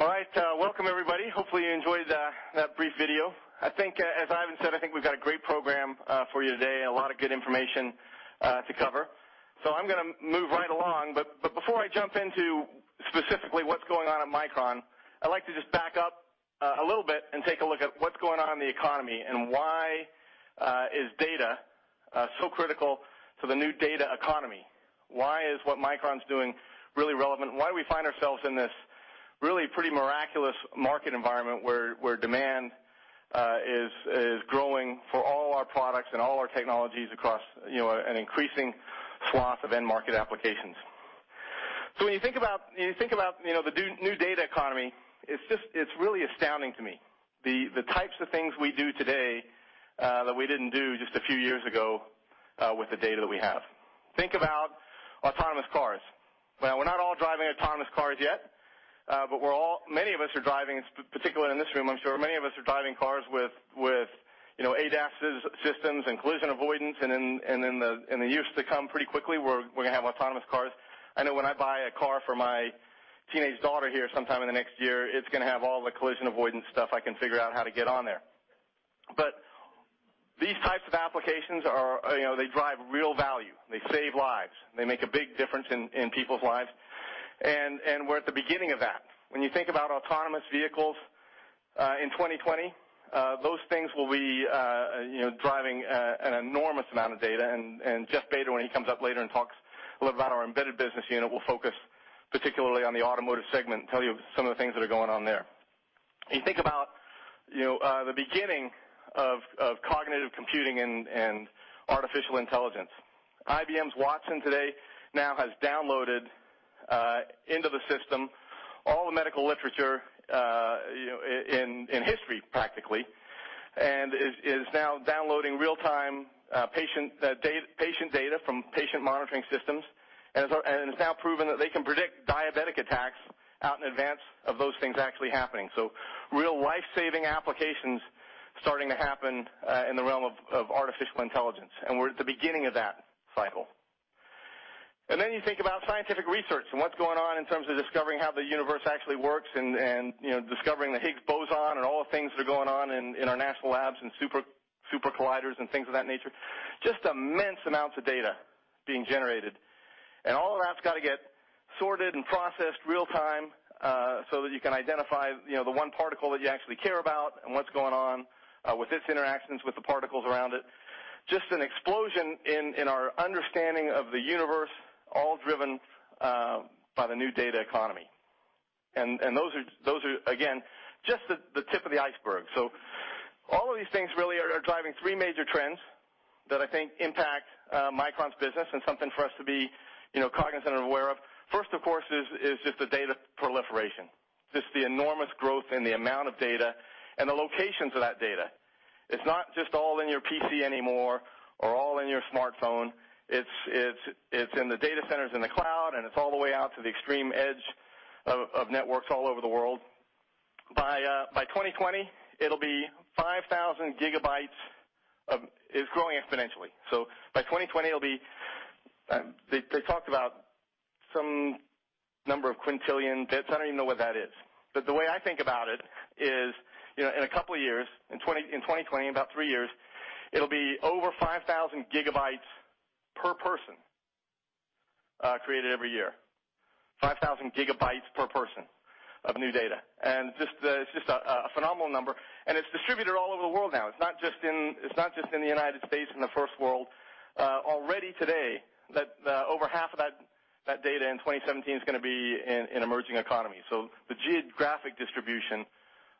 All right. Welcome, everybody. Hopefully, you enjoyed that brief video. I think, as Ivan said, I think we've got a great program for you today and a lot of good information to cover. I'm going to move right along, but before I jump into specifically what's going on at Micron, I'd like to just back up a little bit and take a look at what's going on in the economy and why is data so critical to the new data economy. Why is what Micron's doing really relevant? Why do we find ourselves in this really pretty miraculous market environment where demand is growing for all our products and all our technologies across an increasing swath of end market applications? When you think about the new data economy, it's really astounding to me the types of things we do today that we didn't do just a few years ago with the data that we have. Think about autonomous cars. Well, we're not all driving autonomous cars yet, but many of us are driving, particularly in this room I'm sure, many of us are driving cars with ADAS systems and collision avoidance, and in the years to come, pretty quickly, we're going to have autonomous cars. I know when I buy a car for my teenage daughter here sometime in the next year, it's going to have all the collision avoidance stuff I can figure out how to get on there. These types of applications drive real value. They save lives. They make a big difference in people's lives, and we're at the beginning of that. When you think about autonomous vehicles in 2020, those things will be driving an enormous amount of data, and Jeff Bader, when he comes up later and talks a little about our embedded business unit, will focus particularly on the automotive segment and tell you some of the things that are going on there. You think about the beginning of cognitive computing and artificial intelligence. IBM's Watson today now has downloaded into the system all the medical literature in history practically, and is now downloading real-time patient data from patient monitoring systems, and it's now proven that they can predict diabetic attacks out in advance of those things actually happening. Real life-saving applications starting to happen in the realm of artificial intelligence, and we're at the beginning of that cycle. You think about scientific research and what's going on in terms of discovering how the universe actually works and discovering the Higgs boson and all the things that are going on in our national labs and supercolliders and things of that nature. Just immense amounts of data being generated, and all of that's got to get sorted and processed real time so that you can identify the one particle that you actually care about and what's going on with its interactions with the particles around it. Just an explosion in our understanding of the universe, all driven by the new data economy. Those are, again, just the tip of the iceberg. All of these things really are driving three major trends that I think impact Micron's business and something for us to be cognizant and aware of. First, of course, is just the data proliferation, just the enormous growth in the amount of data and the locations of that data. It's not just all in your PC anymore or all in your smartphone. It's in the data centers in the cloud, and it's all the way out to the extreme edge of networks all over the world. It's growing exponentially. By 2020, they talked about some number of quintillion bits. I don't even know what that is. The way I think about it is, in a couple of years, in 2020, in about three years, it'll be over 5,000 gigabytes per person created every year, 5,000 gigabytes per person of new data. It's just a phenomenal number, and it's distributed all over the world now. It's not just in the U.S., in the first world. Already today, over half of that data in 2017 is going to be in emerging economies. The geographic distribution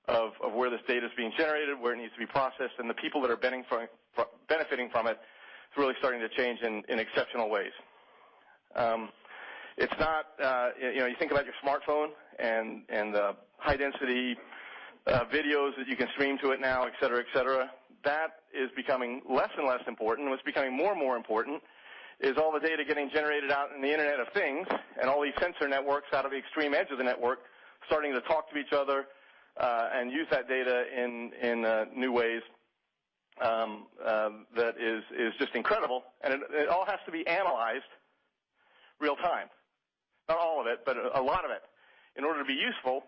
of where this data is being generated, where it needs to be processed, and the people that are benefiting from it is really starting to change in exceptional ways. You think about your smartphone and the high-density videos that you can stream to it now, et cetera. That is becoming less and less important. What's becoming more and more important is all the data getting generated out in the Internet of Things and all these sensor networks out of the extreme edge of the network starting to talk to each other and use that data in new ways that is just incredible, and it all has to be analyzed real-time. Not all of it, but a lot of it. In order to be useful,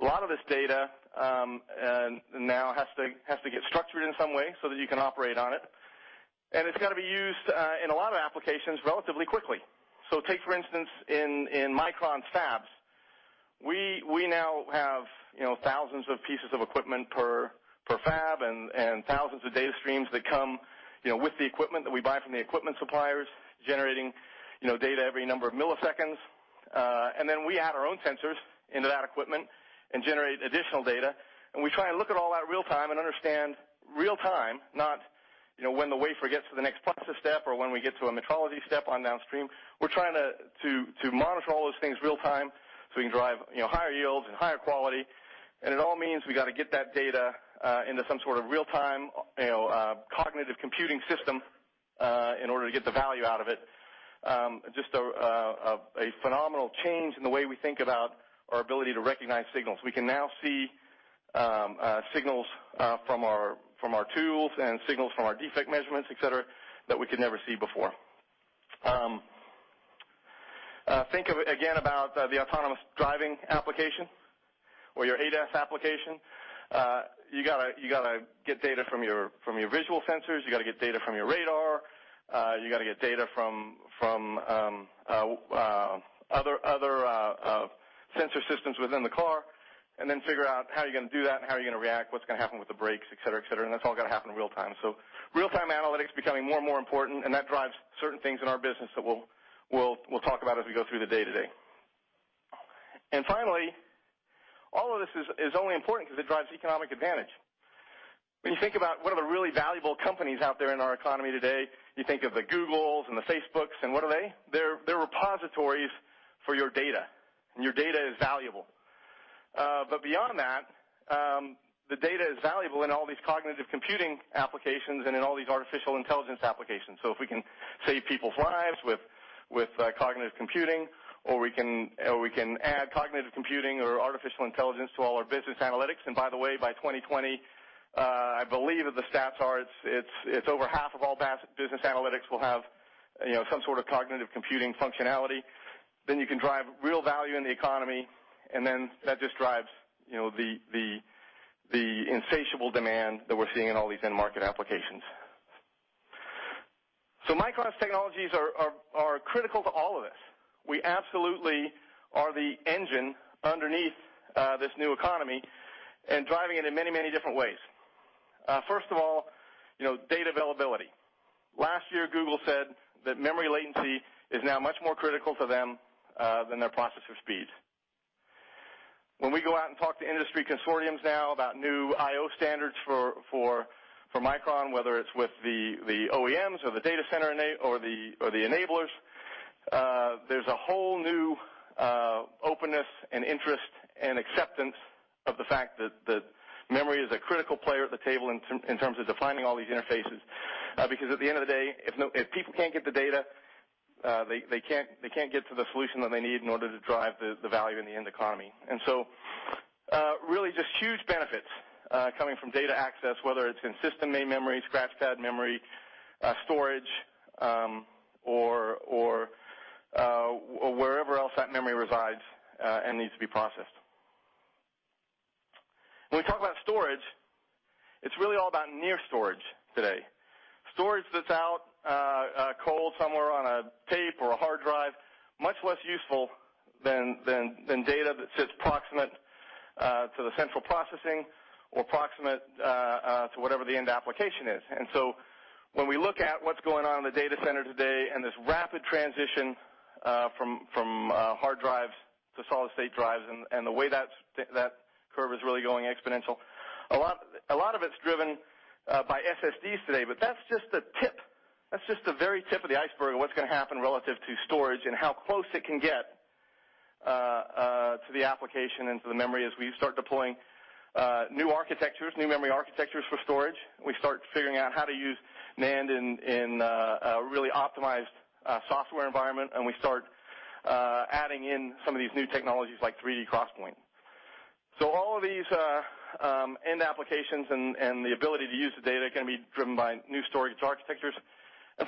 a lot of this data now has to get structured in some way so that you can operate on it, and it's got to be used in a lot of applications relatively quickly. Take, for instance, in Micron fabs, we now have thousands of pieces of equipment per fab and thousands of data streams that come with the equipment that we buy from the equipment suppliers, generating data every number of milliseconds. Then we add our own sensors into that equipment and generate additional data, and we try and look at all that real-time and understand real-time, not when the wafer gets to the next process step or when we get to a metrology step on downstream. We're trying to monitor all those things real-time so we can drive higher yields and higher quality. It all means we got to get that data into some sort of real-time cognitive computing system in order to get the value out of it. Just a phenomenal change in the way we think about our ability to recognize signals. We can now see signals from our tools and signals from our defect measurements, et cetera, that we could never see before. Think of it again about the autonomous driving application or your ADAS application. You got to get data from your visual sensors, you got to get data from your radar, you got to get data from other sensor systems within the car, then figure out how you're going to do that and how you're going to react, what's going to happen with the brakes, et cetera. That's all got to happen in real-time. Real-time analytics becoming more and more important, that drives certain things in our business that we'll talk about as we go through the day today. Finally, all of this is only important because it drives economic advantage. When you think about what are the really valuable companies out there in our economy today, you think of the Googles and the Facebooks and what are they? They're repositories for your data, and your data is valuable. Beyond that, the data is valuable in all these cognitive computing applications and in all these artificial intelligence applications. If we can save people's lives with cognitive computing, or we can add cognitive computing or artificial intelligence to all our business analytics, and by the way, by 2020, I believe that the stats are, it's over half of all business analytics will have some sort of cognitive computing functionality. You can drive real value in the economy, that just drives the insatiable demand that we're seeing in all these end market applications. Micron's technologies are critical to all of this. We absolutely are the engine underneath this new economy and driving it in many different ways. First of all, data availability. Last year, Google said that memory latency is now much more critical to them than their processor speeds. When we go out and talk to industry consortiums now about new IO standards for Micron, whether it's with the OEMs or the data center or the enablers, there's a whole new openness and interest and acceptance of the fact that memory is a critical player at the table in terms of defining all these interfaces. At the end of the day, if people can't get the data, they can't get to the solution that they need in order to drive the value in the end economy. Really just huge benefits coming from data access, whether it's in system main memory, scratchpad memory, storage, or wherever else that memory resides and needs to be processed. When we talk about storage, it's really all about near storage today. Storage that's out cold somewhere on a tape or a hard drive, much less useful than data that sits proximate to the central processing or proximate to whatever the end application is. When we look at what's going on in the data center today and this rapid transition from hard drives to solid-state drives and the way that curve is really going exponential, a lot of it's driven by SSDs today, but that's just the tip. That's just the very tip of the iceberg of what's going to happen relative to storage and how close it can get to the application and to the memory as we start deploying new architectures, new memory architectures for storage. We start figuring out how to use NAND in a really optimized software environment, and we start adding in some of these new technologies like 3D XPoint. All of these end applications and the ability to use the data can be driven by new storage architectures.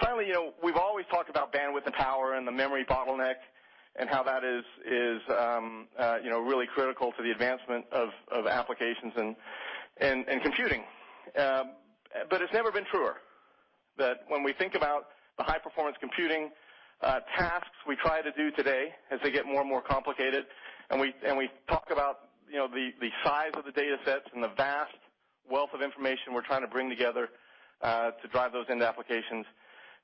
Finally, we've always talked about bandwidth and power and the memory bottleneck and how that is really critical to the advancement of applications and computing. It's never been truer that when we think about the high-performance computing tasks we try to do today as they get more and more complicated, and we talk about the size of the data sets and the vast wealth of information we're trying to bring together to drive those end applications,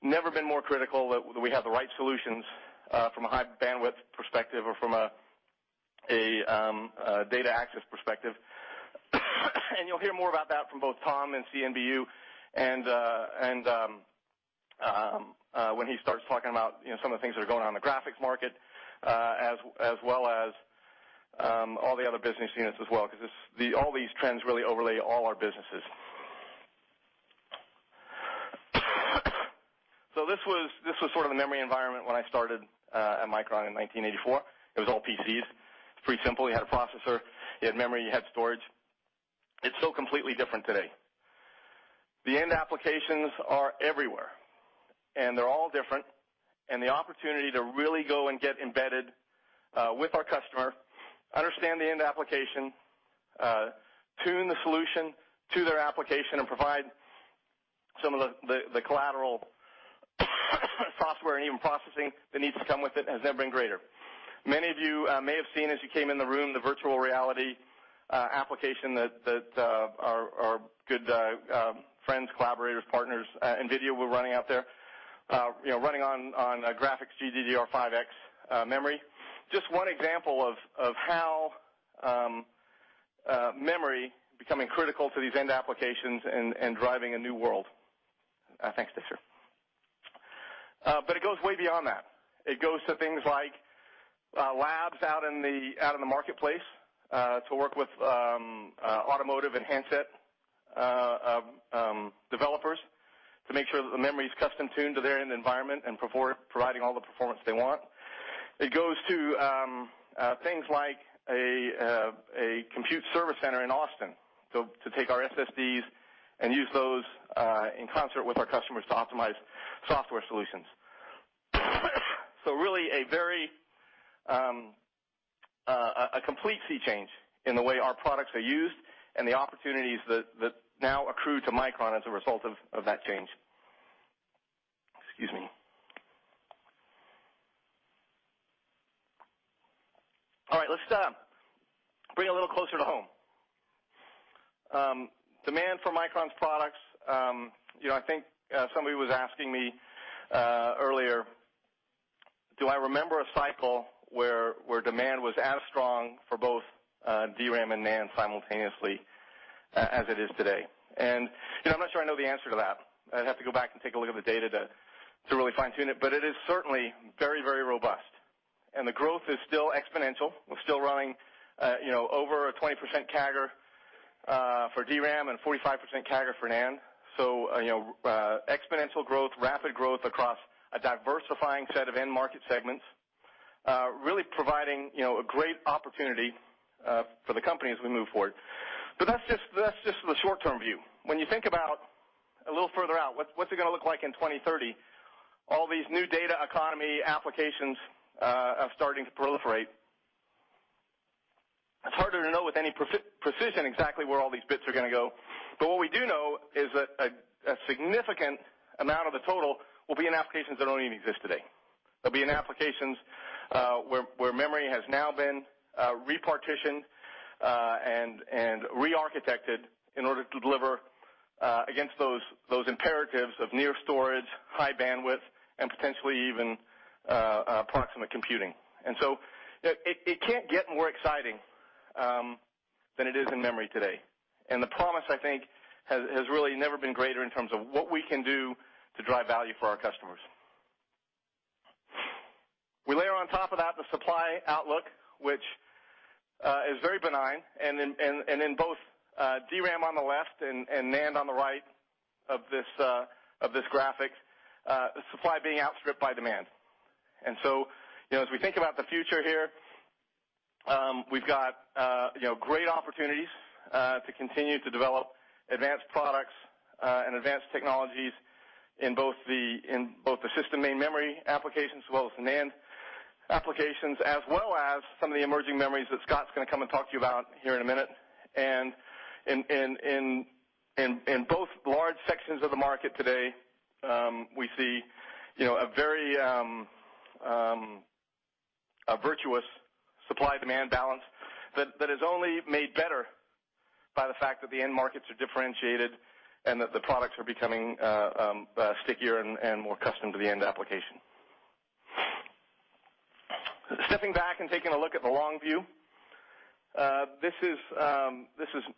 never been more critical that we have the right solutions from a high bandwidth perspective or from a data access perspective. You'll hear more about that from both Tom and CNBU and when he starts talking about some of the things that are going on in the graphics market, as well as all the other business units as well, because all these trends really overlay all our businesses. This was sort of the memory environment when I started at Micron in 1984. It was all PCs. It's pretty simple. You had a processor, you had memory, you had storage. It's so completely different today. The end applications are everywhere, and they're all different, and the opportunity to really go and get embedded with our customer, understand the end application, tune the solution to their application, and provide some of the collateral software and even processing that needs to come with it, has never been greater. Many of you may have seen as you came in the room the virtual reality application that our good friends, collaborators, partners, NVIDIA were running out there, running on graphics GDDR5X memory. Just one example of how memory becoming critical to these end applications and driving a new world. Thanks, sir. It goes way beyond that. It goes to things like labs out in the marketplace to work with automotive and handset developers to make sure that the memory is custom-tuned to their end environment and providing all the performance they want. It goes to things like a compute service center in Austin to take our SSDs and use those in concert with our customers to optimize software solutions. Really a complete sea change in the way our products are used and the opportunities that now accrue to Micron as a result of that change. Excuse me. All right, let's bring it a little closer to home. Demand for Micron's products, I think somebody was asking me earlier, do I remember a cycle where demand was as strong for both DRAM and NAND simultaneously as it is today? I'm not sure I know the answer to that. I'd have to go back and take a look at the data to really fine-tune it. It is certainly very robust, and the growth is still exponential. We're still running over a 20% CAGR for DRAM and 45% CAGR for NAND. Exponential growth, rapid growth across a diversifying set of end market segments, really providing a great opportunity for the company as we move forward. That's just the short-term view. When you think about a little further out, what's it going to look like in 2030? All these new data economy applications are starting to proliferate. It's harder to know with any precision exactly where all these bits are going to go. What we do know is that a significant amount of the total will be in applications that don't even exist today. They'll be in applications where memory has now been repartitioned and rearchitected in order to deliver against those imperatives of near storage, high bandwidth, and potentially even proximate computing. It can't get more exciting than it is in memory today. The promise, I think, has really never been greater in terms of what we can do to drive value for our customers. We layer on top of that, the supply outlook, which is very benign, in both DRAM on the left and NAND on the right of this graphic, supply being outstripped by demand. As we think about the future here, we've got great opportunities to continue to develop advanced products and advanced technologies in both the system main memory applications as well as NAND applications, as well as some of the emerging memories that Scott's going to come and talk to you about here in a minute. In both large sections of the market today, we see a very virtuous supply-demand balance that is only made better by the fact that the end markets are differentiated and that the products are becoming stickier and more custom to the end application. Stepping back and taking a look at the long view, this is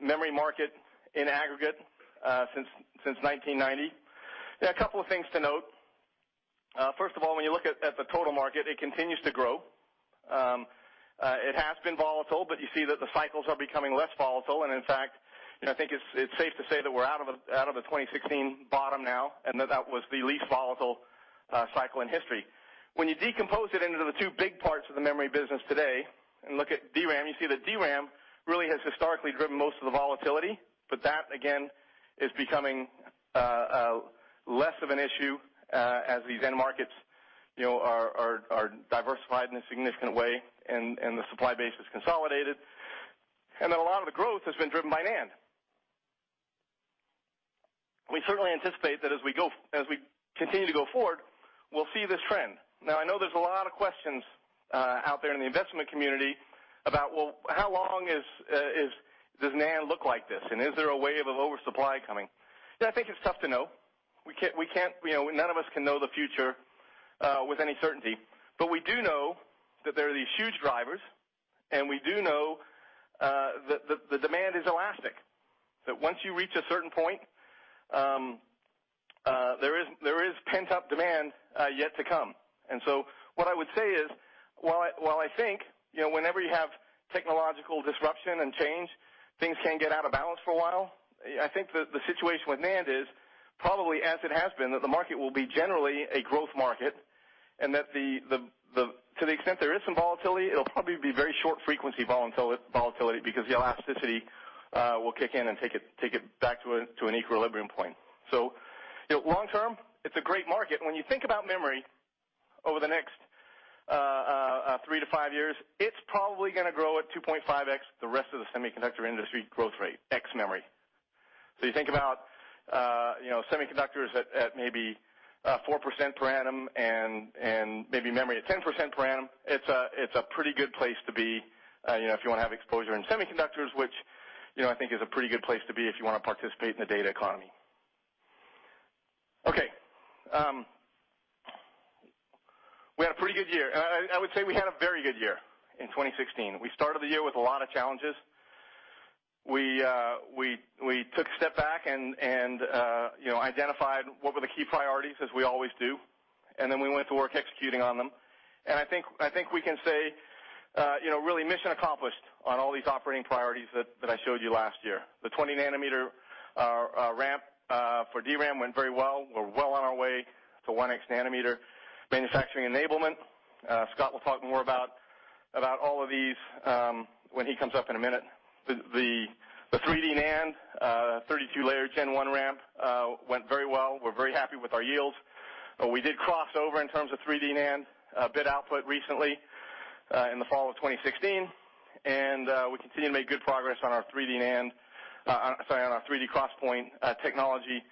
memory market in aggregate since 1990. A couple of things to note. First of all, when you look at the total market, it continues to grow. It has been volatile, you see that the cycles are becoming less volatile. In fact, I think it's safe to say that we're out of the 2016 bottom now, that was the least volatile cycle in history. When you decompose it into the two big parts of the memory business today and look at DRAM, you see that DRAM really has historically driven most of the volatility, that, again, is becoming less of an issue as these end markets are diversified in a significant way and the supply base is consolidated. A lot of the growth has been driven by NAND. We certainly anticipate that as we continue to go forward, we'll see this trend. I know there's a lot of questions out there in the investment community about, well, how long does NAND look like this? Is there a wave of oversupply coming? I think it's tough to know. None of us can know the future with any certainty. We do know that there are these huge drivers, we do know that the demand is elastic, that once you reach a certain point, there is pent-up demand yet to come. What I would say is, while I think, whenever you have technological disruption and change, things can get out of balance for a while. I think the situation with NAND is probably as it has been, that the market will be generally a growth market, that to the extent there is some volatility, it'll probably be very short frequency volatility because the elasticity will kick in and take it back to an equilibrium point. Long term, it's a great market. When you think about memory over the next three to five years, it's probably going to grow at 2.5x the rest of the semiconductor industry growth rate, ex memory. So you think about semiconductors at maybe 4% per annum and maybe memory at 10% per annum. It's a pretty good place to be if you want to have exposure in semiconductors, which I think is a pretty good place to be if you want to participate in the data economy. Okay. We had a pretty good year. I would say we had a very good year in 2016. We started the year with a lot of challenges. We took a step back and identified what were the key priorities, as we always do, then we went to work executing on them. I think we can say Really mission accomplished on all these operating priorities that I showed you last year. The 20 nanometer ramp for DRAM went very well. We're well on our way to 1X nanometer manufacturing enablement. Scott will talk more about all of these when he comes up in a minute. The 3D NAND 32-layer Gen 1 ramp went very well. We're very happy with our yields. We did cross over in terms of 3D NAND bit output recently in the fall of 2016, we continue to make good progress on our 3D NAND, sorry, on our 3D XPoint technology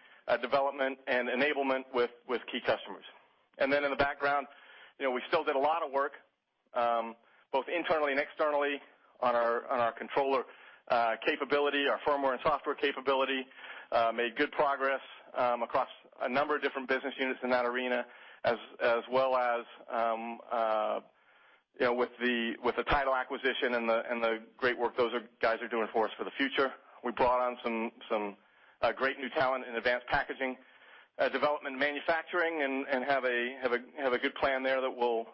development and enablement with key customers. In the background, we still did a lot of work, both internally and externally, on our controller capability, our firmware and software capability. Made good progress across a number of different business units in that arena, as well as with the Tidal acquisition and the great work those guys are doing for us for the future. We brought on some great new talent in advanced packaging development manufacturing, have a good plan there that we'll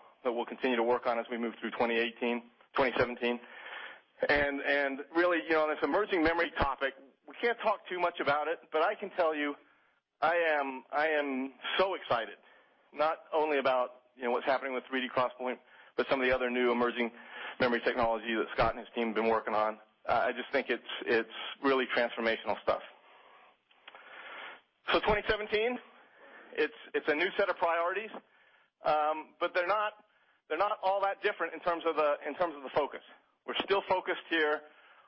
continue to work on as we move through 2018, 2017. Really, on this emerging memory topic, we can't talk too much about it, but I can tell you, I am so excited, not only about what's happening with 3D XPoint, but some of the other new emerging memory technology that Scott and his team have been working on. I just think it's really transformational stuff. So 2017, it's a new set of priorities. But they're not all that different in terms of the focus. We're still focused here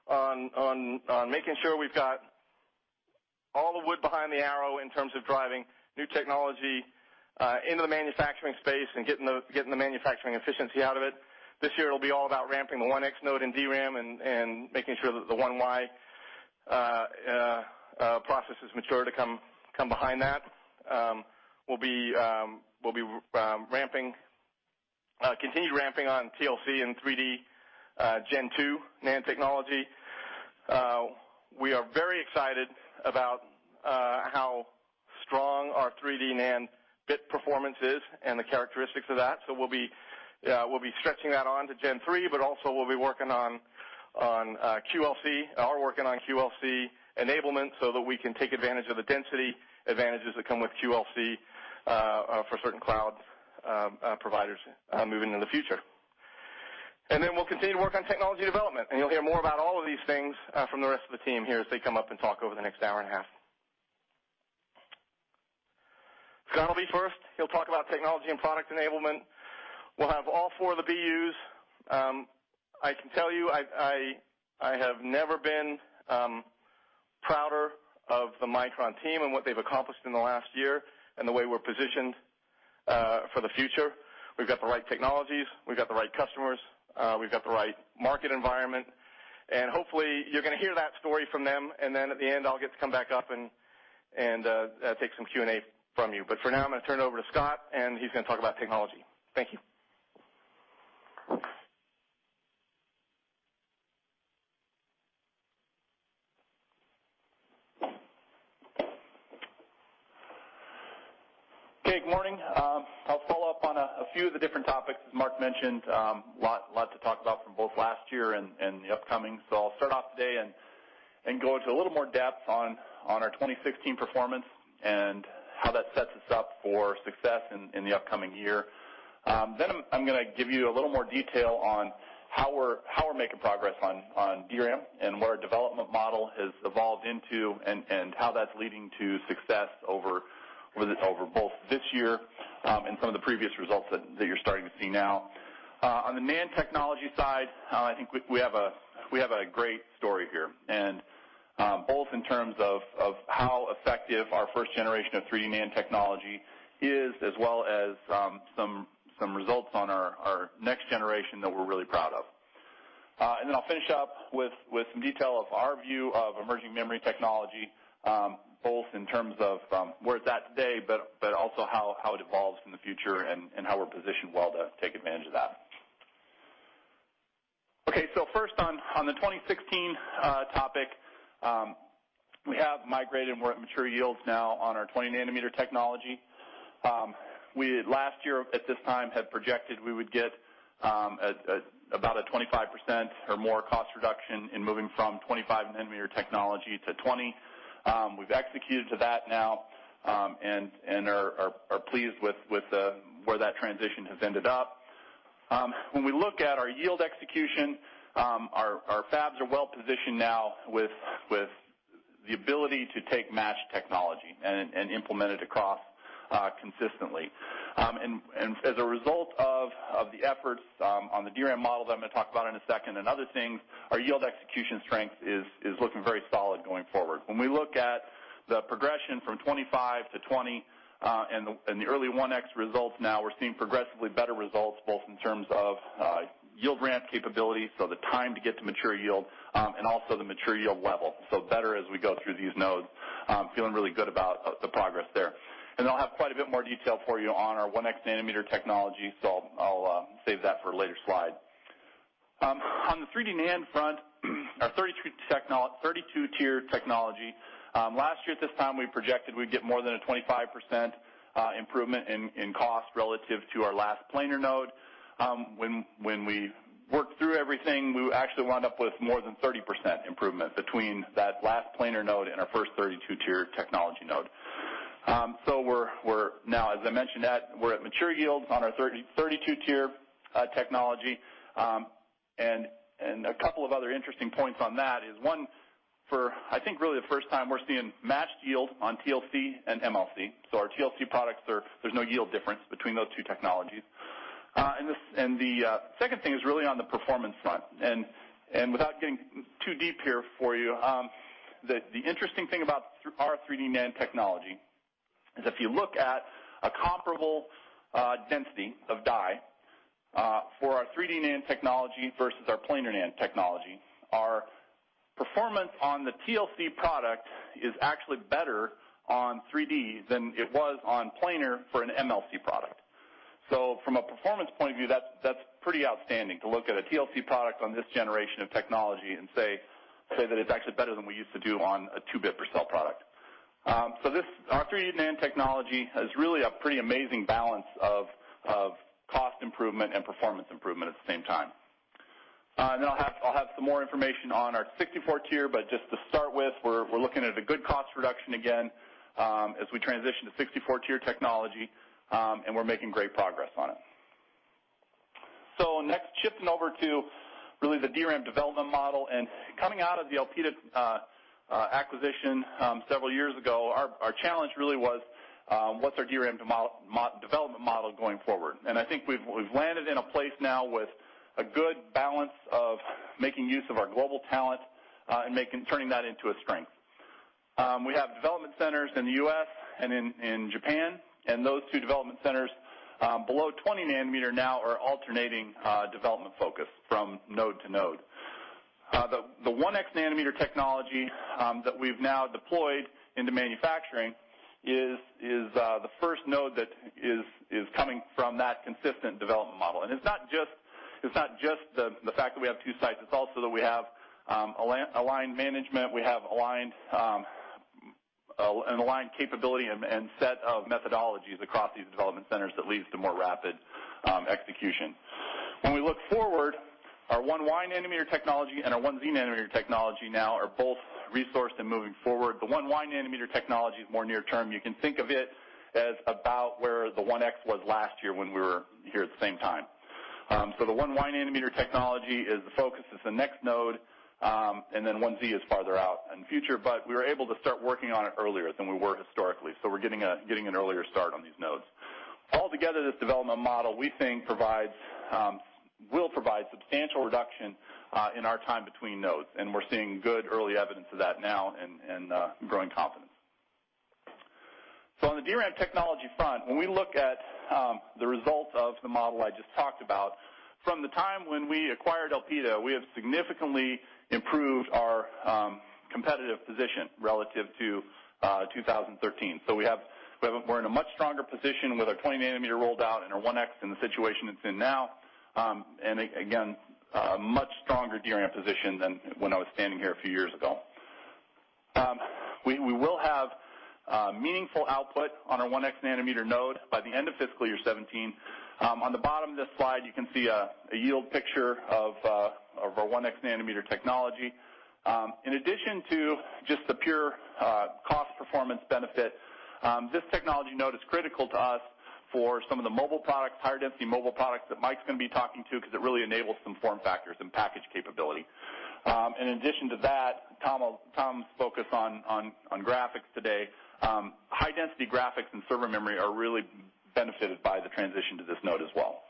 on making sure we've got all the wood behind the arrow in terms of driving new technology into the manufacturing space and getting the manufacturing efficiency out of it. This year, it'll be all about ramping the 1X node in DRAM and making sure that the 1Y process is mature to come behind that. We'll be continued ramping on TLC and 3D Gen 2 NAND technology. We are very excited about how strong our 3D NAND bit performance is and the characteristics of that. So we'll be stretching that on to Gen 3, but also we'll be working on QLC, are working on QLC enablement so that we can take advantage of the density advantages that come with QLC for certain cloud providers moving into the future. Then we'll continue to work on technology development. You'll hear more about all of these things from the rest of the team here as they come up and talk over the next hour and a half. Scott will be first. He'll talk about technology and product enablement. We'll have all four of the BUs. I can tell you, I have never been prouder of the Micron team and what they've accomplished in the last year and the way we're positioned for the future. We've got the right technologies, we've got the right customers, we've got the right market environment, and hopefully, you're going to hear that story from them, and then at the end, I'll get to come back up and take some Q&A from you. For now, I'm going to turn it over to Scott, and he's going to talk about technology. Thank you. Good morning. I'll follow up on a few of the different topics, as Mark mentioned. Lots to talk about from both last year and the upcoming. I'll start off today and go into a little more depth on our 2016 performance and how that sets us up for success in the upcoming year. Then I'm going to give you a little more detail on how we're making progress on DRAM and where our development model has evolved into and how that's leading to success over both this year and some of the previous results that you're starting to see now. On the NAND technology side, I think we have a great story here, and both in terms of how effective our first generation of 3D NAND technology is, as well as some results on our next generation that we're really proud of. Then I'll finish up with some detail of our view of emerging memory technology, both in terms of where it's at today, but also how it evolves in the future and how we're positioned well to take advantage of that. First on the 2016 topic, we have migrated and we're at mature yields now on our 20 nanometer technology. We, last year at this time, had projected we would get about a 25% or more cost reduction in moving from 25 nanometer technology to 20. We've executed to that now, and are pleased with where that transition has ended up. When we look at our yield execution, our fabs are well positioned now with the ability to take matched technology and implement it across consistently. As a result of the efforts on the DRAM model that I'm going to talk about in a second and other things, our yield execution strength is looking very solid going forward. When we look at the progression from 25 to 20, and the early 1X results now, we're seeing progressively better results, both in terms of yield ramp capabilities, so the time to get to mature yield, and also the mature yield level, so better as we go through these nodes. Feeling really good about the progress there. Then I'll have quite a bit more detail for you on our 1X nanometer technology, so I'll save that for a later slide. On the 3D NAND front, our 32-tier technology. Last year at this time, we projected we'd get more than a 25% improvement in cost relative to our last planar node. We worked through everything, we actually wound up with more than 30% improvement between that last planar node and our first 32-tier technology node. We're now, as I mentioned, we're at mature yields on our 32-tier technology. A couple of other interesting points on that is, one, for I think really the first time, we're seeing matched yield on TLC and MLC. Our TLC products, there's no yield difference between those two technologies. The second thing is really on the performance front, and without getting too deep here for you, the interesting thing about our 3D NAND technology is if you look at a comparable density of die for our 3D NAND technology versus our planar NAND technology, our performance on the TLC product is actually better on 3D than it was on planar for an MLC product. From a performance point of view, that's pretty outstanding to look at a TLC product on this generation of technology and say that it's actually better than we used to do on a two-bit per cell product. Our 3D NAND technology has really a pretty amazing balance of cost improvement and performance improvement at the same time. I'll have some more information on our 64-tier, but just to start with, we're looking at a good cost reduction again as we transition to 64-tier technology, and we're making great progress on it. Next, shifting over to really the DRAM development model and coming out of the Elpida acquisition several years ago, our challenge really was, what's our DRAM development model going forward? I think we've landed in a place now with a good balance of making use of our global talent, and turning that into a strength. We have development centers in the U.S. and in Japan, and those two development centers below 20 nanometer now are alternating development focus from node to node. The 1X nanometer technology that we've now deployed into manufacturing is the first node that is coming from that consistent development model. It's not just the fact that we have two sites, it's also that we have aligned management, we have an aligned capability and set of methodologies across these development centers that leads to more rapid execution. When we look forward, our 1Y nanometer technology and our 1Z nanometer technology now are both resourced and moving forward. The 1Y nanometer technology is more near-term. You can think of it as about where the 1X was last year when we were here at the same time. The 1Y nanometer technology is the focus. It's the next node, and then 1Z is farther out in the future, but we were able to start working on it earlier than we were historically. We're getting an earlier start on these nodes. All together, this development model, we think will provide substantial reduction in our time between nodes, and we're seeing good early evidence of that now and growing confidence. On the DRAM technology front, when we look at the results of the model I just talked about, from the time when we acquired Elpida, we have significantly improved our competitive position relative to 2013. We're in a much stronger position with our 20 nanometer rolled out and our 1X in the situation it's in now. Again, a much stronger DRAM position than when I was standing here a few years ago. We will have meaningful output on our 1X nanometer node by the end of fiscal year 2017. On the bottom of this slide, you can see a yield picture of our 1X nanometer technology. In addition to just the pure cost performance benefit, this technology node is critical to us for some of the mobile products, higher density mobile products that Mike's going to be talking to, because it really enables some form factors and package capability. In addition to that, Tom's focus on graphics today. High density graphics and server memory are really benefited by the transition to this node as well.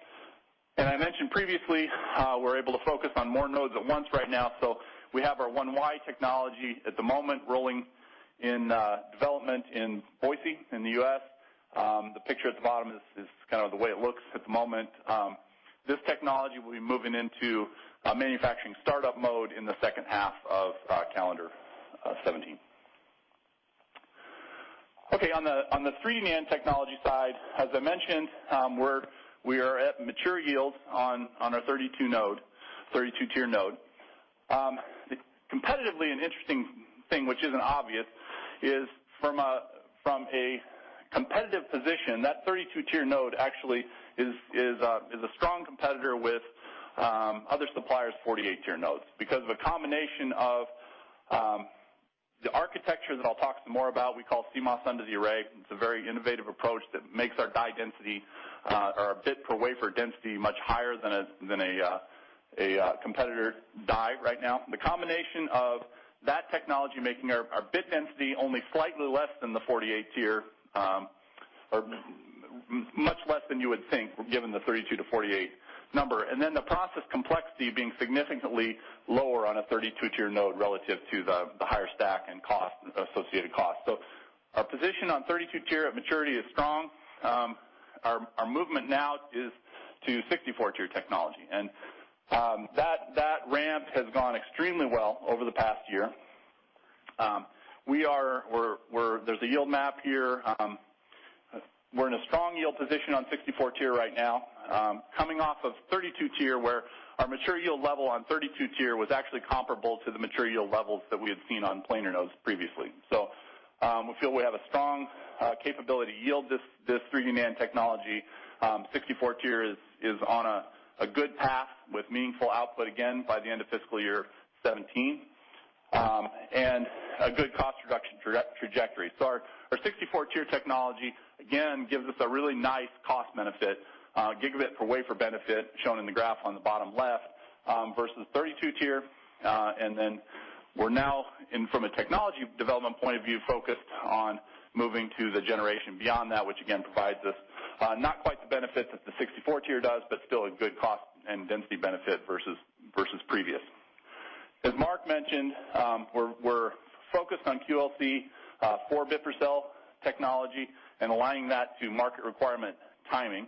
I mentioned previously, we're able to focus on more nodes at once right now. We have our 1Y technology at the moment rolling in development in Boise, in the U.S. The picture at the bottom is kind of the way it looks at the moment. This technology will be moving into a manufacturing startup mode in the second half of calendar 2017. On the 3D NAND technology side, as I mentioned, we are at mature yield on our 32-tier node. Competitively an interesting thing, which isn't obvious, is from a competitive position, that 32-tier node actually is a strong competitor with other suppliers' 48-tier nodes because of a combination of the architecture that I'll talk some more about, we call CMOS under the array. It's a very innovative approach that makes our die density, or our bit per wafer density, much higher than a competitor die right now. The combination of that technology making our bit density only slightly less than the 48-tier, or much less than you would think given the 32 to 48 number. The process complexity being significantly lower on a 32-tier node relative to the higher stack and associated cost. Our position on 32-tier at maturity is strong. Our movement now is to 64-tier technology, and that ramp has gone extremely well over the past year. There's a yield map here. We're in a strong yield position on 64-tier right now, coming off of 32-tier, where our mature yield level on 32-tier was actually comparable to the mature yield levels that we had seen on planar nodes previously. We feel we have a strong capability yield this 3D NAND technology. 64-tier is on a good path with meaningful output, again, by the end of fiscal year 2017, and a good cost reduction trajectory. Our 64-tier technology, again, gives us a really nice cost benefit, gigabit per wafer benefit, shown in the graph on the bottom left, versus 32-tier. We're now, from a technology development point of view, focused on moving to the generation beyond that, which again provides us not quite the benefit that the 64-tier does, but still a good cost and density benefit versus previous. As Mark mentioned, we're focused on QLC 4-bit-per-cell technology and aligning that to market requirement timing.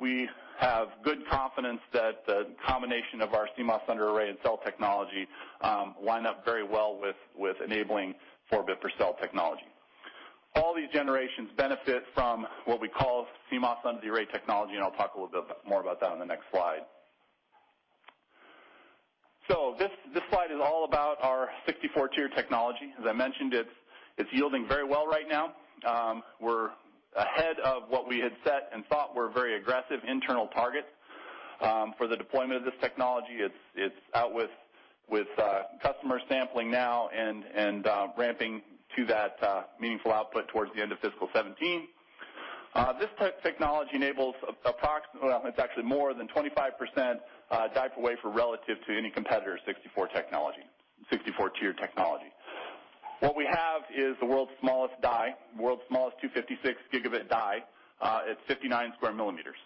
We have good confidence that the combination of our CMOS-under-array and cell technology line up very well with enabling 4-bit-per-cell technology. All these generations benefit from what we call CMOS-under-the-array technology. I'll talk a little bit more about that on the next slide. This slide is all about our 64-tier technology. As I mentioned, it's yielding very well right now. We're ahead of what we had set and thought were very aggressive internal targets for the deployment of this technology. It's out with customer sampling now and ramping to that meaningful output towards the end of fiscal 2017. This type of technology enables approximately It's actually more than 25% die-per-wafer relative to any competitor's 64-tier technology. What we have is the world's smallest die, world's smallest 256 gigabit die at 59 square millimeters.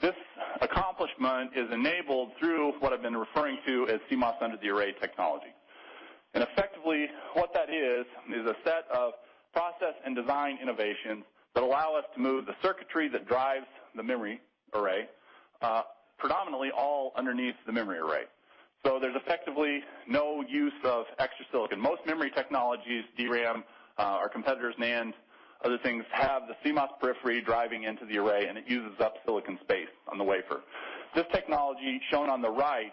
This accomplishment is enabled through what I've been referring to as CMOS-under-the-array technology. Effectively, what that is a set of process and design innovations that allow us to move the circuitry that drives the memory array predominantly all underneath the memory array. There's effectively no use of extra silicon. Most memory technologies, DRAM, our competitors' NAND, other things, have the CMOS periphery driving into the array, and it uses up silicon space on the wafer. This technology, shown on the right,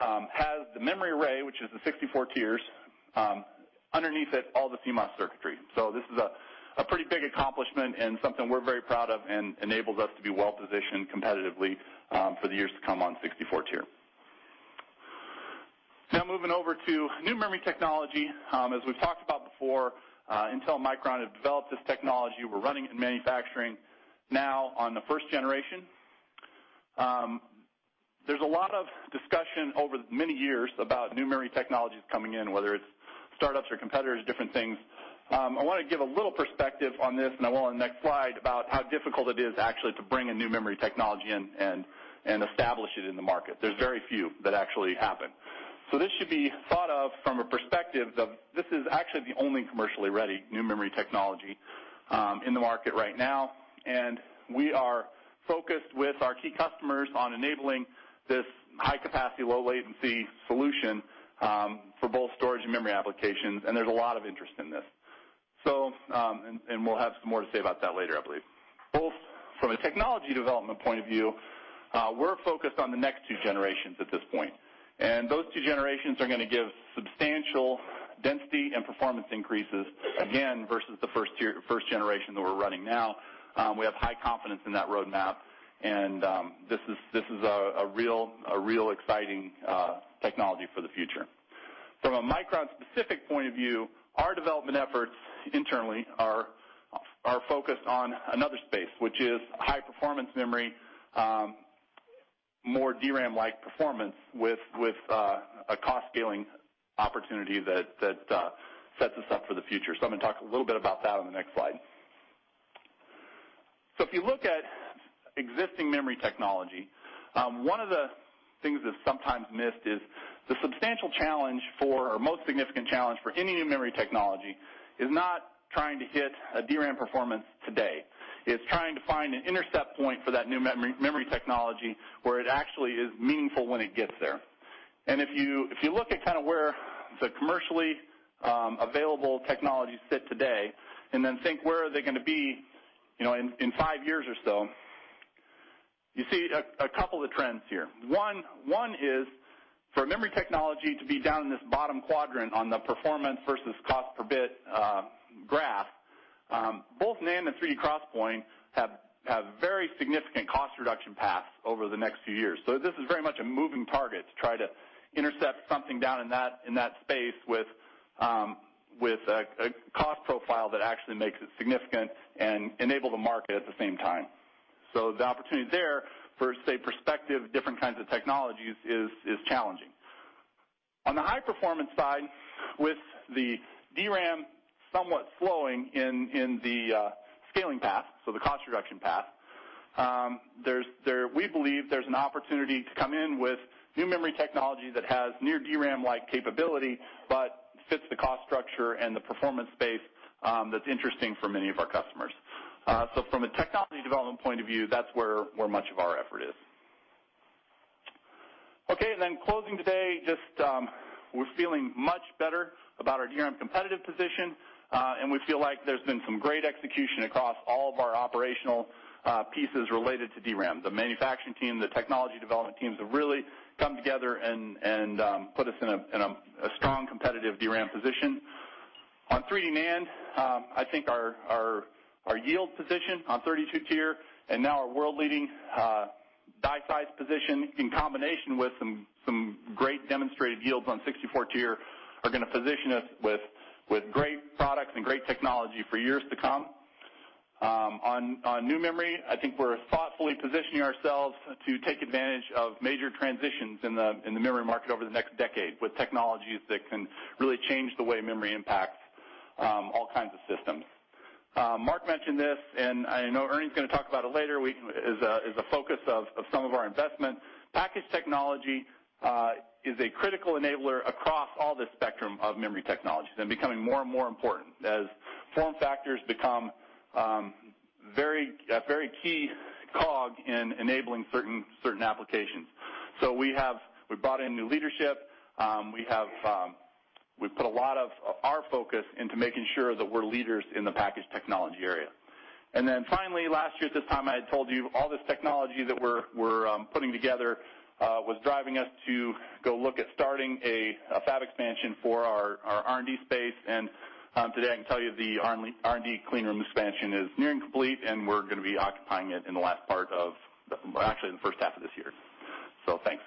has the memory array, which is the 64 tiers, underneath it, all the CMOS circuitry. This is a pretty big accomplishment and something we're very proud of and enables us to be well-positioned competitively for the years to come on 64-tier. Moving over to new memory technology. As we've talked about before, Intel and Micron have developed this technology. We're running and manufacturing now on the first generation. There's a lot of discussion over many years about new memory technologies coming in, whether it's startups or competitors, different things. I want to give a little perspective on this. I will on the next slide, about how difficult it is actually to bring a new memory technology in and establish it in the market. There's very few that actually happen. This should be thought of from a perspective of this is actually the only commercially ready new memory technology in the market right now. We are focused with our key customers on enabling this high-capacity, low-latency solution for both storage and memory applications, and there's a lot of interest in this. We'll have some more to say about that later, I believe. Both from a technology development point of view, we're focused on the next two generations at this point. Those two generations are going to give substantial density and performance increases, again, versus the first generation that we're running now. We have high confidence in that roadmap. This is a real exciting technology for the future. From a Micron-specific point of view, our development efforts internally are focused on another space, which is high-performance memory, more DRAM-like performance with a cost-scaling opportunity that sets us up for the future. I'm going to talk a little bit about that on the next slide. If you look at existing memory technology, one of the things that's sometimes missed is the substantial challenge for, or most significant challenge for any new memory technology is not trying to hit a DRAM performance today. It's trying to find an intercept point for that new memory technology where it actually is meaningful when it gets there. If you look at where the commercially available technologies sit today, then think where are they going to be in 5 years or so, you see a couple of trends here. One is for a memory technology to be down in this bottom quadrant on the performance versus cost-per-bit graph, both NAND and 3D XPoint have very significant cost reduction paths over the next few years. This is very much a moving target to try to intercept something down in that space with a cost profile that actually makes it significant and enable the market at the same time. The opportunity there for, say, prospective different kinds of technologies is challenging. On the high-performance side, with the DRAM somewhat slowing in the scaling path, the cost reduction path, we believe there's an opportunity to come in with new memory technology that has near DRAM-like capability, but fits the cost structure and the performance space that's interesting for many of our customers. From a technology development point of view, that's where much of our effort is. Okay, closing today, just we're feeling much better about our DRAM competitive position, and we feel like there's been some great execution across all of our operational pieces related to DRAM. The manufacturing team, the technology development teams have really come together and put us in a strong competitive DRAM position. On 3D NAND, I think our yield position on 32-tier and now our world-leading die size position in combination with some great demonstrated yields on 64-tier are going to position us with great products and great technology for years to come. On new memory, I think we're thoughtfully positioning ourselves to take advantage of major transitions in the memory market over the next decade with technologies that can really change the way memory impacts all kinds of systems. Mark mentioned this, and I know Ernie's going to talk about it later, is a focus of some of our investment. Package technology is a critical enabler across all the spectrum of memory technologies and becoming more and more important as form factors become a very key cog in enabling certain applications. We brought in new leadership. We put a lot of our focus into making sure that we're leaders in the package technology area. Finally, last year at this time, I had told you all this technology that we're putting together was driving us to go look at starting a fab expansion for our R&D space, and today I can tell you the R&D clean room expansion is nearing complete, and we're going to be occupying it, well, actually, in the first half of this year. Thanks.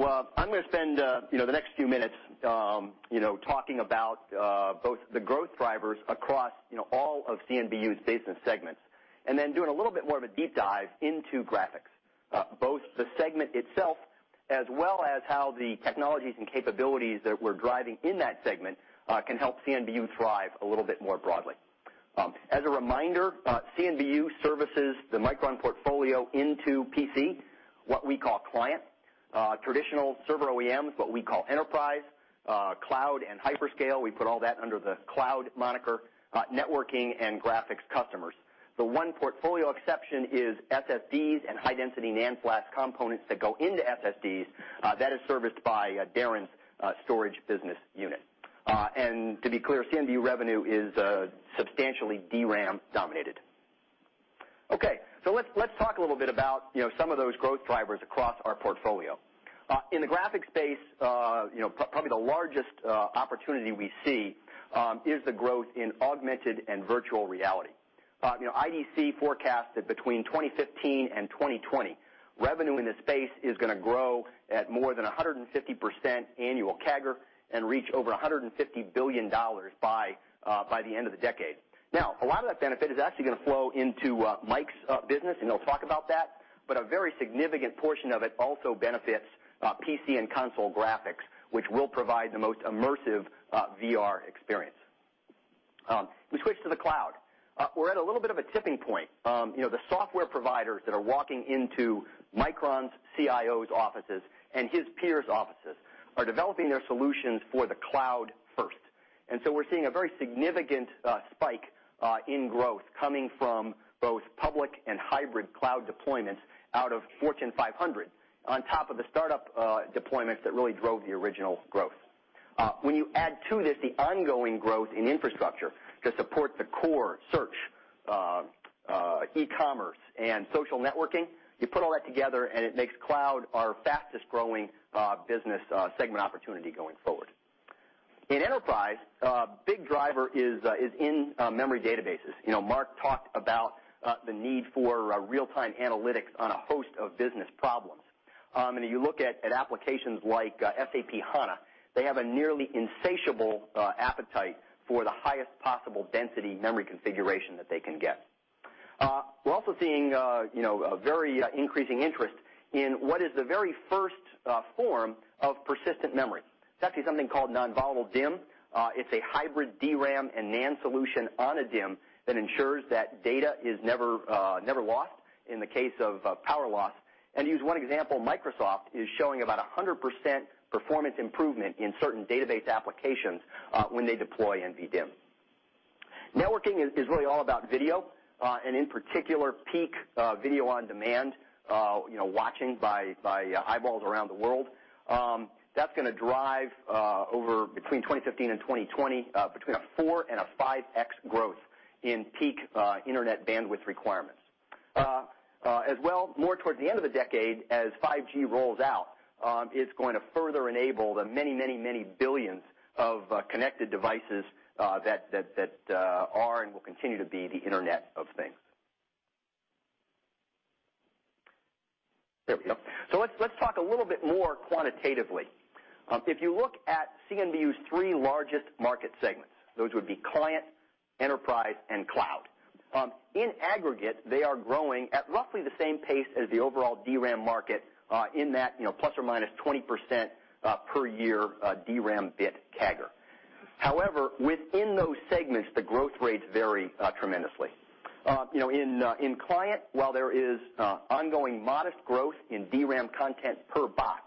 Thanks, Scott. I'm going to spend the next few minutes talking about both the growth drivers across all of CNBU's business segments and then doing a little bit more of a deep dive into graphics, both the segment itself as well as how the technologies and capabilities that we're driving in that segment can help CNBU thrive a little bit more broadly. As a reminder, CNBU services the Micron portfolio into PC, what we call client, traditional server OEMs, what we call enterprise, cloud and hyperscale, we put all that under the cloud moniker, networking and graphics customers. The one portfolio exception is SSDs and high-density NAND flash components that go into SSDs. That is serviced by Darren's Storage Business Unit. To be clear, CNBU revenue is substantially DRAM dominated. Let's talk a little bit about some of those growth drivers across our portfolio. In the graphics space, probably the largest opportunity we see is the growth in augmented and virtual reality. IDC forecasts that between 2015 and 2020, revenue in this space is going to grow at more than 150% annual CAGR and reach over $150 billion by the end of the decade. A lot of that benefit is actually going to flow into Mike's business, and he'll talk about that, but a very significant portion of it also benefits PC and console graphics, which will provide the most immersive VR experience. We switch to the cloud. We're at a little bit of a tipping point. The software providers that are walking into Micron's CIO's offices and his peers' offices are developing their solutions for the cloud first. We're seeing a very significant spike in growth coming from both public and hybrid cloud deployments out of Fortune 500 on top of the startup deployments that really drove the original growth. When you add to this the ongoing growth in infrastructure to support the core search, e-commerce, and social networking, you put all that together and it makes cloud our fastest-growing business segment opportunity going forward. In enterprise, a big driver is in memory databases. Mark talked about the need for real-time analytics on a host of business problems. You look at applications like SAP HANA, they have a nearly insatiable appetite for the highest possible density memory configuration that they can get. We're also seeing a very increasing interest in what is the very first form of persistent memory. It's actually something called non-volatile DIMM. It's a hybrid DRAM and NAND solution on a DIMM that ensures that data is never lost in the case of power loss. To use one example, Microsoft is showing about 100% performance improvement in certain database applications when they deploy NVDIMM. Networking is really all about video, and in particular, peak video on demand, watching by eyeballs around the world. That's going to drive, between 2015 and 2020, between a 4 and a 5X growth in peak internet bandwidth requirements. As well, more towards the end of the decade, as 5G rolls out, it's going to further enable the many, many, many billions of connected devices that are and will continue to be the Internet of Things. Let's talk a little bit more quantitatively. If you look at CNBU's three largest market segments, those would be client, enterprise, and cloud. In aggregate, they are growing at roughly the same pace as the overall DRAM market in that ±20% per year DRAM bit CAGR. Within those segments, the growth rates vary tremendously. In client, while there is ongoing modest growth in DRAM content per box,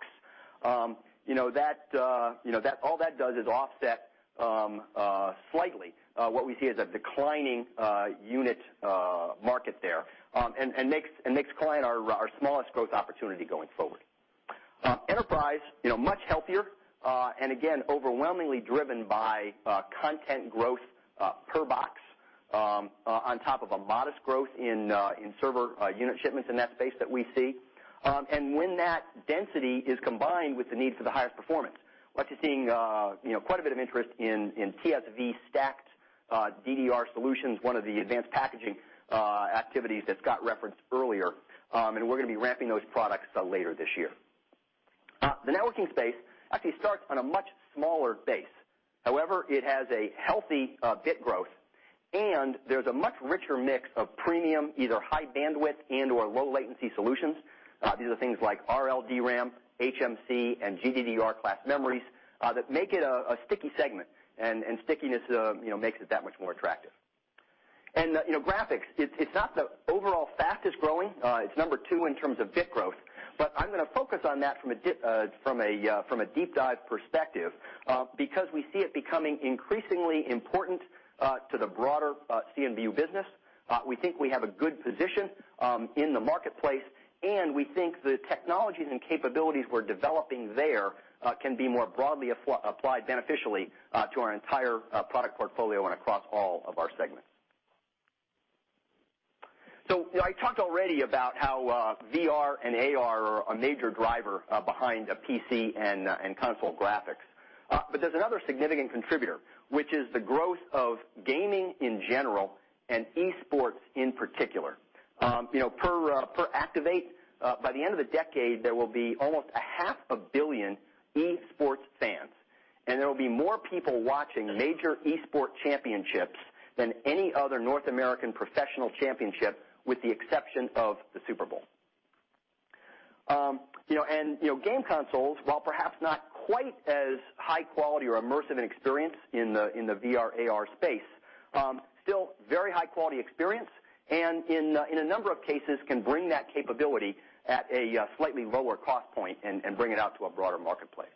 all that does is offset slightly what we see as a declining unit market there and makes client our smallest growth opportunity going forward. Enterprise, much healthier and again, overwhelmingly driven by content growth per box on top of a modest growth in server unit shipments in that space that we see. When that density is combined with the needs of the highest performance, we are actually seeing quite a bit of interest in TSV stacked DDR solutions, one of the advanced packaging activities that Scott referenced earlier, and we are going to be ramping those products later this year. The networking space actually starts on a much smaller base. It has a healthy bit growth, and there is a much richer mix of premium, either high bandwidth and/or low latency solutions. These are things like RLDRAM, HMC, and GDDR class memories that make it a sticky segment, and stickiness makes it that much more attractive. Graphics, it is not the overall fastest-growing. It is number two in terms of bit growth, but I am going to focus on that from a deep dive perspective because we see it becoming increasingly important to the broader CNB business. We think we have a good position in the marketplace, and we think the technologies and capabilities we are developing there can be more broadly applied beneficially to our entire product portfolio and across all of our segments. I talked already about how VR and AR are a major driver behind PC and console graphics. There is another significant contributor, which is the growth of gaming in general and esports in particular. Per Activate, by the end of the decade, there will be almost a half a billion esports fans, and there will be more people watching major esport championships than any other North American professional championship, with the exception of the Super Bowl. Game consoles, while perhaps not quite as high quality or immersive an experience in the VR/AR space, still very high-quality experience, and in a number of cases, can bring that capability at a slightly lower cost point and bring it out to a broader marketplace.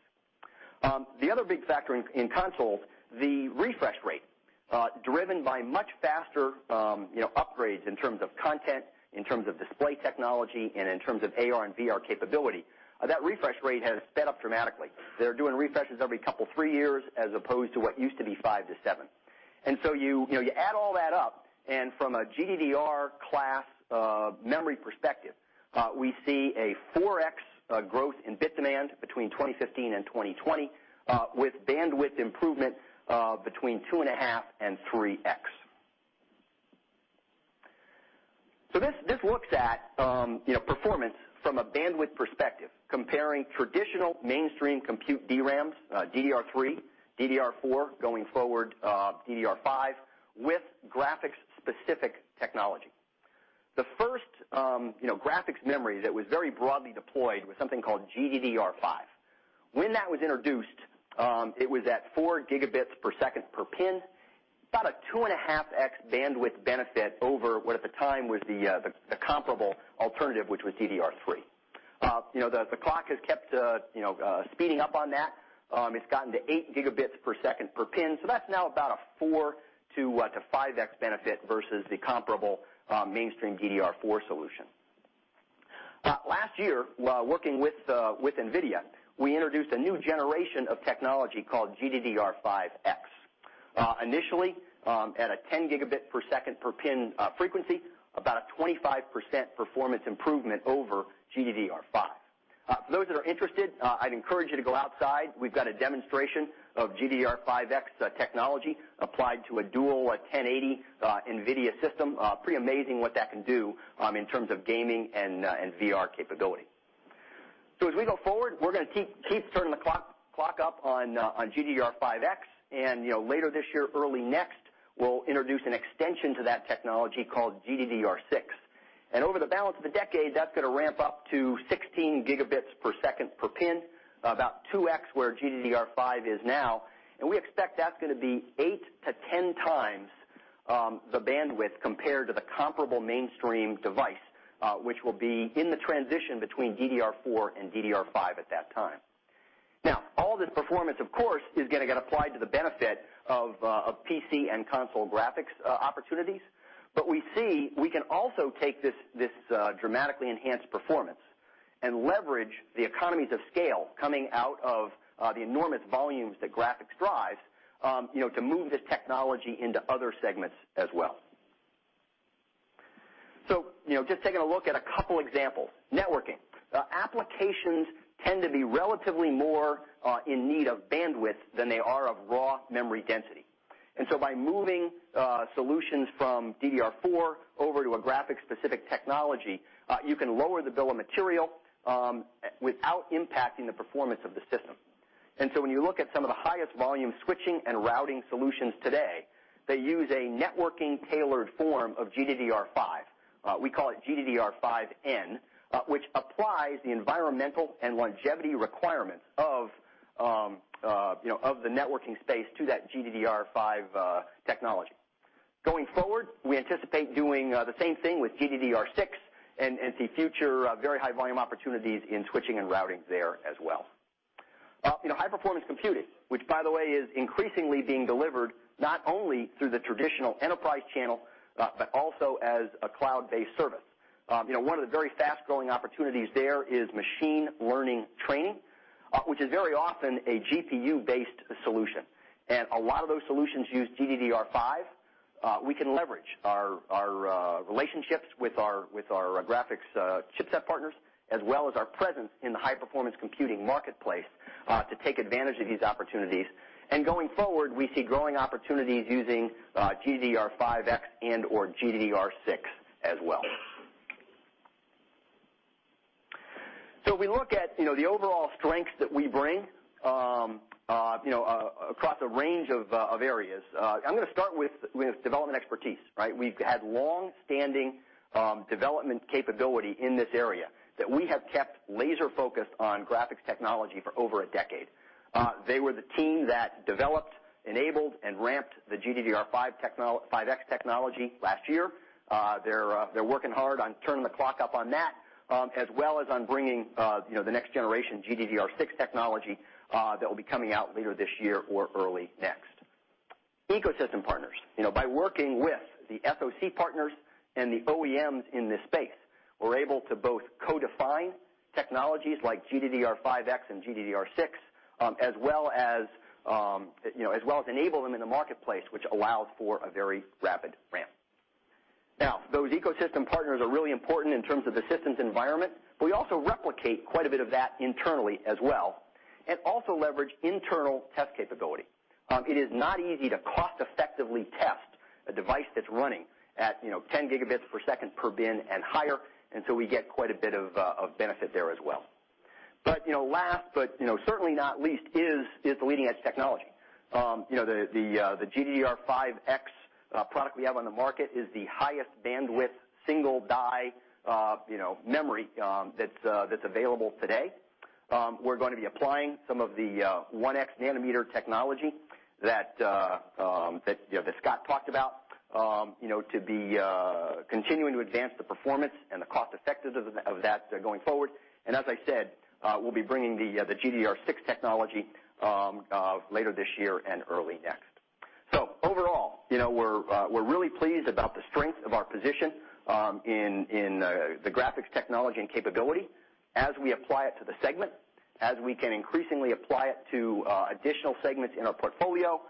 The other big factor in consoles, the refresh rate, driven by much faster upgrades in terms of content, in terms of display technology, and in terms of AR and VR capability. That refresh rate has sped up dramatically. They are doing refreshes every couple, three years, as opposed to what used to be five to seven. You add all that up, and from a GDDR class memory perspective, we see a 4x growth in bit demand between 2015 and 2020, with bandwidth improvement between 2.5x and 3x. This looks at performance from a bandwidth perspective, comparing traditional mainstream compute DRAMs, DDR3, DDR4, going forward DDR5, with graphics-specific technology. The first graphics memory that was very broadly deployed was something called GDDR5. When that was introduced, it was at 4 gigabits per second per pin, about a 2.5x bandwidth benefit over what at the time was the comparable alternative, which was DDR3. The clock has kept speeding up on that. It's gotten to 8 gigabits per second per pin, so that's now about a 4 to 5x benefit versus the comparable mainstream DDR4 solution. Last year, while working with NVIDIA, we introduced a new generation of technology called GDDR5X. Initially, at a 10 gigabit per second per pin frequency, about a 25% performance improvement over GDDR5. For those that are interested, I'd encourage you to go outside. We've got a demonstration of GDDR5X technology applied to a dual 1080 NVIDIA system. Pretty amazing what that can do in terms of gaming and VR capability. As we go forward, we're going to keep turning the clock up on GDDR5X, and later this year, early next, we'll introduce an extension to that technology called GDDR6. Over the balance of the decade, that's going to ramp up to 16 gigabits per second per pin, about 2x where GDDR5 is now. We expect that's going to be 8 to 10 times the bandwidth compared to the comparable mainstream device, which will be in the transition between DDR4 and DDR5 at that time. All this performance, of course, is going to get applied to the benefit of PC and console graphics opportunities. We see we can also take this dramatically enhanced performance and leverage the economies of scale coming out of the enormous volumes that graphics drives to move this technology into other segments as well. Just taking a look at a couple examples. Networking. Applications tend to be relatively more in need of bandwidth than they are of raw memory density. By moving solutions from DDR4 over to a graphic-specific technology, you can lower the bill of material without impacting the performance of the system. When you look at some of the highest volume switching and routing solutions today, they use a networking-tailored form of GDDR5. We call it GDDR5N, which applies the environmental and longevity requirements of the networking space to that GDDR5 technology. Going forward, we anticipate doing the same thing with GDDR6 and see future very high volume opportunities in switching and routing there as well. High-performance computing, which by the way, is increasingly being delivered not only through the traditional enterprise channel, but also as a cloud-based service. One of the very fast-growing opportunities there is machine learning training, which is very often a GPU-based solution. A lot of those solutions use GDDR5. We can leverage our relationships with our graphics chipset partners, as well as our presence in the high-performance computing marketplace to take advantage of these opportunities. Going forward, we see growing opportunities using GDDR5X and/or GDDR6 as well. If we look at the overall strengths that we bring, across a range of areas. I'm going to start with development expertise. We've had longstanding development capability in this area that we have kept laser-focused on graphics technology for over a decade. They were the team that developed, enabled, and ramped the GDDR5X technology last year. They're working hard on turning the clock up on that, as well as on bringing the next generation GDDR6 technology that will be coming out later this year or early next. Ecosystem partners. By working with the SoC partners and the OEMs in this space, we're able to both co-define technologies like GDDR5X and GDDR6, as well as enable them in the marketplace, which allows for a very rapid ramp. Those ecosystem partners are really important in terms of the systems environment, but we also replicate quite a bit of that internally as well, and also leverage internal test capability. It is not easy to cost-effectively test a device that's running at 10 gigabits per second per bin and higher, we get quite a bit of benefit there as well. Last, but certainly not least, is the leading-edge technology. The GDDR5X product we have on the market is the highest bandwidth single-die memory that's available today. We're going to be applying some of the 1X nanometer technology that Scott talked about, to be continuing to advance the performance and the cost-effectiveness of that going forward. As I said, we'll be bringing the GDDR6 technology later this year and early next. Overall, we're really pleased about the strength of our position in the graphics technology and capability as we apply it to the segment, as we can increasingly apply it to additional segments in our portfolio,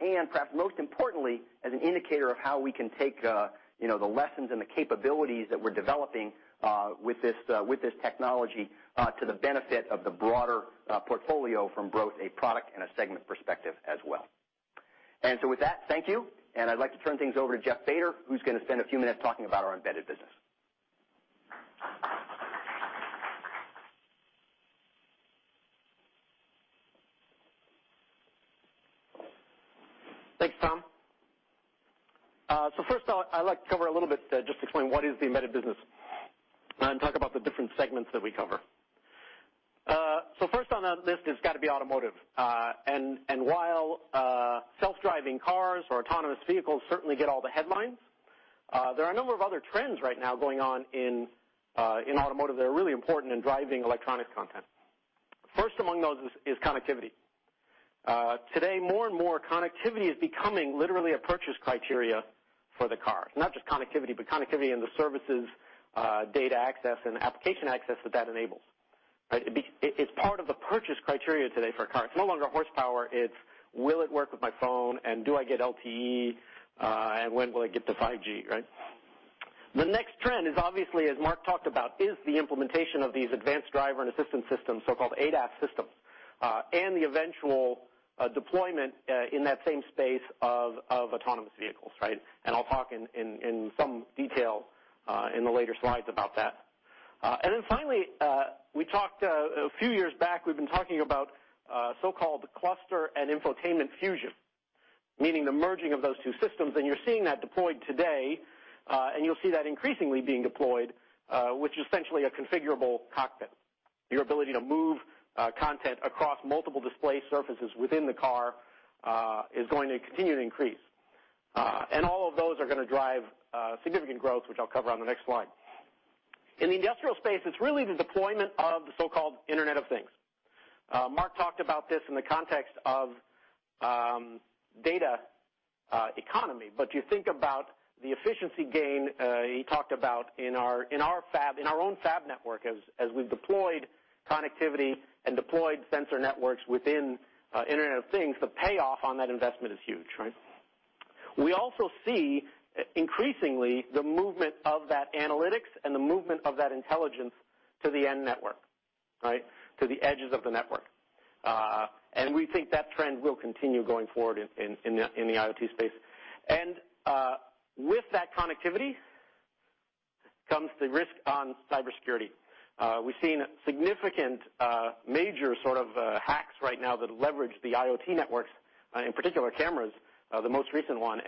and perhaps most importantly, as an indicator of how we can take the lessons and the capabilities that we're developing with this technology to the benefit of the broader portfolio from both a product and a segment perspective as well. With that, thank you, and I'd like to turn things over to Jeff Bader, who's going to spend a few minutes talking about our embedded business. Thanks, Tom. First off, I'd like to cover a little bit, just explain what is the embedded business, and talk about the different segments that we cover. First on that list has got to be automotive. While self-driving cars or autonomous vehicles certainly get all the headlines, there are a number of other trends right now going on in automotive that are really important in driving electronic content. First among those is connectivity. Today, more and more connectivity is becoming literally a purchase criteria for the car. Not just connectivity, but connectivity and the services, data access, and application access that that enables. It's part of the purchase criteria today for a car. It's no longer horsepower, it's will it work with my phone, and do I get LTE, and when will I get to 5G? The next trend is obviously, as Mark talked about, is the implementation of these advanced driver and assistance systems, so-called ADAS systems, and the eventual deployment in that same space of autonomous vehicles. I'll talk in some detail in the later slides about that. Finally, a few years back, we've been talking about so-called cluster and infotainment fusion, meaning the merging of those two systems, and you're seeing that deployed today, and you'll see that increasingly being deployed, which is essentially a configurable cockpit. Your ability to move content across multiple display surfaces within the car is going to continue to increase. All of those are going to drive significant growth, which I'll cover on the next slide. In the industrial space, it's really the deployment of the so-called Internet of Things. Mark talked about this in the context of data economy, you think about the efficiency gain he talked about in our own fab network as we've deployed connectivity and deployed sensor networks within Internet of Things, the payoff on that investment is huge. We also see, increasingly, the movement of that analytics and the movement of that intelligence to the end network, to the edges of the network. We think that trend will continue going forward in the IoT space. With that connectivity comes the risk on cybersecurity. We've seen significant, major sort of hacks right now that leverage the IoT networks, in particular, cameras, the most recent one.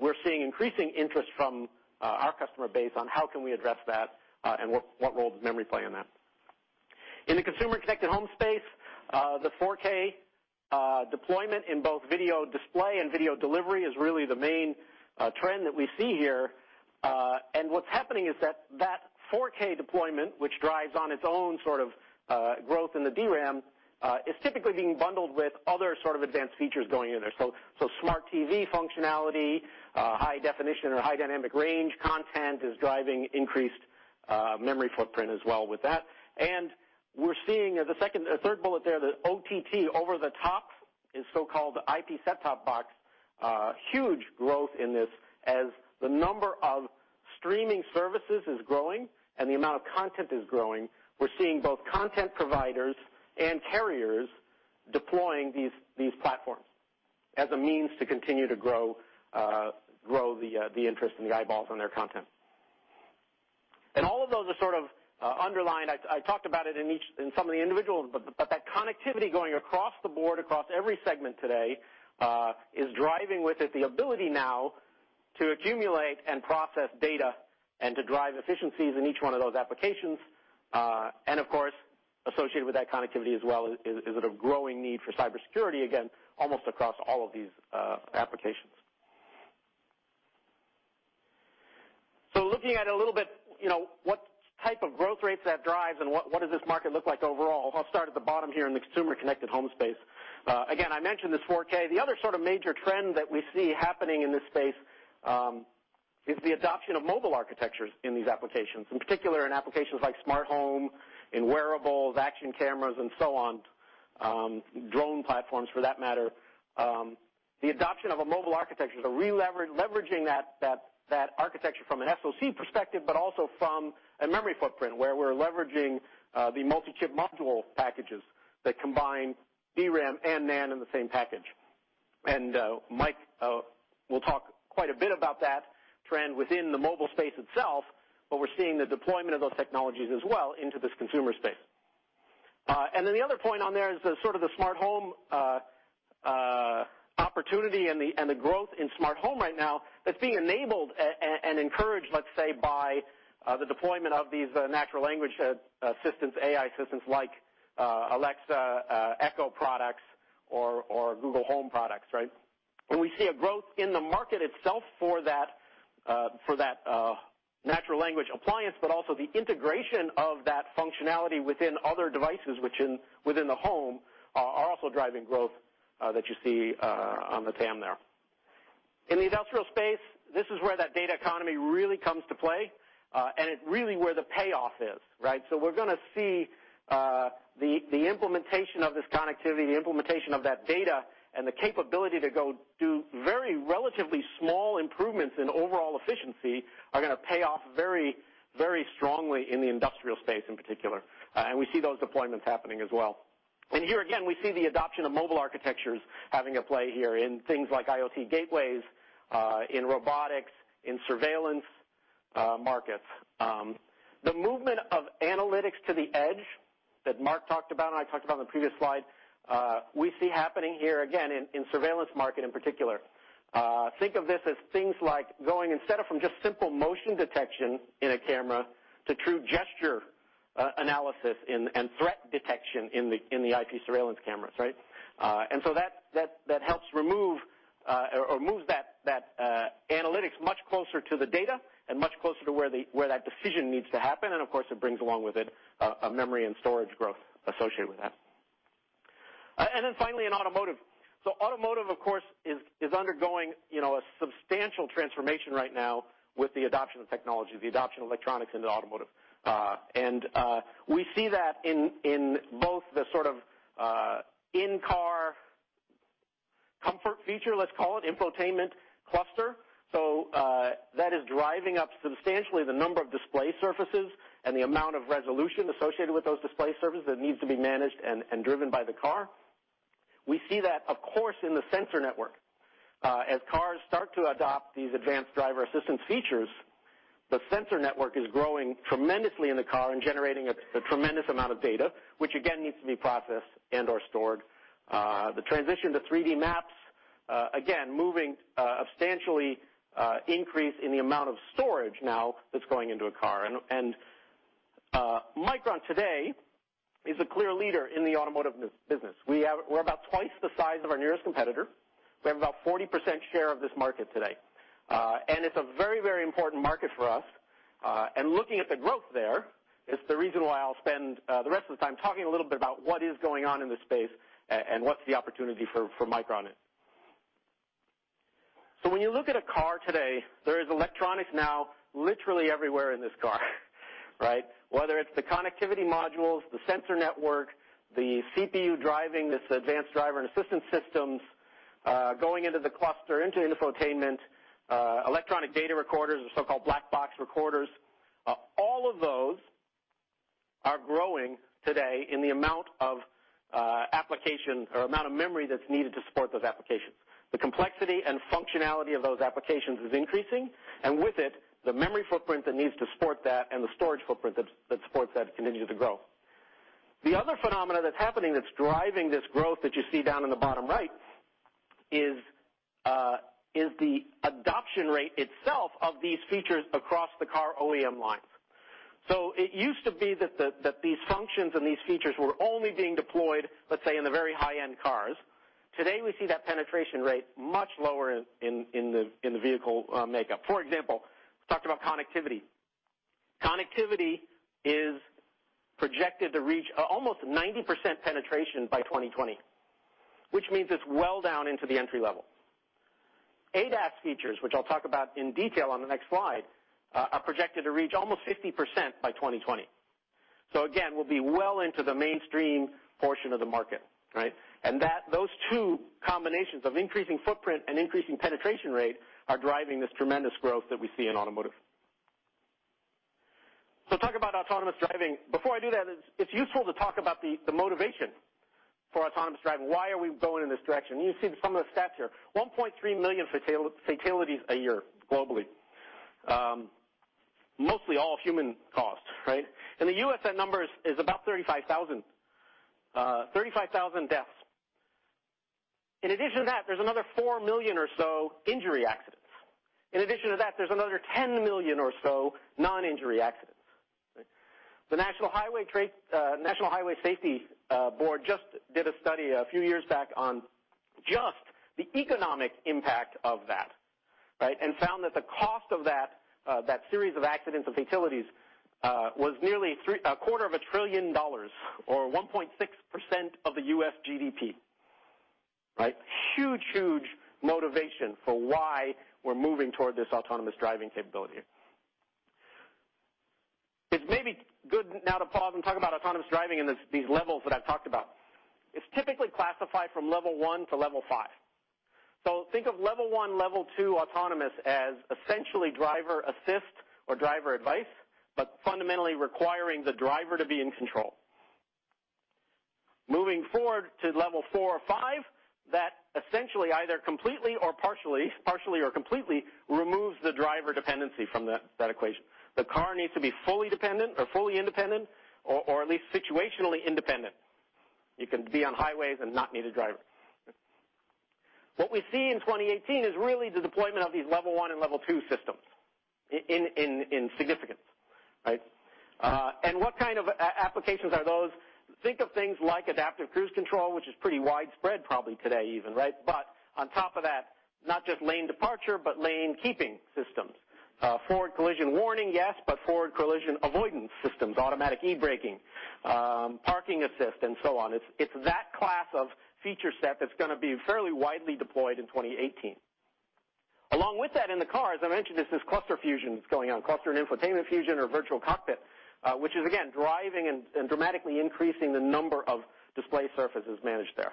We're seeing increasing interest from our customer base on how can we address that, and what role does memory play in that. In the consumer connected home space, the 4K deployment in both video display and video delivery is really the main trend that we see here. What's happening is that 4K deployment, which drives on its own sort of growth in the DRAM, is typically being bundled with other sort of advanced features going in there. Smart TV functionality, high definition or high dynamic range content is driving increased memory footprint as well with that. We're seeing, the third bullet there, the OTT, over-the-top, is so-called IP set-top box, with huge growth in this. As the number of streaming services is growing and the amount of content is growing, we're seeing both content providers and carriers deploying these platforms as a means to continue to grow the interest and the eyeballs on their content. All of those are sort of underlined, I talked about it in some of the individuals, but that connectivity going across the board, across every segment today, is driving with it the ability now to accumulate and process data and to drive efficiencies in each one of those applications. Of course, associated with that connectivity as well, is at a growing need for cybersecurity, again, almost across all of these applications. Looking at a little bit, what type of growth rates that drives and what does this market look like overall, I'll start at the bottom here in the consumer connected home space. Again, I mentioned this 4K. The other sort of major trend that we see happening in this space, is the adoption of mobile architectures in these applications, in particular in applications like smart home, in wearables, action cameras and so on, drone platforms, for that matter. The adoption of a mobile architecture is a re-leveraging that architecture from an SoC perspective, but also from a memory footprint where we're leveraging the multi-chip module packages that combine DRAM and NAND in the same package. Mike will talk quite a bit about that trend within the mobile space itself, but we're seeing the deployment of those technologies as well into this consumer space. The other point on there is the sort of the smart home opportunity and the growth in smart home right now that's being enabled and encouraged, let's say, by the deployment of these natural language assistants, AI assistants like Alexa, Echo products or Google Home products, right? We see a growth in the market itself for that natural language appliance, but also the integration of that functionality within other devices, within the home, are also driving growth that you see on the TAM there. In the industrial space, this is where that data economy really comes to play, and it's really where the payoff is, right? We're going to see the implementation of this connectivity, the implementation of that data, and the capability to go do very relatively small improvements in overall efficiency, are going to pay off very strongly in the industrial space in particular. We see those deployments happening as well. Here again, we see the adoption of mobile architectures having a play here in things like IoT gateways, in robotics, in surveillance markets. The movement of analytics to the edge, that Mark talked about and I talked about in the previous slide, we see happening here again in surveillance market in particular. Think of this as things like going, instead of from just simple motion detection in a camera, to true gesture analysis and threat detection in the IP surveillance cameras, right? That helps remove or moves that analytics much closer to the data and much closer to where that decision needs to happen, and of course, it brings along with it a memory and storage growth associated with that. Finally, in automotive. Automotive, of course, is undergoing a substantial transformation right now with the adoption of technology, the adoption of electronics into automotive. We see that in both the sort of in-car comfort feature, let's call it, infotainment cluster. That is driving up substantially the number of display surfaces and the amount of resolution associated with those display surfaces that needs to be managed and driven by the car. We see that, of course, in the sensor network. As cars start to adopt these advanced driver assistance features, the sensor network is growing tremendously in the car and generating a tremendous amount of data, which again, needs to be processed and/or stored. The transition to 3D maps, again, moving substantially increase in the amount of storage now that's going into a car. Micron today is a clear leader in the automotive business. We're about twice the size of our nearest competitor. We have about 40% share of this market today. It's a very, very important market for us. Looking at the growth there, it's the reason why I'll spend the rest of the time talking a little bit about what is going on in this space and what's the opportunity for Micron in it. When you look at a car today, there is electronics now literally everywhere in this car, right? Whether it's the connectivity modules, the sensor network, the CPU driving this advanced driver and assistance systems, going into the cluster, into the infotainment, electronic data recorders, the so-called black box recorders, all of those are growing today in Application or amount of memory that's needed to support those applications. The complexity and functionality of those applications is increasing, and with it, the memory footprint that needs to support that and the storage footprint that supports that continues to grow. The other phenomena that's happening that's driving this growth that you see down in the bottom right is the adoption rate itself of these features across the car OEM lines. It used to be that these functions and these features were only being deployed, let's say, in the very high-end cars. Today, we see that penetration rate much lower in the vehicle makeup. For example, we talked about connectivity. Connectivity is projected to reach almost 90% penetration by 2020, which means it's well down into the entry level. ADAS features, which I'll talk about in detail on the next slide, are projected to reach almost 50% by 2020. Again, we'll be well into the mainstream portion of the market, right? Those two combinations of increasing footprint and increasing penetration rate are driving this tremendous growth that we see in automotive. Let's talk about autonomous driving. Before I do that, it's useful to talk about the motivation for autonomous driving. Why are we going in this direction? You see some of the stats here, 1.3 million fatalities a year globally. Mostly all human caused, right? In the U.S., that number is about 35,000 deaths. In addition to that, there's another 4 million or so injury accidents. In addition to that, there's another 10 million or so non-injury accidents. The National Highway Traffic Safety Administration just did a study a few years back on just the economic impact of that, and found that the cost of that series of accidents and fatalities, was nearly a quarter of a trillion dollars or 1.6% of the U.S. GDP. Huge motivation for why we're moving toward this autonomous driving capability. It's maybe good now to pause and talk about autonomous driving and these levels that I've talked about. It's typically classified from level 1 to level 5. Think of level 1, level 2 autonomous as essentially driver assist or driver advice, but fundamentally requiring the driver to be in control. Moving forward to level 4 or 5, that essentially either partially or completely removes the driver dependency from that equation. The car needs to be fully independent or at least situationally independent. You can be on highways and not need a driver. What we see in 2018 is really the deployment of these level 1 and level 2 systems in significance. What kind of applications are those? Think of things like adaptive cruise control, which is pretty widespread probably today even. On top of that, not just lane departure, but lane keeping systems. Forward collision warning, yes, but forward collision avoidance systems, automatic e-braking, parking assist, and so on. It's that class of feature set that's going to be fairly widely deployed in 2018. Along with that, in the car, as I mentioned, there's this cluster fusion that's going on, cluster and infotainment fusion or virtual cockpit, which is again, driving and dramatically increasing the number of display surfaces managed there.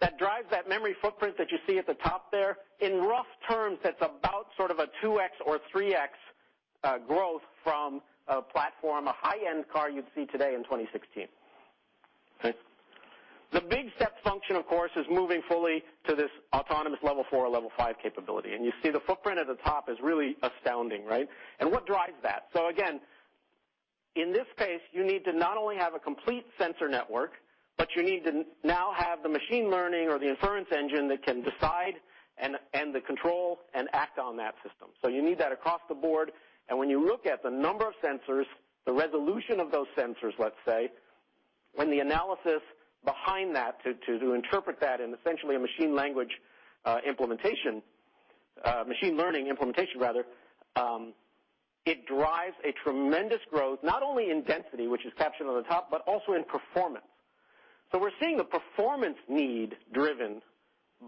That drives that memory footprint that you see at the top there. In rough terms, that's about sort of a 2x or 3x growth from a platform, a high-end car you'd see today in 2016. The big step function, of course, is moving fully to this autonomous level 4 or level 5 capability. You see the footprint at the top is really astounding. What drives that? Again, in this case, you need to not only have a complete sensor network, but you need to now have the machine learning or the inference engine that can decide and the control and act on that system. You need that across the board. When you look at the number of sensors, the resolution of those sensors, let's say, when the analysis behind that to interpret that in essentially a machine learning implementation, it drives a tremendous growth, not only in density, which is captured on the top, but also in performance. We're seeing a performance need driven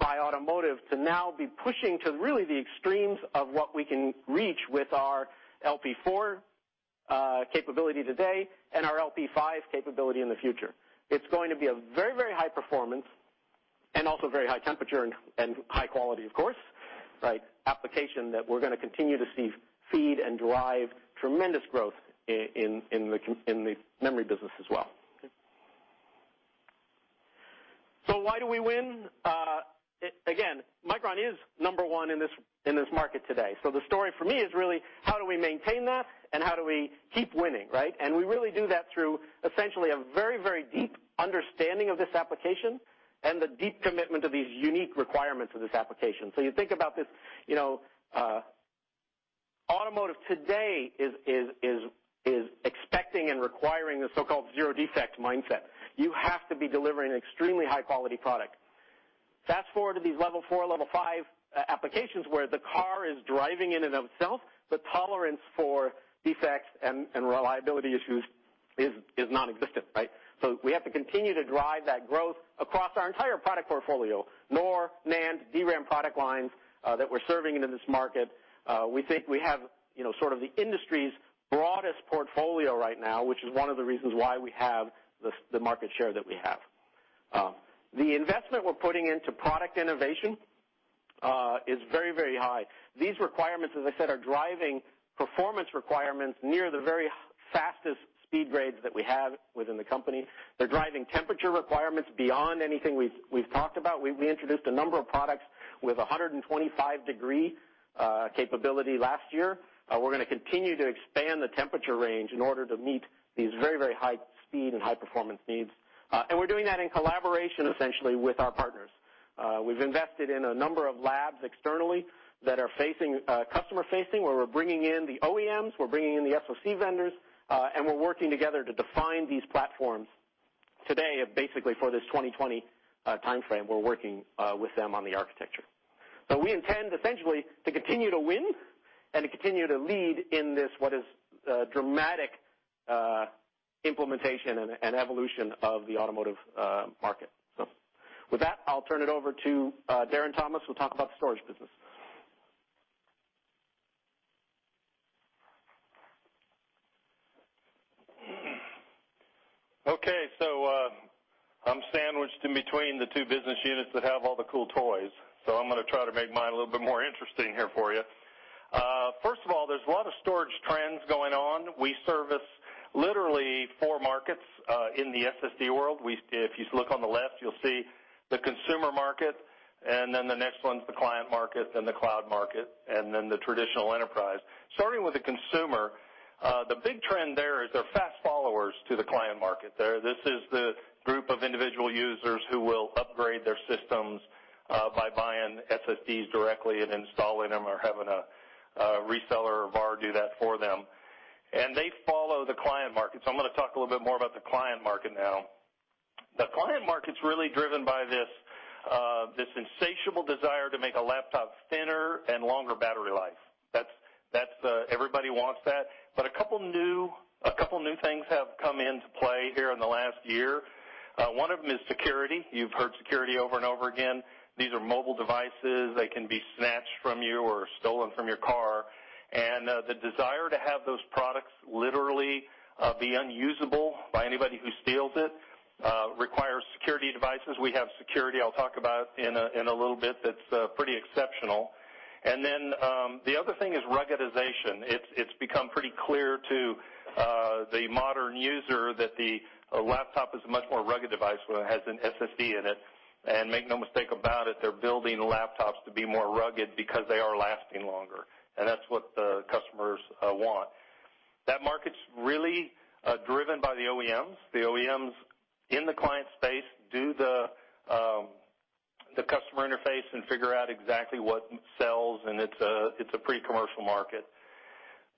by automotive to now be pushing to really the extremes of what we can reach with our LP4 capability today and our LP5 capability in the future. It's going to be a very high performance and also very high temperature and high quality, of course, application that we're going to continue to see feed and drive tremendous growth in the memory business as well. Why do we win? Again, Micron is number 1 in this market today. The story for me is really how do we maintain that and how do we keep winning, right? We really do that through essentially a very, very deep understanding of this application and the deep commitment to these unique requirements of this application. You think about this, automotive today is expecting and requiring a so-called zero defect mindset. You have to be delivering an extremely high-quality product. Fast-forward to these level 4 or level 5 applications where the car is driving in and of itself, the tolerance for defects and reliability issues is non-existent. We have to continue to drive that growth across our entire product portfolio, NOR, NAND, DRAM product lines, that we're serving into this market. We think we have sort of the industry's broadest portfolio right now, which is one of the reasons why we have the market share that we have. The investment we're putting into product innovation is very, very high. These requirements, as I said, are driving performance requirements near the very fastest speed grades that we have within the company. They're driving temperature requirements beyond anything we've talked about. We introduced a number of products with 125-degree capability last year. We're going to continue to expand the temperature range in order to meet these very, very high speed and high-performance needs. We're doing that in collaboration, essentially, with our partners. We've invested in a number of labs externally that are customer-facing, where we're bringing in the OEMs, we're bringing in the SoC vendors, we're working together to define these platforms today, basically for this 2020 timeframe, we're working with them on the architecture. We intend, essentially, to continue to win and to continue to lead in this, what is a dramatic implementation and evolution of the automotive market. With that, I'll turn it over to Darren Thomas, who'll talk about the storage business. Okay. I'm sandwiched in between the two business units that have all the cool toys, I'm going to try to make mine a little bit more interesting here for you. First of all, there's a lot of storage trends going on. We service literally four markets in the SSD world. If you look on the left, you'll see the consumer market, then the next one's the client market, then the cloud market, and then the traditional enterprise. Starting with the consumer, the big trend there is they're fast followers to the client market. This is the group of individual users who will upgrade their systems by buying SSDs directly and installing them or having a reseller or a VAR do that for them. They follow the client market. I'm going to talk a little bit more about the client market now. The client market's really driven by this insatiable desire to make a laptop thinner and longer battery life. Everybody wants that. A couple of new things have come into play here in the last year. One of them is security. You've heard security over and over again. These are mobile devices. They can be snatched from you or stolen from your car. The desire to have those products literally be unusable by anybody who steals it requires security devices. We have security I'll talk about in a little bit, that's pretty exceptional. Then, the other thing is ruggedization. It's become pretty clear to the modern user that the laptop is a much more rugged device when it has an SSD in it. Make no mistake about it, they're building laptops to be more rugged because they are lasting longer, and that's what the customers want. That market's really driven by the OEMs. The OEMs in the client space do the customer interface and figure out exactly what sells, and it's a pretty commercial market.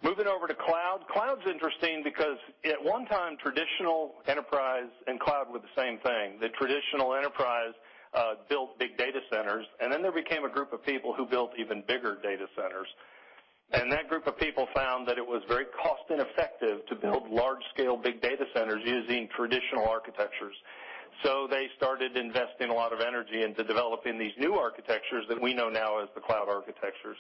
Moving over to cloud. Cloud's interesting because at one time, traditional enterprise and cloud were the same thing. The traditional enterprise built big data centers, and then there became a group of people who built even bigger data centers. That group of people found that it was very cost ineffective to build large-scale big data centers using traditional architectures. They started investing a lot of energy into developing these new architectures that we know now as the cloud architectures.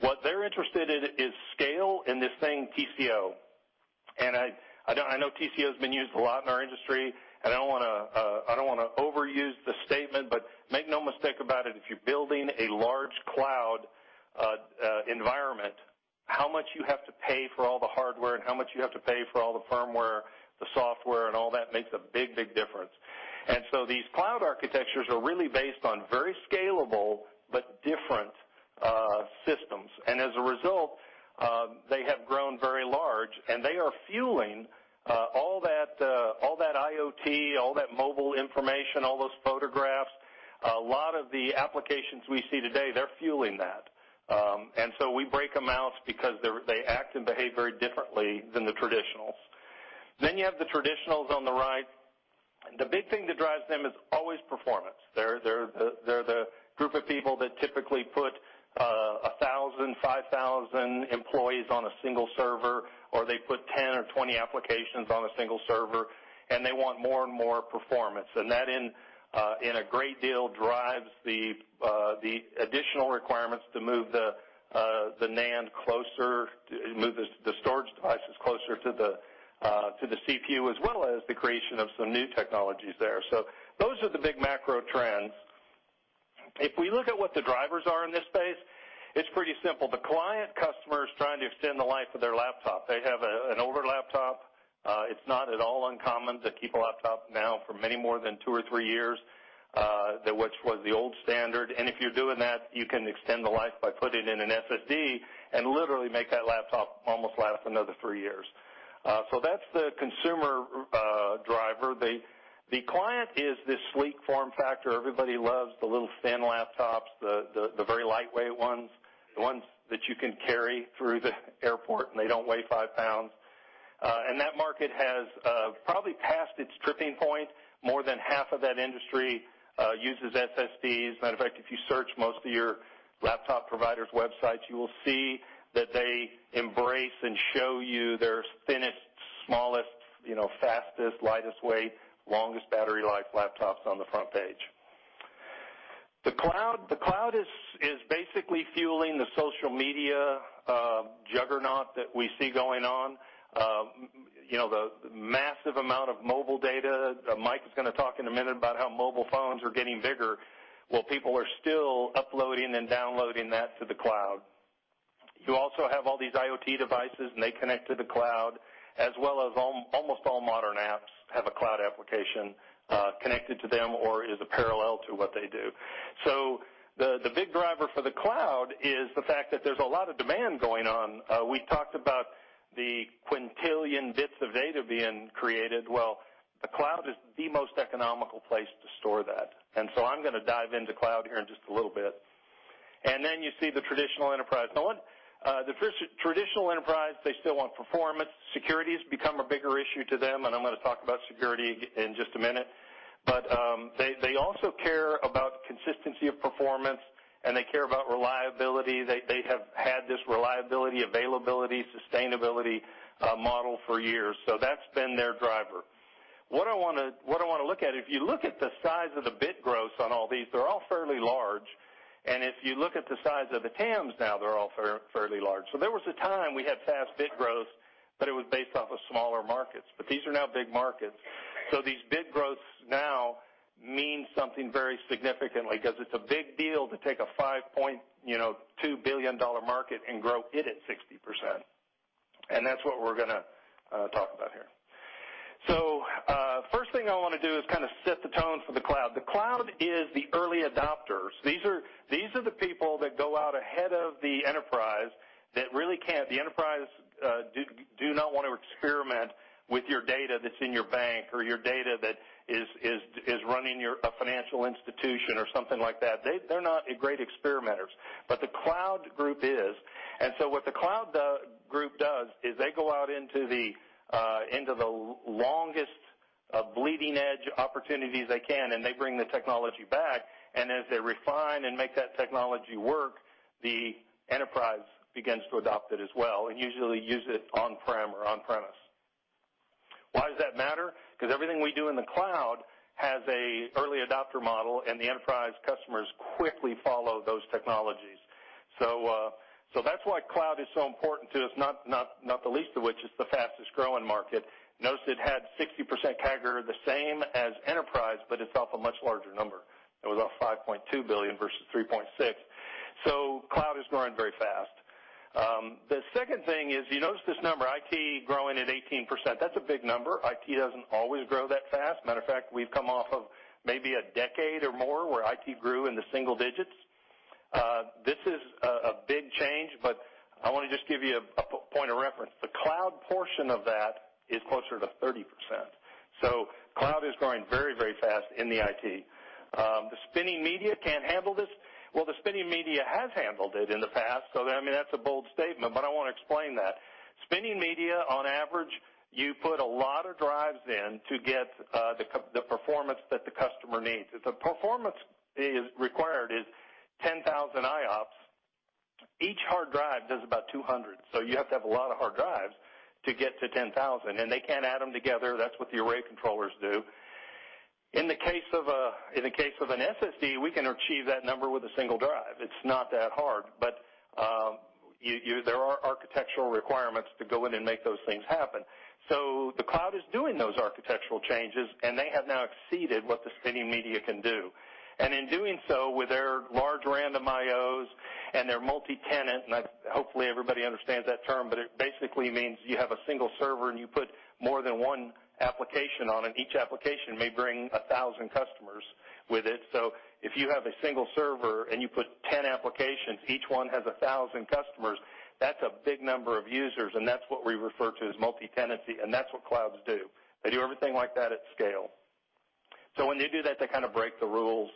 What they're interested in is scale and this thing TCO. I know TCO has been used a lot in our industry. I don't want to overuse the statement, but make no mistake about it, if you're building a large cloud environment, how much you have to pay for all the hardware and how much you have to pay for all the firmware, the software, and all that, makes a big, big difference. These cloud architectures are really based on very scalable but different systems. As a result, they have grown very large, and they are fueling all that IoT, all that mobile information, all those photographs. A lot of the applications we see today, they're fueling that. We break them out because they act and behave very differently than the traditionals. You have the traditionals on the right. The big thing that drives them is always performance. They're the group of people that typically put 1,000, 5,000 employees on a single server, or they put 10 or 20 applications on a single server, and they want more and more performance. That, in a great deal, drives the additional requirements to move the NAND closer, move the storage devices closer to the CPU, as well as the creation of some new technologies there. Those are the big macro trends. If we look at what the drivers are in this space, it's pretty simple. The client customer is trying to extend the life of their laptop. They have an older laptop. It's not at all uncommon to keep a laptop now for many more than two or three years, which was the old standard. If you're doing that, you can extend the life by putting in an SSD and literally make that laptop almost last another three years. That's the consumer driver. The client is this sleek form factor. Everybody loves the little thin laptops, the very lightweight ones, the ones that you can carry through the airport, and they don't weigh five pounds. That market has probably passed its tipping point. More than half of that industry uses SSDs. Matter of fact, if you search most of your laptop providers' websites, you will see that they embrace and show you their thinnest, smallest, fastest, lightest weight, longest battery life laptops on the front page. The cloud is basically fueling the social media juggernaut that we see going on. The massive amount of mobile data. Mike is going to talk in a minute about how mobile phones are getting bigger, while people are still uploading and downloading that to the cloud. You also have all these IoT devices. They connect to the cloud, as well as almost all modern apps have a cloud application connected to them or is a parallel to what they do. The big driver for the cloud is the fact that there's a lot of demand going on. We talked about the quintillion bits of data being created. Well, the cloud is the most economical place to store that. I'm going to dive into cloud here in just a little bit. You see the traditional enterprise. The traditional enterprise, they still want performance. Security has become a bigger issue to them. I'm going to talk about security in just a minute. They also care about consistency of performance, and they care about reliability. They have had this reliability, availability, sustainability model for years, that's been their driver. I want to look at, if you look at the size of the bit growth on all these, they're all fairly large. If you look at the size of the TAMs now, they're all fairly large. There was a time we had fast bit growth, but it was based off of smaller markets. These are now big markets. These bit growths now mean something very significant because it's a big deal to take a $5.2 billion market and grow it at 60%. That's what we're going to talk about here. First thing I want to do is set the tone for the cloud. The cloud is the early adopters. These are the people that go out ahead of the enterprise that really can't. The enterprise do not want to experiment with your data that's in your bank or your data that is running a financial institution or something like that. They're not great experimenters, but the cloud group is. What the cloud group does is they go out into the longest bleeding-edge opportunities they can, and they bring the technology back. As they refine and make that technology work, the enterprise begins to adopt it as well and usually use it on-prem or on-premise. Why does that matter? Everything we do in the cloud has an early adopter model, and the enterprise customers quickly follow those technologies. That's why cloud is so important to us, not the least of which is the fastest-growing market. Notice it had 60% CAGR, the same as enterprise, but it's off a much larger number. It was off $5.2 billion versus $3.6 billion. Cloud is growing very fast. The second thing is, you notice this number, IT growing at 18%. That's a big number. IT doesn't always grow that fast. Matter of fact, we've come off of maybe a decade or more where IT grew in the single digits. This is a big change, but I want to just give you a point of reference. The cloud portion of that is closer to 30%. Cloud is growing very fast in the IT. The spinning media can't handle this. The spinning media has handled it in the past, that's a bold statement, but I want to explain that. Spinning media, on average, you put a lot of drives in to get the performance that the customer needs. If the performance required is 10,000 IOPS, each hard drive does about 200. You have to have a lot of hard drives to get to 10,000, and they can't add them together. That's what the array controllers do. In the case of an SSD, we can achieve that number with a single drive. It's not that hard, but there are architectural requirements to go in and make those things happen. The cloud is doing those architectural changes, and they have now exceeded what the spinning media can do. In doing so, with their large random IOs and their multi-tenant, and hopefully everybody understands that term, but it basically means you have a single server, and you put more than one application on it. Each application may bring 1,000 customers with it. If you have a single server and you put 10 applications, each one has 1,000 customers. That's a big number of users, and that's what we refer to as multi-tenancy, and that's what clouds do. They do everything like that at scale. When they do that, they break the rules,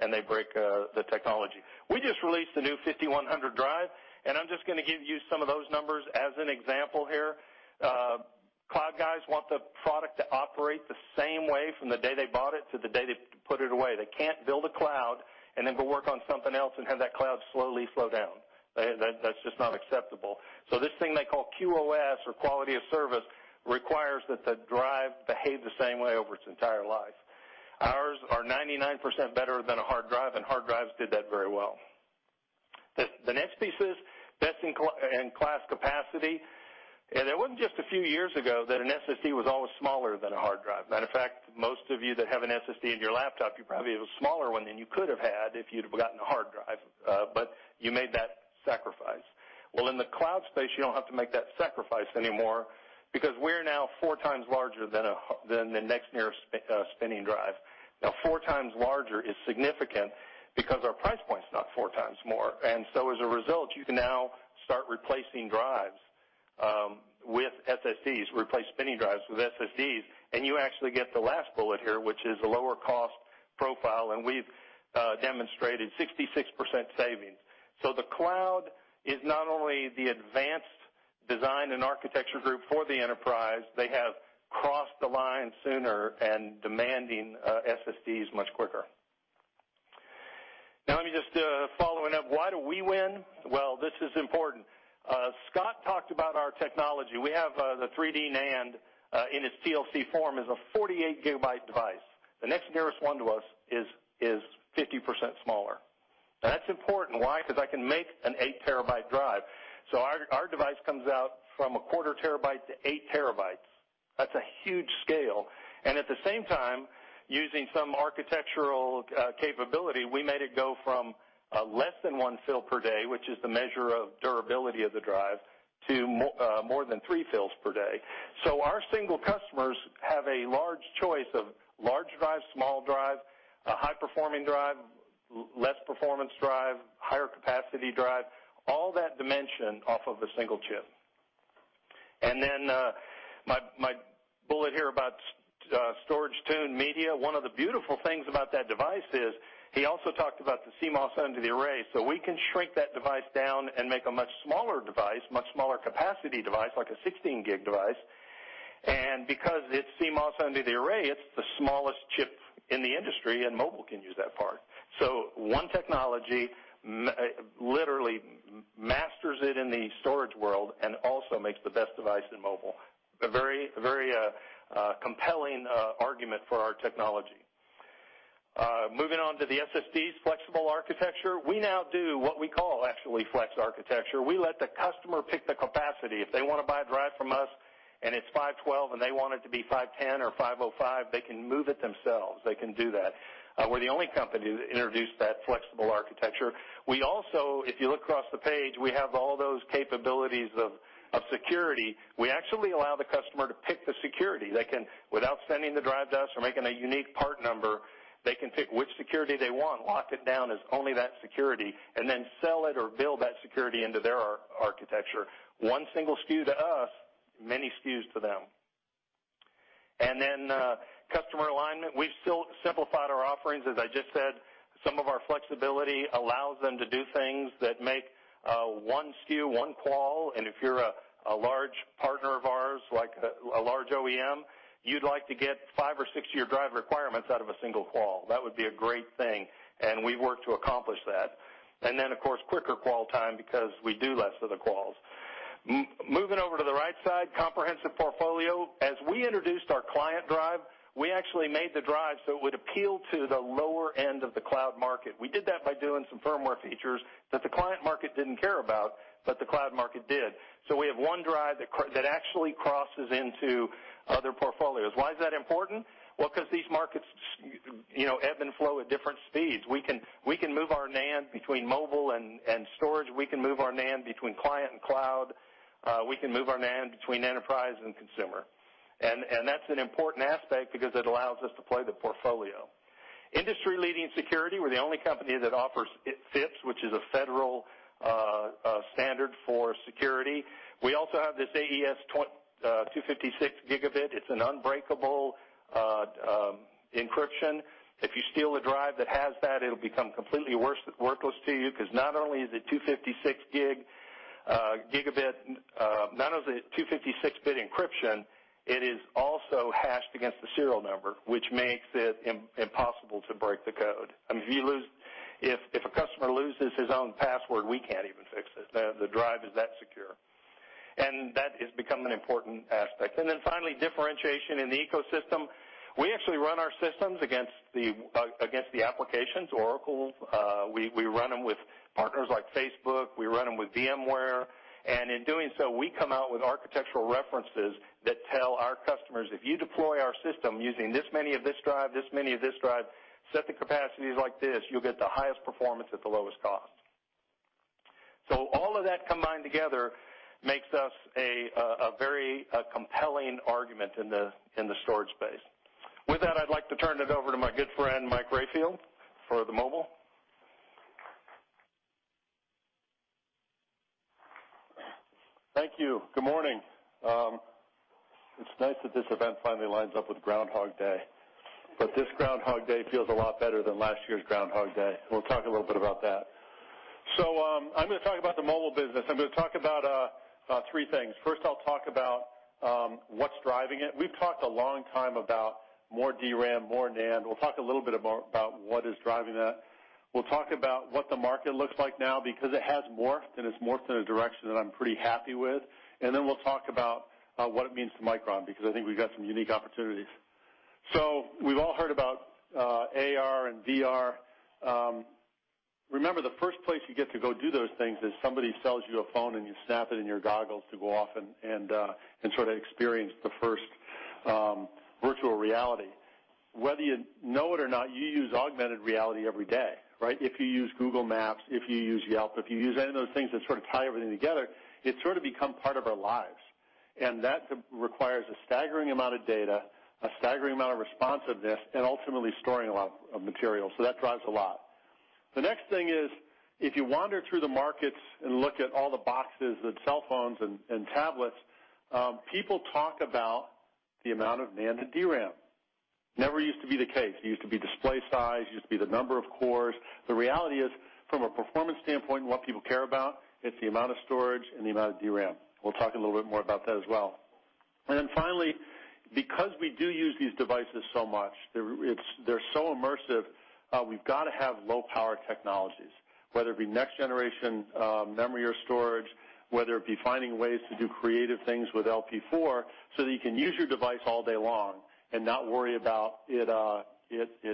and they break the technology. We just released a new 5100 drive, and I'm just going to give you some of those numbers as an example here. Cloud guys want the product to operate the same way from the day they bought it to the day they put it away. They can't build a cloud and then go work on something else and have that cloud slowly slow down. That's just not acceptable. This thing they call QOS or quality of service requires that the drive behave the same way over its entire life. Ours are 99% better than a hard drive, and hard drives did that very well. The next piece is best-in-class capacity. It wasn't just a few years ago that an SSD was always smaller than a hard drive. Matter of fact, most of you that have an SSD in your laptop, you probably have a smaller one than you could have had if you'd have gotten a hard drive. You made that sacrifice. Well, in the cloud space, you don't have to make that sacrifice anymore because we're now four times larger than the next nearest spinning drive. Four times larger is significant because our price point is not four times more. As a result, you can now start replacing drives with SSDs, replace spinning drives with SSDs, and you actually get the last bullet here, which is a lower cost profile, and we've demonstrated 66% savings. The cloud is not only the advanced design and architecture group for the enterprise, they have crossed the line sooner and demanding SSDs much quicker. Let me just follow it up. Why do we win? Well, this is important. Scott talked about our technology. We have the 3D NAND in its TLC form as a 48-gigabit device. The next nearest one to us is 50% smaller. That's important. Why? Because I can make an eight-terabyte drive. Our device comes out from a quarter terabyte to eight terabytes. That's a huge scale. At the same time, using some architectural capability, we made it go from less than one fill per day, which is the measure of durability of the drive, to more than three fills per day. Our single customers have a large choice of large drive, small drive, a high-performing drive, less performance drive, higher capacity drive, all that dimension off of a single chip. My bullet here about storage-tuned media, one of the beautiful things about that device is he also talked about the CMOS under the array. We can shrink that device down and make a much smaller device, much smaller capacity device, like a 16-gig device. Because it's CMOS under the array, it's the smallest chip in the industry, and mobile can use that part. One technology literally masters it in the storage world and also makes the best device in mobile. A very compelling argument for our technology. Moving on to the SSDs' flexible architecture. We now do what we call actually flex architecture. We let the customer pick the capacity. If they want to buy a drive from us and it's 512, and they want it to be 510 or 505, they can move it themselves. They can do that. We're the only company that introduced that flexible architecture. We also, if you look across the page, we have all those capabilities of security. We actually allow the customer to pick the security. They can, without sending the drive to us or making a unique part number, they can pick which security they want, lock it down as only that security, and then sell it or build that security into their architecture. One single SKU to us, many SKUs to them. Customer alignment, we've still simplified our offerings. As I just said, some of our flexibility allows them to do things that make one SKU, one qual, and if you're a large partner of ours, like a large OEM, you'd like to get five or six-year drive requirements out of a single qual. That would be a great thing, and we work to accomplish that. Of course, quicker qual time because we do less of the quals. Moving over to the right side, comprehensive portfolio. As we introduced our client drive, we actually made the drive so it would appeal to the lower end of the cloud market. We did that by doing some firmware features that the client market didn't care about, but the cloud market did. We have one drive that actually crosses into other portfolios. Why is that important? Well, because these markets ebb and flow at different speeds. We can move our NAND between mobile and storage. We can move our NAND between client and cloud. We can move our NAND between enterprise and consumer. That's an important aspect because it allows us to play the portfolio. Industry-leading security, we're the only company that offers FIPS, which is a federal standard for security. We also have this AES-256 bit. It's an unbreakable encryption. If you steal a drive that has that, it'll become completely worthless to you, because not only is it 256-bit encryption, it is also hashed against the serial number, which makes it impossible to break the code. If a customer loses his own password, we can't even fix it. The drive is that secure. Finally, differentiation in the ecosystem. We actually run our systems against the applications, Oracle. We run them with partners like Facebook. We run them with VMware. In doing so, we come out with architectural references that tell our customers, if you deploy our system using this many of this drive, this many of this drive, set the capacities like this, you'll get the highest performance at the lowest cost. All of that combined together makes us a very compelling argument in the storage space. With that, I'd like to turn it over to my good friend, Mike Rayfield, for the mobile. Thank you. Good morning. It's nice that this event finally lines up with Groundhog Day, but this Groundhog Day feels a lot better than last year's Groundhog Day. We'll talk a little bit about that. I'm going to talk about the mobile business. I'm going to talk about three things. First, I'll talk about what's driving it. We've talked a long time about more DRAM, more NAND. We'll talk a little bit about what is driving that. We'll talk about what the market looks like now because it has morphed, and it's morphed in a direction that I'm pretty happy with. We'll talk about what it means to Micron, because I think we've got some unique opportunities. We've all heard about AR and VR. Remember, the first place you get to go do those things is somebody sells you a phone, and you snap it in your goggles to go off and sort of experience the first virtual reality. Whether you know it or not, you use augmented reality every day, right? If you use Google Maps, if you use Yelp, if you use any of those things that sort of tie everything together, it's sort of become part of our lives. That requires a staggering amount of data, a staggering amount of responsiveness, and ultimately storing a lot of material. That drives a lot. The next thing is, if you wander through the markets and look at all the boxes and cell phones and tablets, people talk about the amount of NAND and DRAM. Never used to be the case. It used to be display size, it used to be the number of cores. The reality is, from a performance standpoint and what people care about, it's the amount of storage and the amount of DRAM. We'll talk a little bit more about that as well. Finally, because we do use these devices so much, they're so immersive, we've got to have low-power technologies, whether it be next-generation memory or storage, whether it be finding ways to do creative things with LP4 so that you can use your device all day long and not worry about it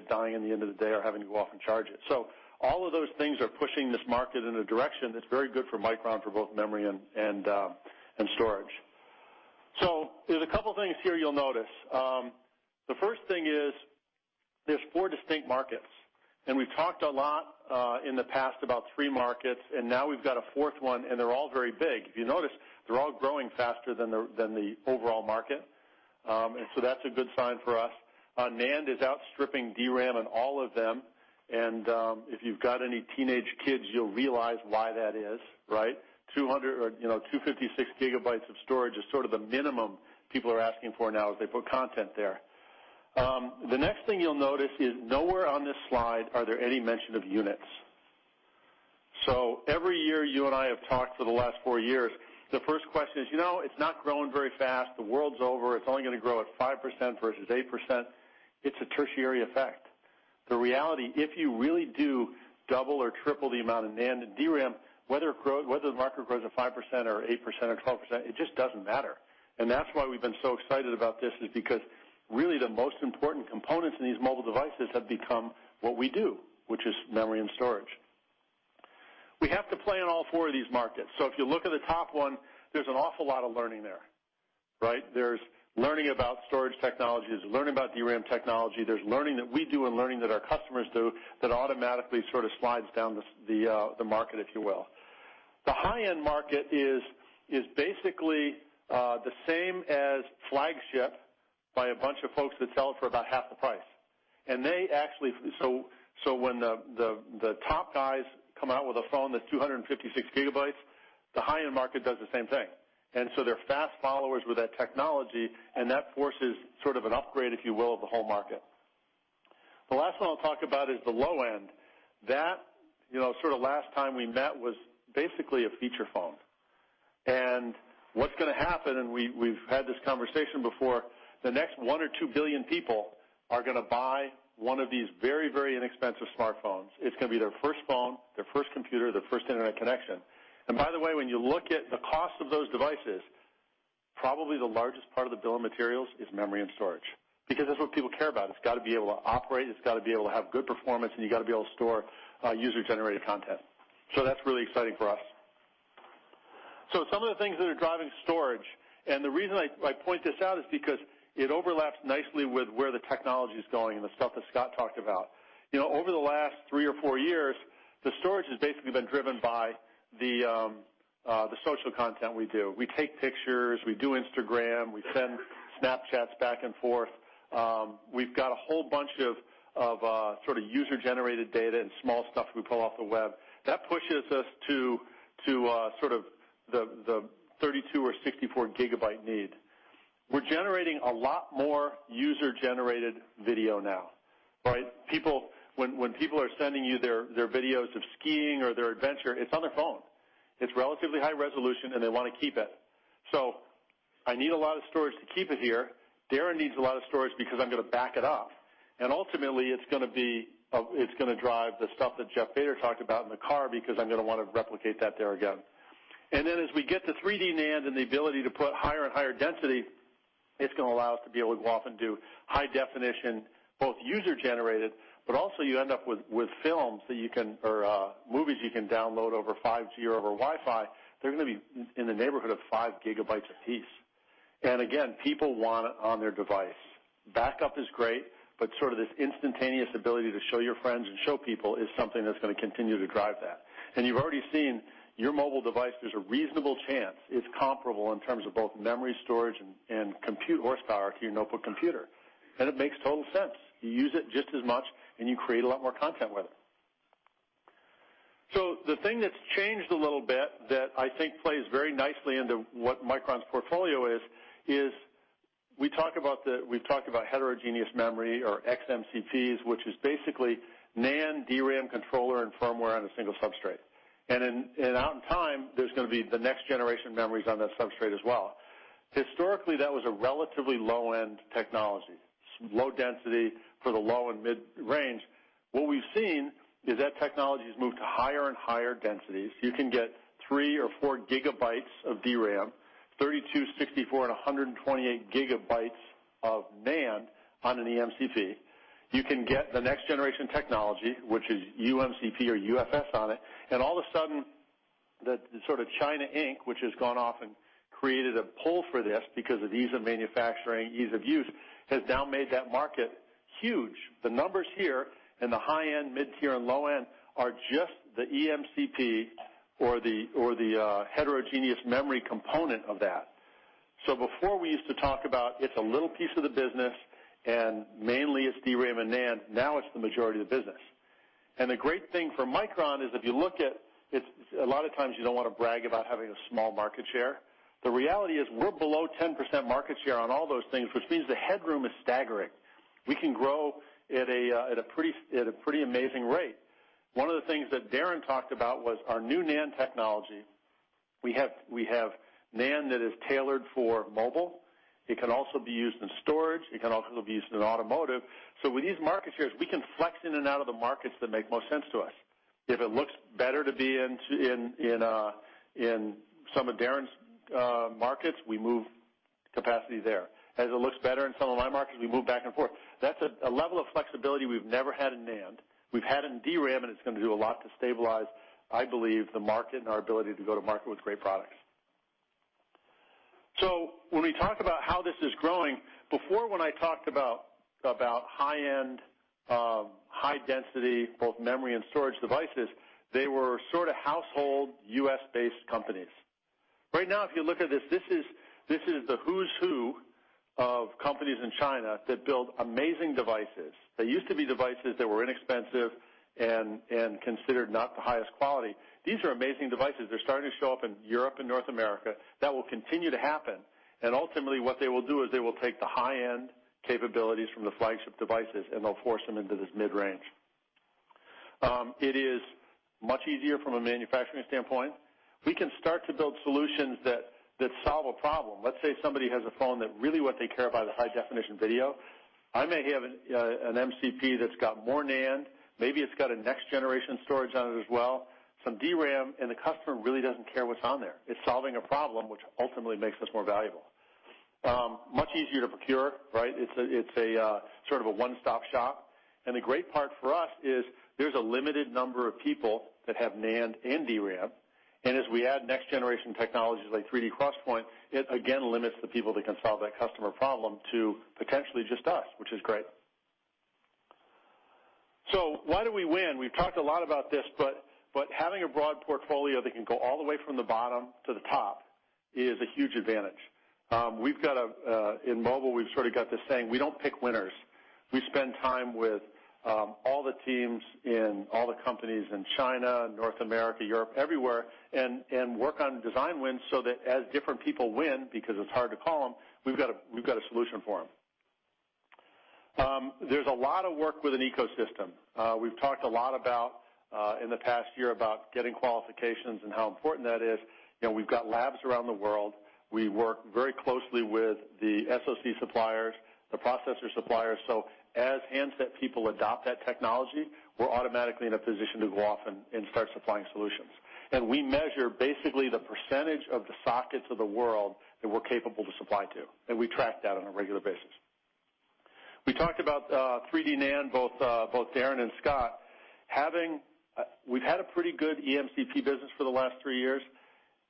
dying at the end of the day or having to go off and charge it. All of those things are pushing this market in a direction that's very good for Micron for both memory and storage. There's a couple things here you'll notice. The first thing is there's four distinct markets, and we've talked a lot in the past about three markets, and now we've got a fourth one, and they're all very big. If you notice, they're all growing faster than the overall market. That's a good sign for us. NAND is outstripping DRAM in all of them. If you've got any teenage kids, you'll realize why that is, right? 256 gigabytes of storage is sort of the minimum people are asking for now as they put content there. The next thing you'll notice is nowhere on this slide are there any mention of units. Every year you and I have talked for the last four years, the first question is, "It's not growing very fast. The world's over. It's only going to grow at 5% versus 8%." It's a tertiary effect. The reality, if you really do double or triple the amount of NAND and DRAM, whether the market grows at 5% or 8% or 12%, it just doesn't matter. That's why we've been so excited about this is because really the most important components in these mobile devices have become what we do, which is memory and storage. We have to play in all four of these markets. If you look at the top one, there's an awful lot of learning there, right? There's learning about storage technologies, there's learning about DRAM technology, there's learning that we do and learning that our customers do that automatically sort of slides down the market, if you will. The high-end market is basically the same as flagship by a bunch of folks that sell it for about half the price. When the top guys come out with a phone that's 256 gigabytes, the high-end market does the same thing. They're fast followers with that technology, and that forces sort of an upgrade, if you will, of the whole market. The last one I'll talk about is the low end. That, sort of last time we met, was basically a feature phone. What's going to happen, and we've had this conversation before, the next one or two billion people are going to buy one of these very, very inexpensive smartphones. It's going to be their first phone, their first computer, their first internet connection. By the way, when you look at the cost of those devices, probably the largest part of the bill of materials is memory and storage, because that's what people care about. It's got to be able to operate, it's got to be able to have good performance, and you got to be able to store user-generated content. That's really exciting for us. Some of the things that are driving storage, and the reason I point this out is because it overlaps nicely with where the technology is going and the stuff that Scott talked about. Over the last three or four years, the storage has basically been driven by the social content we do. We take pictures, we do Instagram, we send Snapchat back and forth. We've got a whole bunch of sort of user-generated data and small stuff we pull off the web. That pushes us to sort of the 32 or 64 gigabyte need. We're generating a lot more user-generated video now, right? When people are sending you their videos of skiing or their adventure, it's on their phone. It's relatively high resolution, and they want to keep it. I need a lot of storage to keep it here. Darren needs a lot of storage because I'm going to back it up, and ultimately, it's going to drive the stuff that Jeff Bader talked about in the car because I'm going to want to replicate that there again. Then as we get to 3D NAND and the ability to put higher and higher density, it's going to allow us to be able to go off and do high definition, both user-generated, but also you end up with films or movies you can download over 5G or over Wi-Fi. They're going to be in the neighborhood of five gigabytes a piece. Again, people want it on their device. sort of this instantaneous ability to show your friends and show people is something that's going to continue to drive that. you've already seen your mobile device, there's a reasonable chance it's comparable in terms of both memory storage and compute horsepower to your notebook computer. it makes total sense. You use it just as much, and you create a lot more content with it. the thing that's changed a little bit that I think plays very nicely into what Micron's portfolio is we've talked about heterogeneous memory or xMCPs, which is basically NAND, DRAM, controller, and firmware on a single substrate. out in time, there's going to be the next generation memories on that substrate as well. Historically, that was a relatively low-end technology. Low density for the low and mid-range. What we've seen is that technology has moved to higher and higher densities. You can get three or four gigabytes of DRAM, 32, 64, and 128 gigabytes of NAND on an eMCP. You can get the next generation technology, which is uMCP or UFS on it, and all of a sudden, the sort of China Inc, which has gone off and created a pull for this because of ease of manufacturing, ease of use, has now made that market huge. The numbers here in the high end, mid-tier, and low end are just the eMCP or the heterogeneous memory component of that. before we used to talk about it's a little piece of the business, and mainly it's DRAM and NAND, now it's the majority of the business. the great thing for Micron is if you look at a lot of times you don't want to brag about having a small market share. The reality is we're below 10% market share on all those things, which means the headroom is staggering. We can grow at a pretty amazing rate. One of the things that Darren talked about was our new NAND technology. We have NAND that is tailored for mobile. It can also be used in storage. It can also be used in automotive. with these market shares, we can flex in and out of the markets that make most sense to us. If it looks better to be in some of Darren's markets, we move capacity there. As it looks better in some of my markets, we move back and forth. That's a level of flexibility we've never had in NAND. We've had it in DRAM, it's going to do a lot to stabilize, I believe, the market and our ability to go to market with great products. when we talk about how this is growing, before when I talked about high-end, high-density, both memory and storage devices, they were sort of household U.S.-based companies. Right now, if you look at this is the who's who of companies in China that build amazing devices. They used to be devices that were inexpensive and considered not the highest quality. These are amazing devices. They're starting to show up in Europe and North America. That will continue to happen. ultimately, what they will do is they will take the high-end capabilities from the flagship devices, and they'll force them into this mid-range. It is much easier from a manufacturing standpoint. We can start to build solutions that solve a problem. Let's say somebody has a phone that really what they care about is high-definition video. I may have an MCP that's got more NAND, maybe it's got a next-generation storage on it as well, some DRAM, and the customer really doesn't care what's on there. It's solving a problem, which ultimately makes us more valuable. Much easier to procure, right? It's a sort of a one-stop shop. The great part for us is there's a limited number of people that have NAND and DRAM, and as we add next-generation technologies like 3D XPoint, it again limits the people that can solve that customer problem to potentially just us, which is great. Why do we win? We've talked a lot about this, but having a broad portfolio that can go all the way from the bottom to the top is a huge advantage. In mobile, we've sort of got this saying, "We don't pick winners." We spend time with all the teams in all the companies in China, North America, Europe, everywhere, and work on design wins so that as different people win, because it's hard to call them, we've got a solution for them. There's a lot of work with an ecosystem. We've talked a lot about, in the past year, about getting qualifications and how important that is. We've got labs around the world. We work very closely with the SoC suppliers, the processor suppliers. As handset people adopt that technology, we're automatically in a position to go off and start supplying solutions. We measure basically the percentage of the sockets of the world that we're capable to supply to, and we track that on a regular basis. We talked about 3D NAND, both Darren and Scott. We've had a pretty good eMCP business for the last three years.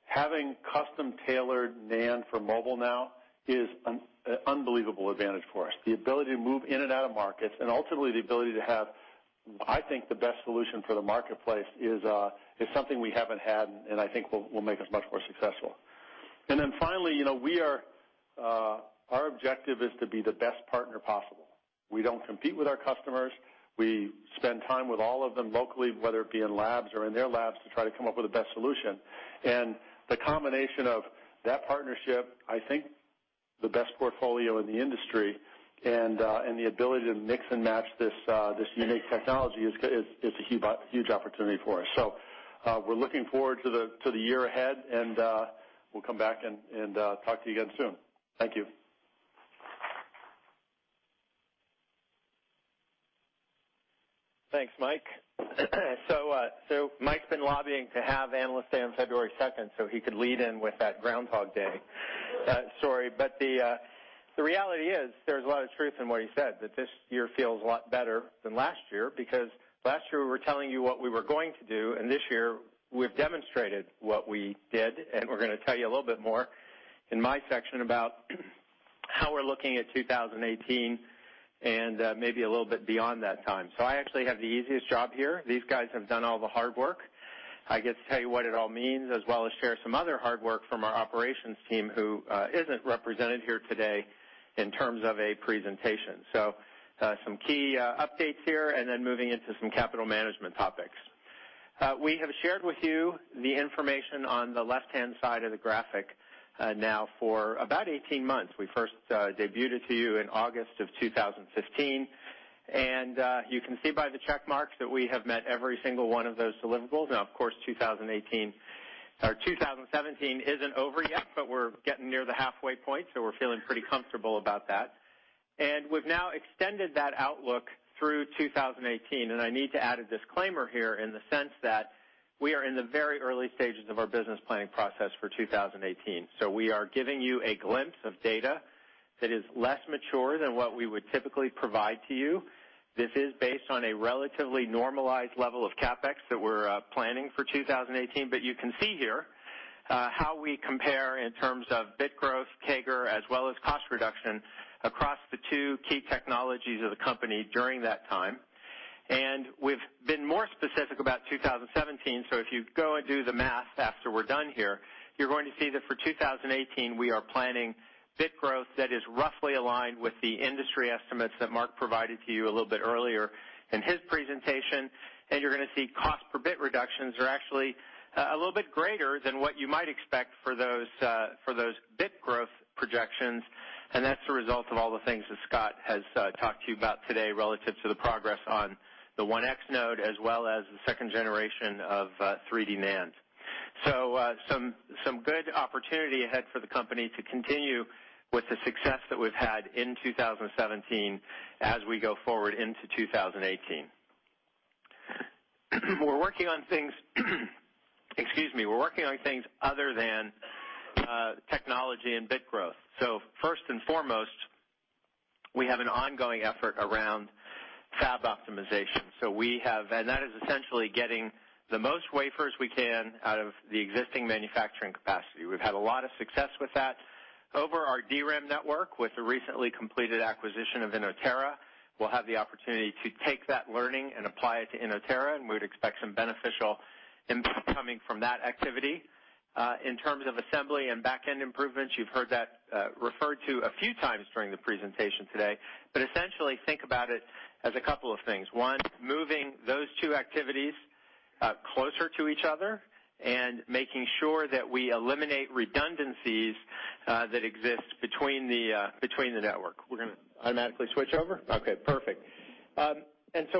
Having custom-tailored NAND for mobile now is an unbelievable advantage for us. The ability to move in and out of markets, and ultimately the ability to have, I think, the best solution for the marketplace is something we haven't had, and I think will make us much more successful. Finally, our objective is to be the best partner possible. We don't compete with our customers. We spend time with all of them locally, whether it be in labs or in their labs, to try to come up with the best solution. The combination of that partnership, I think the best portfolio in the industry, and the ability to mix and match this unique technology is a huge opportunity for us. We're looking forward to the year ahead, and we'll come back and talk to you again soon. Thank you. Thanks, Mike. Mike's been lobbying to have Analyst Day on February 2nd so he could lead in with that Groundhog Day story. The reality is, there's a lot of truth in what he said, that this year feels a lot better than last year, because last year, we were telling you what we were going to do, and this year, we've demonstrated what we did, and we're going to tell you a little bit more in my section about how we're looking at 2018 and maybe a little bit beyond that time. I actually have the easiest job here. These guys have done all the hard work. I get to tell you what it all means, as well as share some other hard work from our operations team, who isn't represented here today in terms of a presentation. Some key updates here, and then moving into some capital management topics. We have shared with you the information on the left-hand side of the graphic now for about 18 months. We first debuted it to you in August of 2015, and you can see by the check marks that we have met every single one of those deliverables. Now, of course, 2018-- or 2017 isn't over yet, but we're getting near the halfway point, so we're feeling pretty comfortable about that. We've now extended that outlook through 2018. I need to add a disclaimer here in the sense that we are in the very early stages of our business planning process for 2018. We are giving you a glimpse of data that is less mature than what we would typically provide to you. This is based on a relatively normalized level of CapEx that we're planning for 2018, you can see here how we compare in terms of bit growth, CAGR, as well as cost reduction across the two key technologies of the company during that time. We've been more specific about 2017. If you go and do the math after we're done here, you're going to see that for 2018, we are planning bit growth that is roughly aligned with the industry estimates that Mark provided to you a little bit earlier in his presentation. You're going to see cost per bit reductions are actually a little bit greater than what you might expect for those bit growth projections, and that's the result of all the things that Scott has talked to you about today relative to the progress on the 1X node, as well as the second generation of 3D NAND. Some good opportunity ahead for the company to continue with the success that we've had in 2017 as we go forward into 2018. We're working on things other than technology and bit growth. First and foremost, we have an ongoing effort around fab optimization. That is essentially getting the most wafers we can out of the existing manufacturing capacity. We've had a lot of success with that. Over our DRAM network, with the recently completed acquisition of Inotera, we'll have the opportunity to take that learning and apply it to Inotera. We would expect some beneficial impact coming from that activity. In terms of assembly and backend improvements, you've heard that referred to a few times during the presentation today, essentially think about it as a couple of things. One, moving those two activities closer to each other and making sure that we eliminate redundancies that exist between the network. We're going to automatically switch over? Okay, perfect.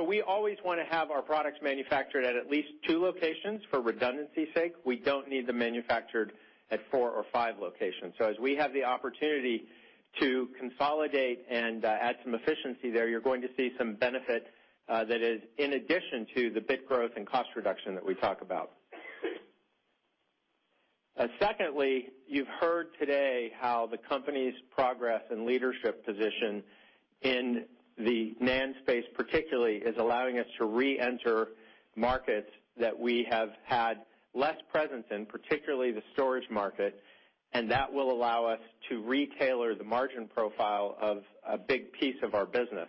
We always want to have our products manufactured at least two locations for redundancy's sake. We don't need them manufactured at four or five locations. As we have the opportunity to consolidate and add some efficiency there, you're going to see some benefit, that is in addition to the bit growth and cost reduction that we talk about. Secondly, you've heard today how the company's progress and leadership position in the NAND space particularly, is allowing us to reenter markets that we have had less presence in, particularly the storage market. That will allow us to retailor the margin profile of a big piece of our business.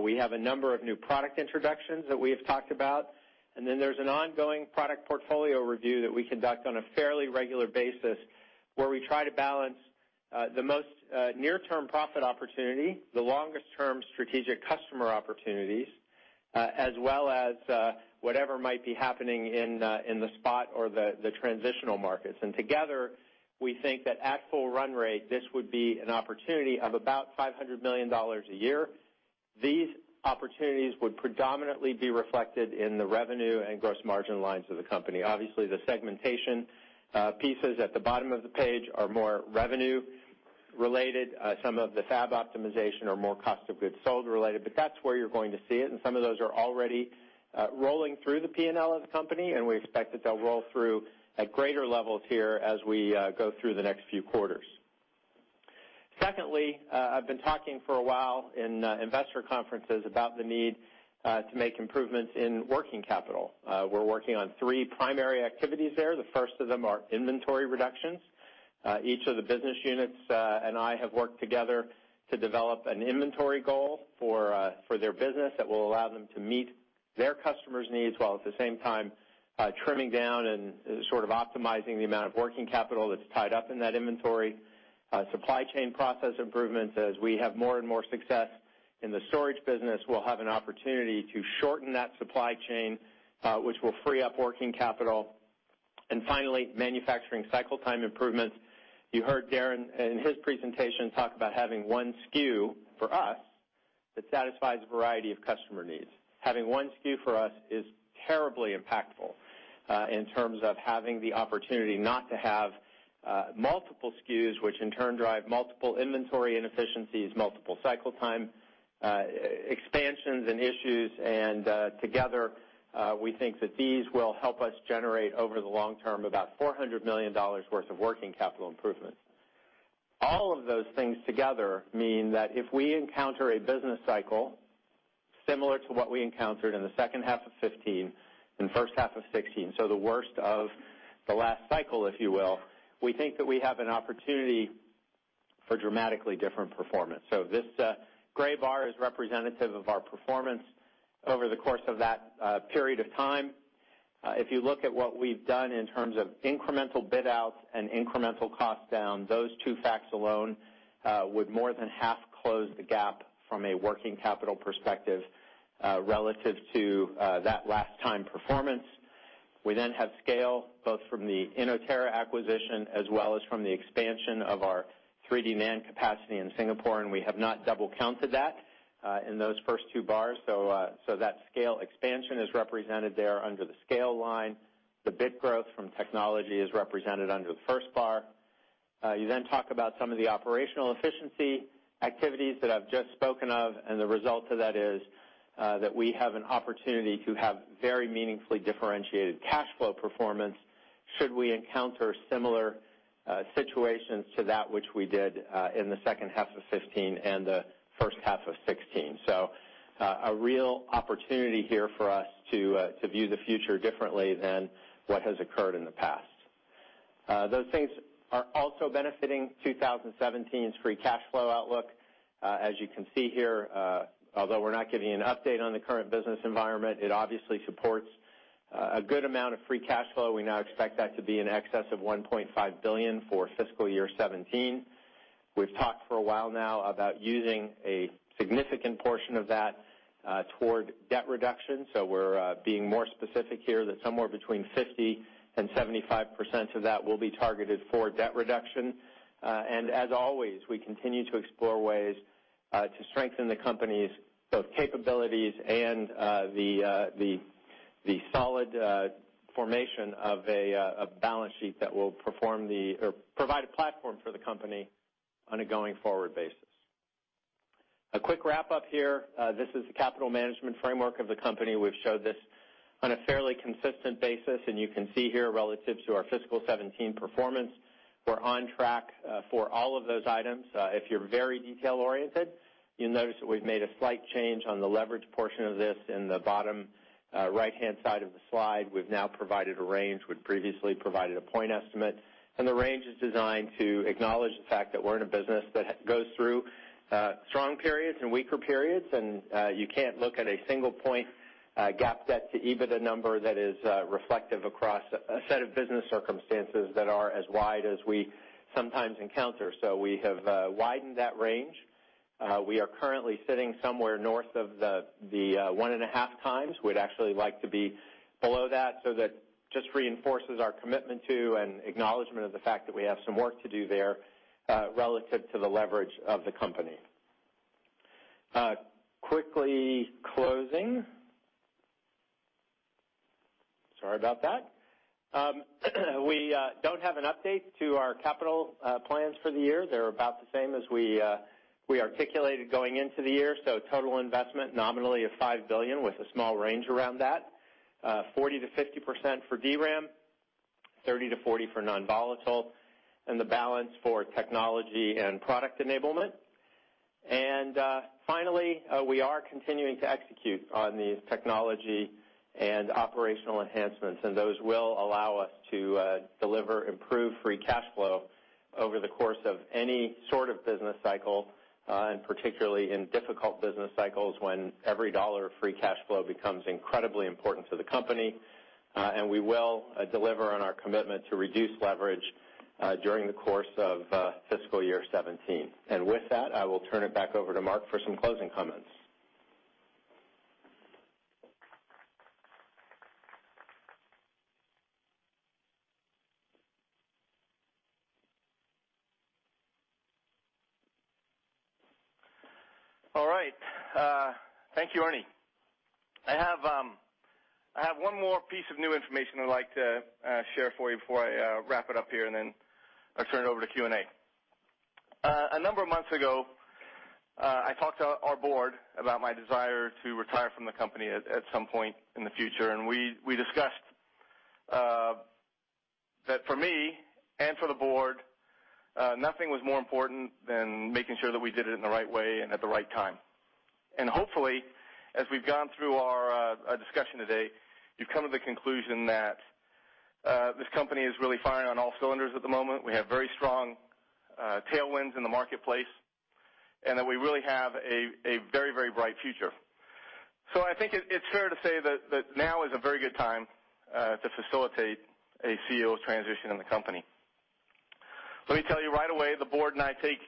We have a number of new product introductions that we have talked about. There's an ongoing product portfolio review that we conduct on a fairly regular basis, where we try to balance the most near-term profit opportunity, the longest-term strategic customer opportunities, as well as whatever might be happening in the spot or the transitional markets. Together, we think that at full run rate, this would be an opportunity of about $500 million a year. These opportunities would predominantly be reflected in the revenue and gross margin lines of the company. Obviously, the segmentation pieces at the bottom of the page are more revenue-related. Some of the fab optimization are more cost of goods sold-related, that's where you're going to see it. Some of those are already rolling through the P&L of the company. We expect that they'll roll through at greater levels here as we go through the next few quarters. Secondly, I've been talking for a while in investor conferences about the need to make improvements in working capital. We're working on three primary activities there. The first of them are inventory reductions. Each of the business units and I have worked together to develop an inventory goal for their business that will allow them to meet their customers' needs, while at the same time, trimming down and sort of optimizing the amount of working capital that's tied up in that inventory. Supply chain process improvements. As we have more and more success in the storage business, we'll have an opportunity to shorten that supply chain, which will free up working capital. Finally, manufacturing cycle time improvements. You heard Darren in his presentation talk about having one SKU for us that satisfies a variety of customer needs. Having one SKU for us is terribly impactful in terms of having the opportunity not to have multiple SKUs, which in turn drive multiple inventory inefficiencies, multiple cycle time expansions and issues. Together, we think that these will help us generate, over the long term, about $400 million worth of working capital improvements. All of those things together mean that if we encounter a business cycle similar to what we encountered in the second half of 2015 and first half of 2016, so the worst of the last cycle, if you will, we think that we have an opportunity for dramatically different performance. This gray bar is representative of our performance over the course of that period of time. If you look at what we've done in terms of incremental bit-outs and incremental cost down, those two facts alone would more than half close the gap from a working capital perspective, relative to that last time performance. We have scale, both from the Inotera acquisition as well as from the expansion of our 3D NAND capacity in Singapore, and we have not double-counted that in those first two bars. That scale expansion is represented there under the scale line. The bit growth from technology is represented under the first bar. You talk about some of the operational efficiency activities that I've just spoken of, and the result of that is that we have an opportunity to have very meaningfully differentiated cash flow performance should we encounter similar situations to that which we did in the second half of 2015 and the first half of 2016. A real opportunity here for us to view the future differently than what has occurred in the past. Those things are also benefiting 2017's free cash flow outlook. As you can see here, although we're not giving an update on the current business environment, it obviously supports a good amount of free cash flow. We now expect that to be in excess of $1.5 billion for fiscal year 2017. We've talked for a while now about using a significant portion of that toward debt reduction, so we're being more specific here that somewhere between 50% and 75% of that will be targeted for debt reduction. As always, we continue to explore ways to strengthen the company's both capabilities and the solid formation of a balance sheet that will provide a platform for the company on a going-forward basis. A quick wrap up here. This is the capital management framework of the company. We've showed this on a fairly consistent basis, and you can see here relative to our fiscal 2017 performance, we're on track for all of those items. If you're very detail-oriented, you'll notice that we've made a slight change on the leverage portion of this in the bottom right-hand side of the slide. We've now provided a range. We'd previously provided a point estimate. The range is designed to acknowledge the fact that we're in a business that goes through strong periods and weaker periods. You can't look at a single point gap debt to EBITDA number that is reflective across a set of business circumstances that are as wide as we sometimes encounter. We have widened that range. We are currently sitting somewhere north of the 1.5 times. That just reinforces our commitment to and acknowledgment of the fact that we have some work to do there, relative to the leverage of the company. Quickly closing. Sorry about that. We don't have an update to our capital plans for the year. They're about the same as we articulated going into the year. Total investment nominally of $5 billion with a small range around that. 40%-50% for DRAM, 30%-40% for non-volatile, and the balance for technology and product enablement. Finally, we are continuing to execute on these technology and operational enhancements, and those will allow us to deliver improved free cash flow over the course of any sort of business cycle, and particularly in difficult business cycles, when every dollar of free cash flow becomes incredibly important to the company. We will deliver on our commitment to reduce leverage during the course of fiscal year 2017. With that, I will turn it back over to Mark for some closing comments. All right. Thank you, Ernie. I have one more piece of new information I'd like to share for you before I wrap it up here and then I turn it over to Q&A. A number of months ago, I talked to our board about my desire to retire from the company at some point in the future. We discussed that for me and for the board, nothing was more important than making sure that we did it in the right way and at the right time. Hopefully, as we've gone through our discussion today, you've come to the conclusion that this company is really firing on all cylinders at the moment. We have very strong tailwinds in the marketplace, and that we really have a very bright future. I think it's fair to say that now is a very good time to facilitate a CEO transition in the company. Let me tell you right away, the board and I take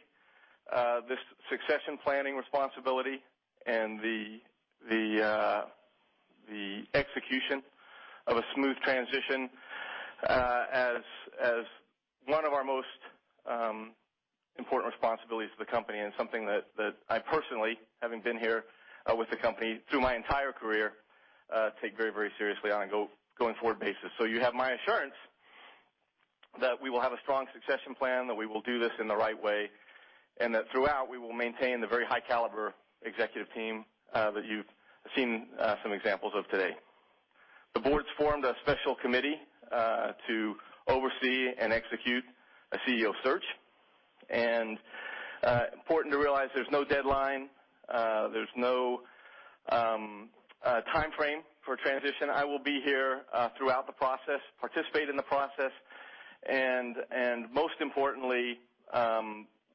this succession planning responsibility and the execution of a smooth transition as one of our most important responsibilities to the company and something that I personally, having been here with the company through my entire career, take very seriously on a going forward basis. You have my assurance that we will have a strong succession plan, that we will do this in the right way, and that throughout, we will maintain the very high-caliber executive team that you've seen some examples of today. The board's formed a special committee to oversee and execute a CEO search. Important to realize there's no deadline, there's no timeframe for transition. I will be here throughout the process, participate in the process, most importantly,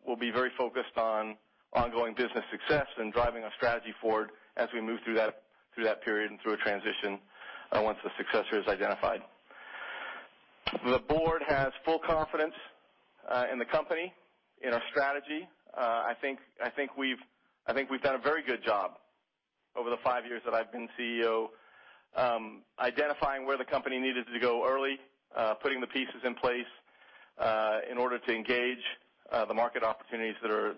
will be very focused on ongoing business success and driving our strategy forward as we move through that period and through a transition, once the successor is identified. The board has full confidence in the company, in our strategy. I think we've done a very good job over the five years that I've been CEO, identifying where the company needed to go early, putting the pieces in place in order to engage the market opportunities that are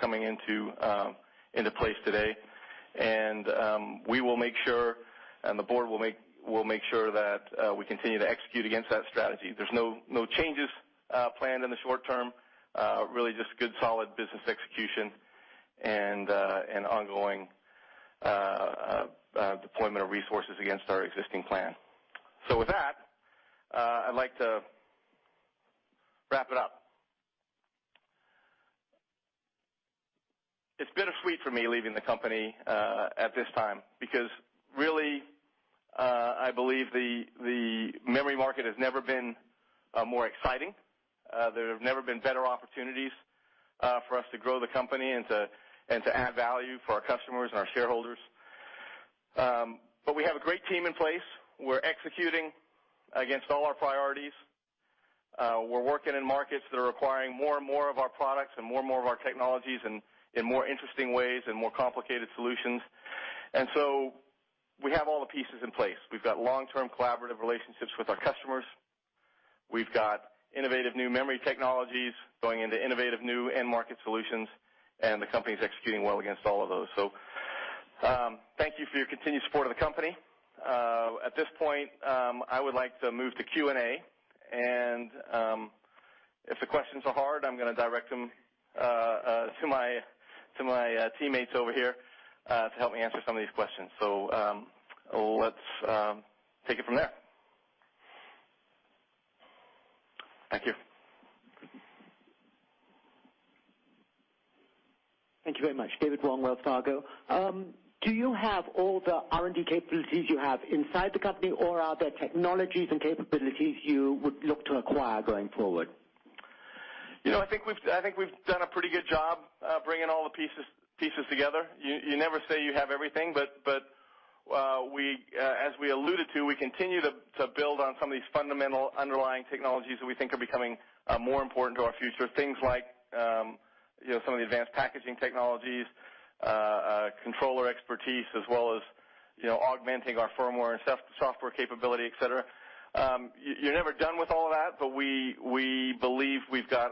coming into place today. We will make sure, and the board will make sure that we continue to execute against that strategy. There's no changes planned in the short term. Really just good solid business execution and ongoing deployment of resources against our existing plan. With that, I'd like to wrap it up. It's bittersweet for me leaving the company at this time because really, I believe the memory market has never been more exciting. There have never been better opportunities for us to grow the company and to add value for our customers and our shareholders. We have a great team in place. We're executing against all our priorities. We're working in markets that are requiring more and more of our products and more and more of our technologies in more interesting ways and more complicated solutions. We have all the pieces in place. We've got long-term collaborative relationships with our customers. We've got innovative new memory technologies going into innovative new end market solutions, and the company's executing well against all of those. Thank you for your continued support of the company. At this point, I would like to move to Q&A. If the questions are hard, I'm going to direct them to my teammates over here to help me answer some of these questions. Let's take it from there. Thank you. Thank you very much. David Wong, Wells Fargo. Do you have all the R&D capabilities you have inside the company, or are there technologies and capabilities you would look to acquire going forward? I think we've done a pretty good job bringing all the pieces together. You never say you have everything, but as we alluded to, we continue to build on some of these fundamental underlying technologies that we think are becoming more important to our future. Things like some of the advanced packaging technologies, controller expertise, as well as augmenting our firmware and software capability, et cetera. You're never done with all of that, but we believe we've got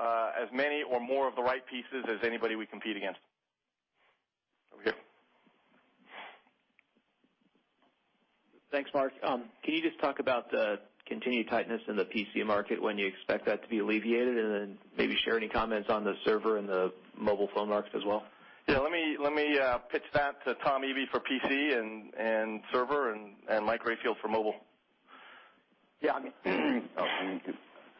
as many or more of the right pieces as anybody we compete against. Over here. Thanks, Mark. Can you just talk about the continued tightness in the PC market, when you expect that to be alleviated, and then maybe share any comments on the server and the mobile phone markets as well? Let me pitch that to Tom Eby for PC and server, and Mike Rayfield for mobile.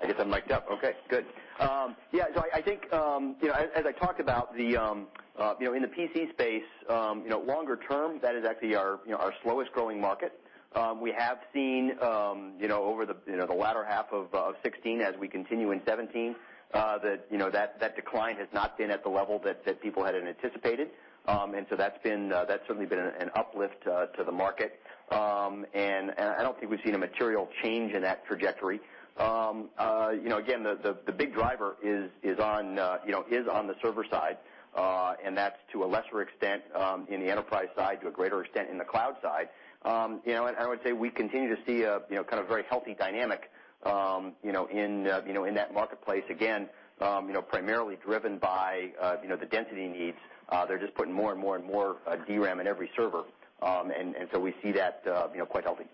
I guess I'm mic'd up. Okay, good. I think, as I talked about, in the PC space, longer-term, that is actually our slowest-growing market. We have seen, over the latter half of 2016 as we continue in 2017, that that decline has not been at the level that people had anticipated. That's certainly been an uplift to the market. I don't think we've seen a material change in that trajectory. Again, the big driver is on the server side, and that's to a lesser extent in the enterprise side, to a greater extent in the cloud side. I would say we continue to see a very healthy dynamic in that marketplace, again, primarily driven by the density needs. They're just putting more and more and more DRAM in every server, we see that quite healthy. Mike?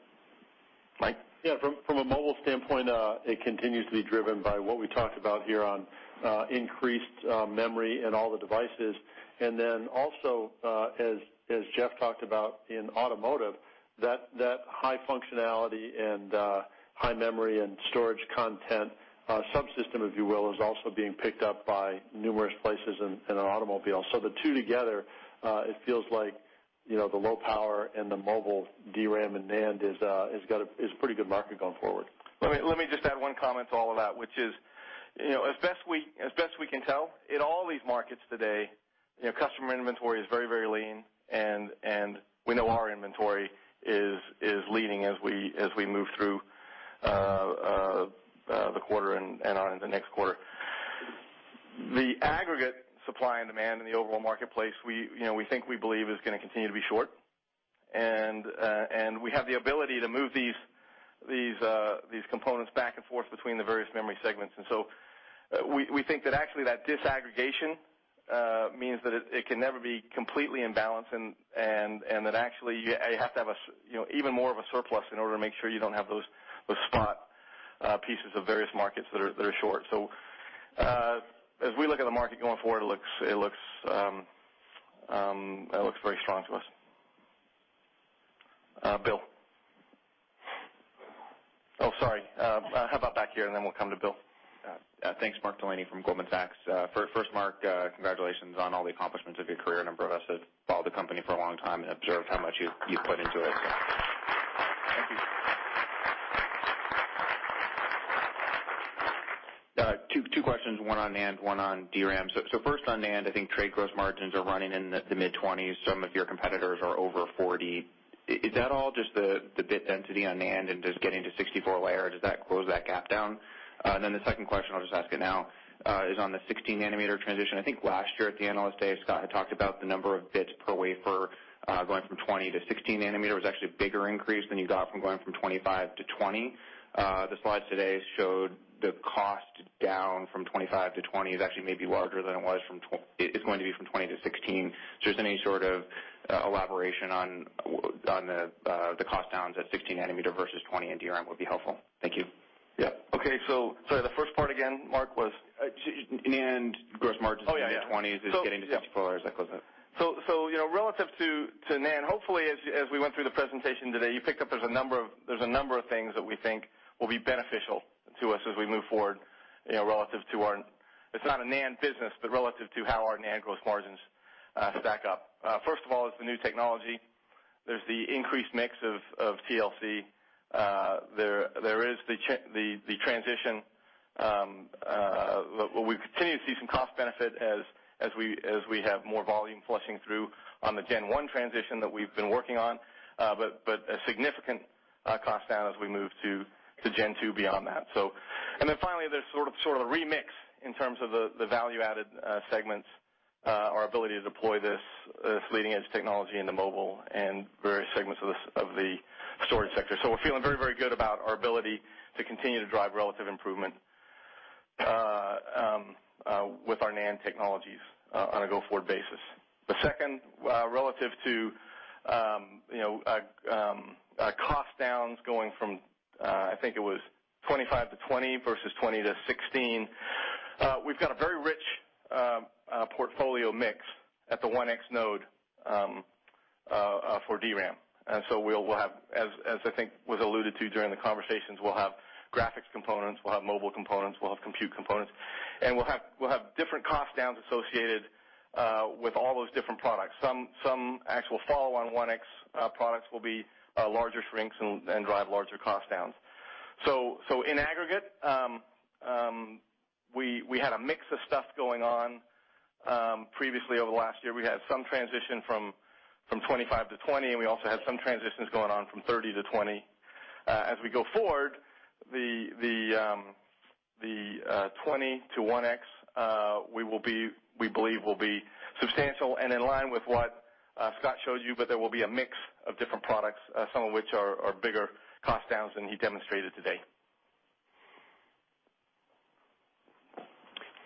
Yeah, from a mobile standpoint, it continues to be driven by what we talked about here on increased memory in all the devices. Also, as Jeff talked about in automotive, that high functionality and high memory and storage content subsystem, if you will, is also being picked up by numerous places in an automobile. The two together, it feels like the low power and the mobile DRAM and NAND is a pretty good market going forward. Let me just add one comment to all of that, which is, as best we can tell, in all these markets today, customer inventory is very lean, and we know our inventory is leaning as we move through the quarter and on in the next quarter. The aggregate supply and demand in the overall marketplace we think, we believe, is going to continue to be short. We have the ability to move these components back and forth between the various memory segments. We think that actually that disaggregation means that it can never be completely in balance, and that actually, you have to have even more of a surplus in order to make sure you don't have those spot pieces of various markets that are short. As we look at the market going forward, it looks very strong to us. Bill. Oh, sorry. How about back here, and then we'll come to Bill. Thanks, Mark. Delaney from Goldman Sachs. First, Mark, congratulations on all the accomplishments of your career. A number of us have followed the company for a long time and observed how much you've put into it. Thank you. Two questions, one on NAND, one on DRAM. First on NAND, I think trade gross margins are running in the mid-20s. Some of your competitors are over 40. Is that all just the bit density on NAND and just getting to 64-layer? Does that close that gap down? The second question, I'll just ask it now, is on the 16-nanometer transition. I think last year at the Analyst Day, Scott had talked about the number of bits per wafer going from 20 to 16 nanometer was actually a bigger increase than you got from going from 25 to 20. The slides today showed the cost down from 25 to 20 is actually maybe larger than it's going to be from 20 to 16. Just any sort of elaboration on the cost downs at 16 nanometer versus 20 in DRAM would be helpful. Thank you. Yep. Okay, sorry, the first part again, Mark, was? NAND gross margins- Oh, yeah in the 20s is getting to 64. Does that close it? Relative to NAND, hopefully, as we went through the presentation today, you picked up there's a number of things that we think will be beneficial to us as we move forward, relative to how our NAND gross margins stack up. First of all, it's the new technology. There's the increased mix of TLC. There is the transition. We continue to see some cost benefit as we have more volume flushing through on the Gen 1 transition that we've been working on. A significant cost down as we move to Gen 2 beyond that. Finally, there's sort of a remix in terms of the value-added segments, our ability to deploy this leading-edge technology into mobile and various segments of the storage sector. We're feeling very good about our ability to continue to drive relative improvement With our NAND technologies on a go-forward basis. The second, relative to our cost downs going from, I think it was 25 to 20 versus 20 to 16. We've got a very rich portfolio mix at the 1X node for DRAM. We'll have, as I think was alluded to during the conversations, we'll have graphics components, we'll have mobile components, we'll have compute components. We'll have different cost downs associated with all those different products. Some actual follow-on 1X products will be larger shrinks and drive larger cost downs. In aggregate, we had a mix of stuff going on. Previously, over the last year, we had some transition from 25 to 20, and we also had some transitions going on from 30 to 20. As we go forward, the 20 to 1X, we believe will be substantial and in line with what Scott showed you, but there will be a mix of different products, some of which are bigger cost downs than he demonstrated today.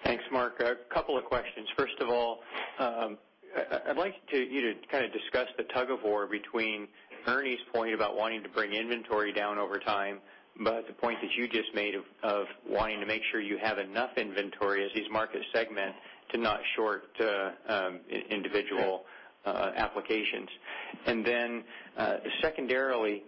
Thanks, Mark. A couple of questions. First of all, I'd like you to discuss the tug of war between Ernie's point about wanting to bring inventory down over time, but the point that you just made of wanting to make sure you have enough inventory as these market segment to not short individual applications. Secondarily,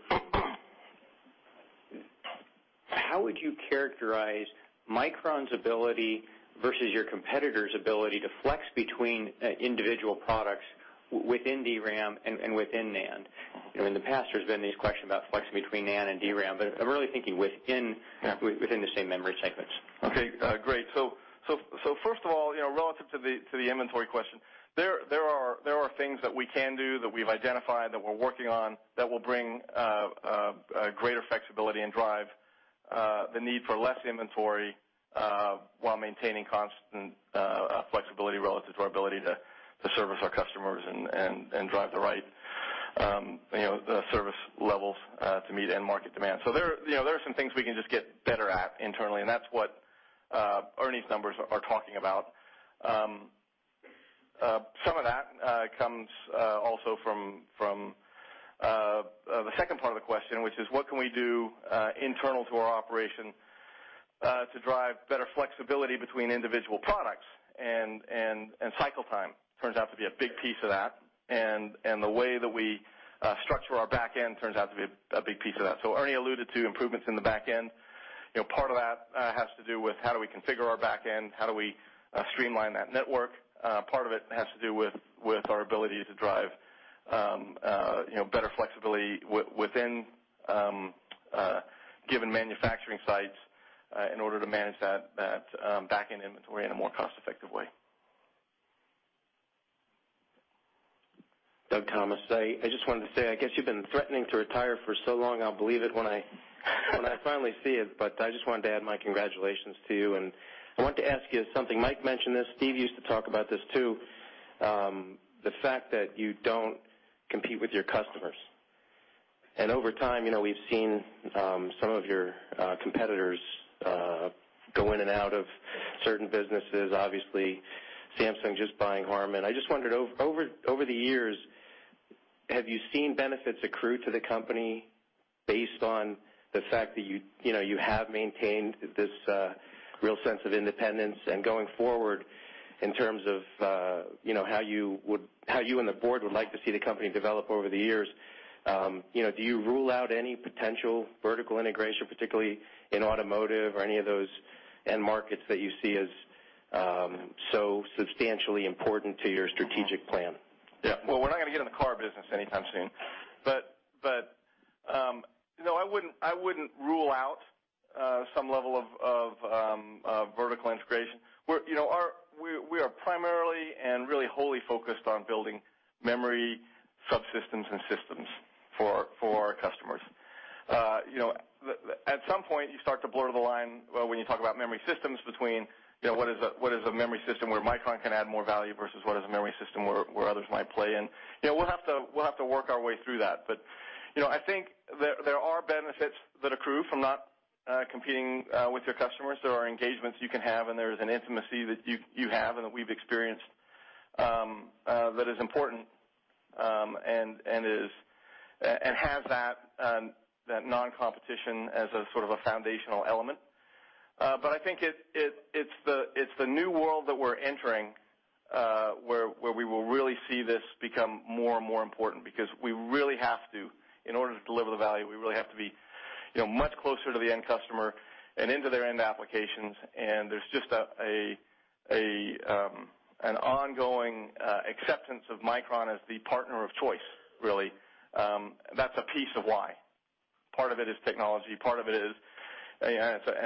how would you characterize Micron's ability versus your competitor's ability to flex between individual products within DRAM and within NAND? In the past, there's been these questions about flexing between NAND and DRAM, but I'm really thinking within- Yeah the same memory segments. Okay, great. First of all, relative to the inventory question, there are things that we can do that we've identified, that we're working on, that will bring greater flexibility and drive the need for less inventory, while maintaining constant flexibility relative to our ability to service our customers and drive the right service levels to meet end market demand. There are some things we can just get better at internally, and that's what Ernie's numbers are talking about. Some of that comes also from the second part of the question, which is what can we do internal to our operation to drive better flexibility between individual products and cycle time, turns out to be a big piece of that. The way that we structure our back end turns out to be a big piece of that. Ernie alluded to improvements in the back end. Part of that has to do with how do we configure our back end, how do we streamline that network. Part of it has to do with our ability to drive better flexibility within given manufacturing sites in order to manage that back-end inventory in a more cost-effective way. Doug Thomas. I just wanted to say, I guess you've been threatening to retire for so long, I'll believe it when I finally see it, but I just wanted to add my congratulations to you. I wanted to ask you something. Mike mentioned this, Steve used to talk about this, too. The fact that you don't compete with your customers. Over time, we've seen some of your competitors go in and out of certain businesses. Obviously, Samsung just buying HARMAN. I just wondered, over the years, have you seen benefits accrue to the company based on the fact that you have maintained this real sense of independence? Going forward, in terms of how you and the board would like to see the company develop over the years, do you rule out any potential vertical integration, particularly in automotive or any of those end markets that you see as so substantially important to your strategic plan? Yeah. Well, we're not going to get in the car business anytime soon. No, I wouldn't rule out some level of vertical integration. We are primarily and really wholly focused on building memory subsystems and systems for our customers. At some point, you start to blur the line when you talk about memory systems between what is a memory system where Micron can add more value versus what is a memory system where others might play in. We'll have to work our way through that. I think there are benefits that accrue from not competing with your customers. There are engagements you can have, and there is an intimacy that you have and that we've experienced that is important and has that non-competition as a sort of a foundational element. I think it's the new world that we're entering where we will really see this become more and more important because we really have to. In order to deliver the value, we really have to be much closer to the end customer and into their end applications, and there's just an ongoing acceptance of Micron as the partner of choice, really. That's a piece of why. Part of it is technology, part of it is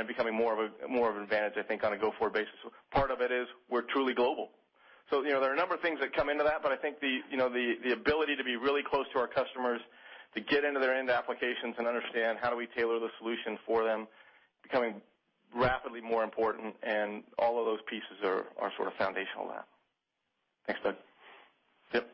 becoming more of an advantage, I think, on a go-forward basis. Part of it is we're truly global. There are a number of things that come into that, but I think the ability to be really close to our customers, to get into their end applications and understand how do we tailor the solution for them, becoming rapidly more important, and all of those pieces are sort of foundational to that. Thanks, Doug. Yep.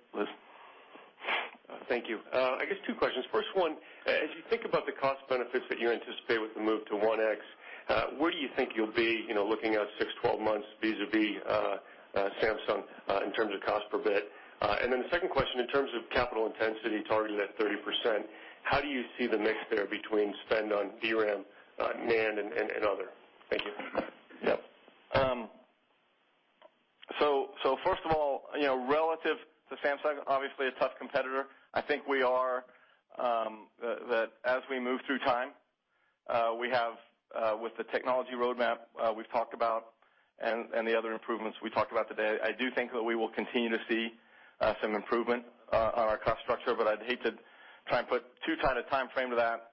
Thank you. I guess two questions. First one, as you think about the cost benefits that you anticipate with the move to 1X, where do you think you'll be, looking at six, 12 months vis-a-vis Samsung in terms of cost per bit? The second question, in terms of capital intensity targeted at 30%, how do you see the mix there between spend on DRAM, NAND, and other? Thank you. Yep. First of all, relative to Samsung, obviously a tough competitor. I think that as we move through time, with the technology roadmap we've talked about and the other improvements we talked about today, I do think that we will continue to see some improvement on our cost structure, but I'd hate to try and put too tight a timeframe to that,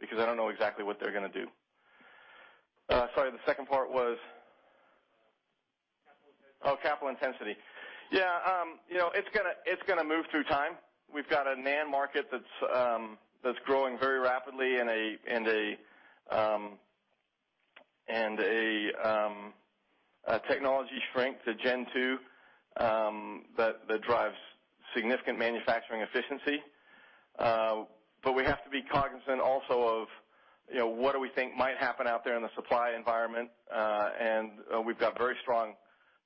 because I don't know exactly what they're going to do. Sorry, the second part was? Capital intensity. Oh, capital intensity. Yeah. It's going to move through time. We've got a NAND market that's growing very rapidly and a technology shrink to gen 2 that drives significant manufacturing efficiency. We have to be cognizant also of what do we think might happen out there in the supply environment. We've got very strong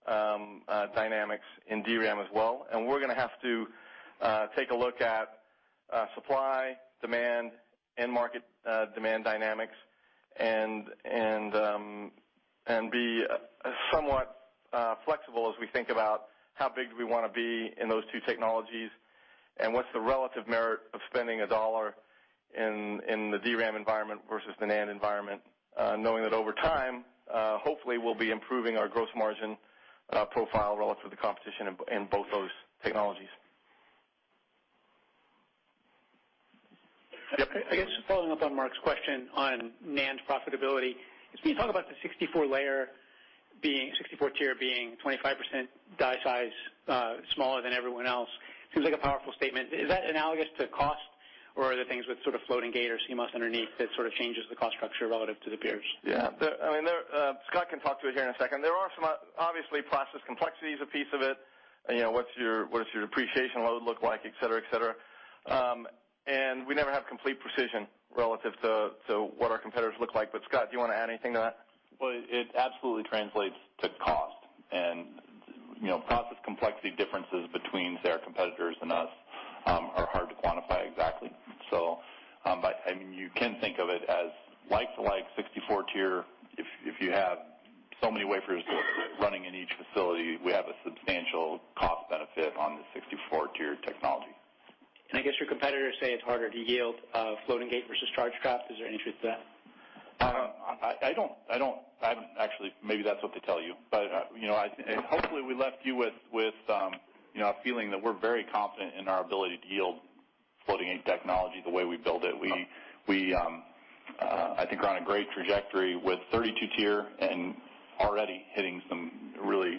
dynamics in DRAM as well. We're going to have to take a look at supply, demand, end market demand dynamics, and be somewhat flexible as we think about how big do we want to be in those two technologies, and what's the relative merit of spending $1 in the DRAM environment versus the NAND environment, knowing that over time, hopefully, we'll be improving our gross margin profile relative to the competition in both those technologies. Yep. I guess following up on Mark's question on NAND profitability, as we talk about the 64 tier being 25% die size, smaller than everyone else, seems like a powerful statement. Is that analogous to cost, or are there things with sort of floating gate or CMOS underneath that sort of changes the cost structure relative to the peers? Yeah. Scott can talk to it here in a second. Obviously, process complexity is a piece of it. What does your depreciation load look like, et cetera. We never have complete precision relative to what our competitors look like. Scott, do you want to add anything to that? Well, it absolutely translates to cost and process complexity differences between their competitors and us are hard to quantify exactly. You can think of it as like 64-tier, if you have so many wafers running in each facility, we have a substantial cost benefit on the 64-tier technology. I guess your competitors say it's harder to yield floating gate versus charge trap. Is there any truth to that? Actually, maybe that's what they tell you, but hopefully, we left you with a feeling that we're very confident in our ability to yield floating gate technology the way we build it. I think we're on a great trajectory with 32-tier and already hitting some really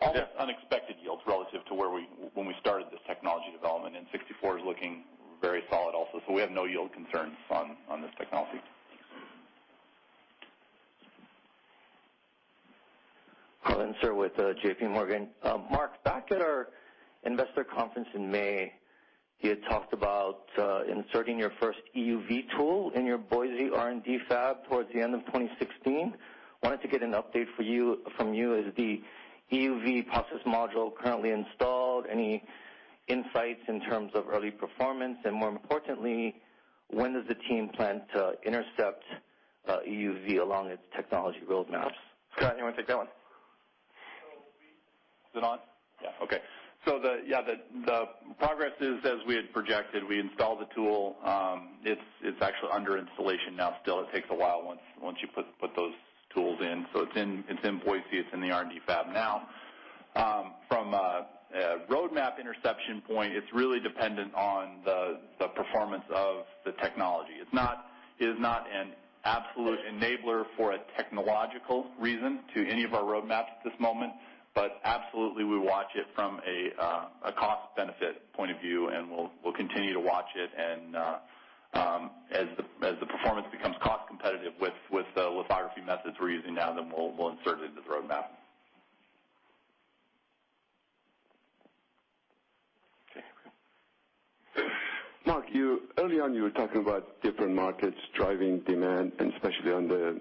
almost unexpected yields relative to when we started this technology development, and 64 is looking very solid also. We have no yield concerns on this technology. Thanks. Harlan Sur with JPMorgan. Mark, back at our investor conference in May, you had talked about inserting your first EUV tool in your Boise R&D fab towards the end of 2016. Wanted to get an update from you. Is the EUV process module currently installed? Any insights in terms of early performance, and more importantly, when does the team plan to intercept EUV along its technology roadmaps? Scott, you want to take that one? Is it on? Yeah. Okay. The progress is as we had projected, we installed the tool. It's actually under installation now still. It takes a while once you put those tools in. It's in Boise, it's in the R&D fab now. From a roadmap interception point, it's really dependent on the performance of the technology. It is not an absolute enabler for a technological reason to any of our roadmaps at this moment. Absolutely, we watch it from a cost-benefit point of view, and we'll continue to watch it. As the performance becomes cost competitive with the lithography methods we're using now, we'll insert it into the roadmap. Okay. Mark, early on, you were talking about different markets driving demand, and especially on the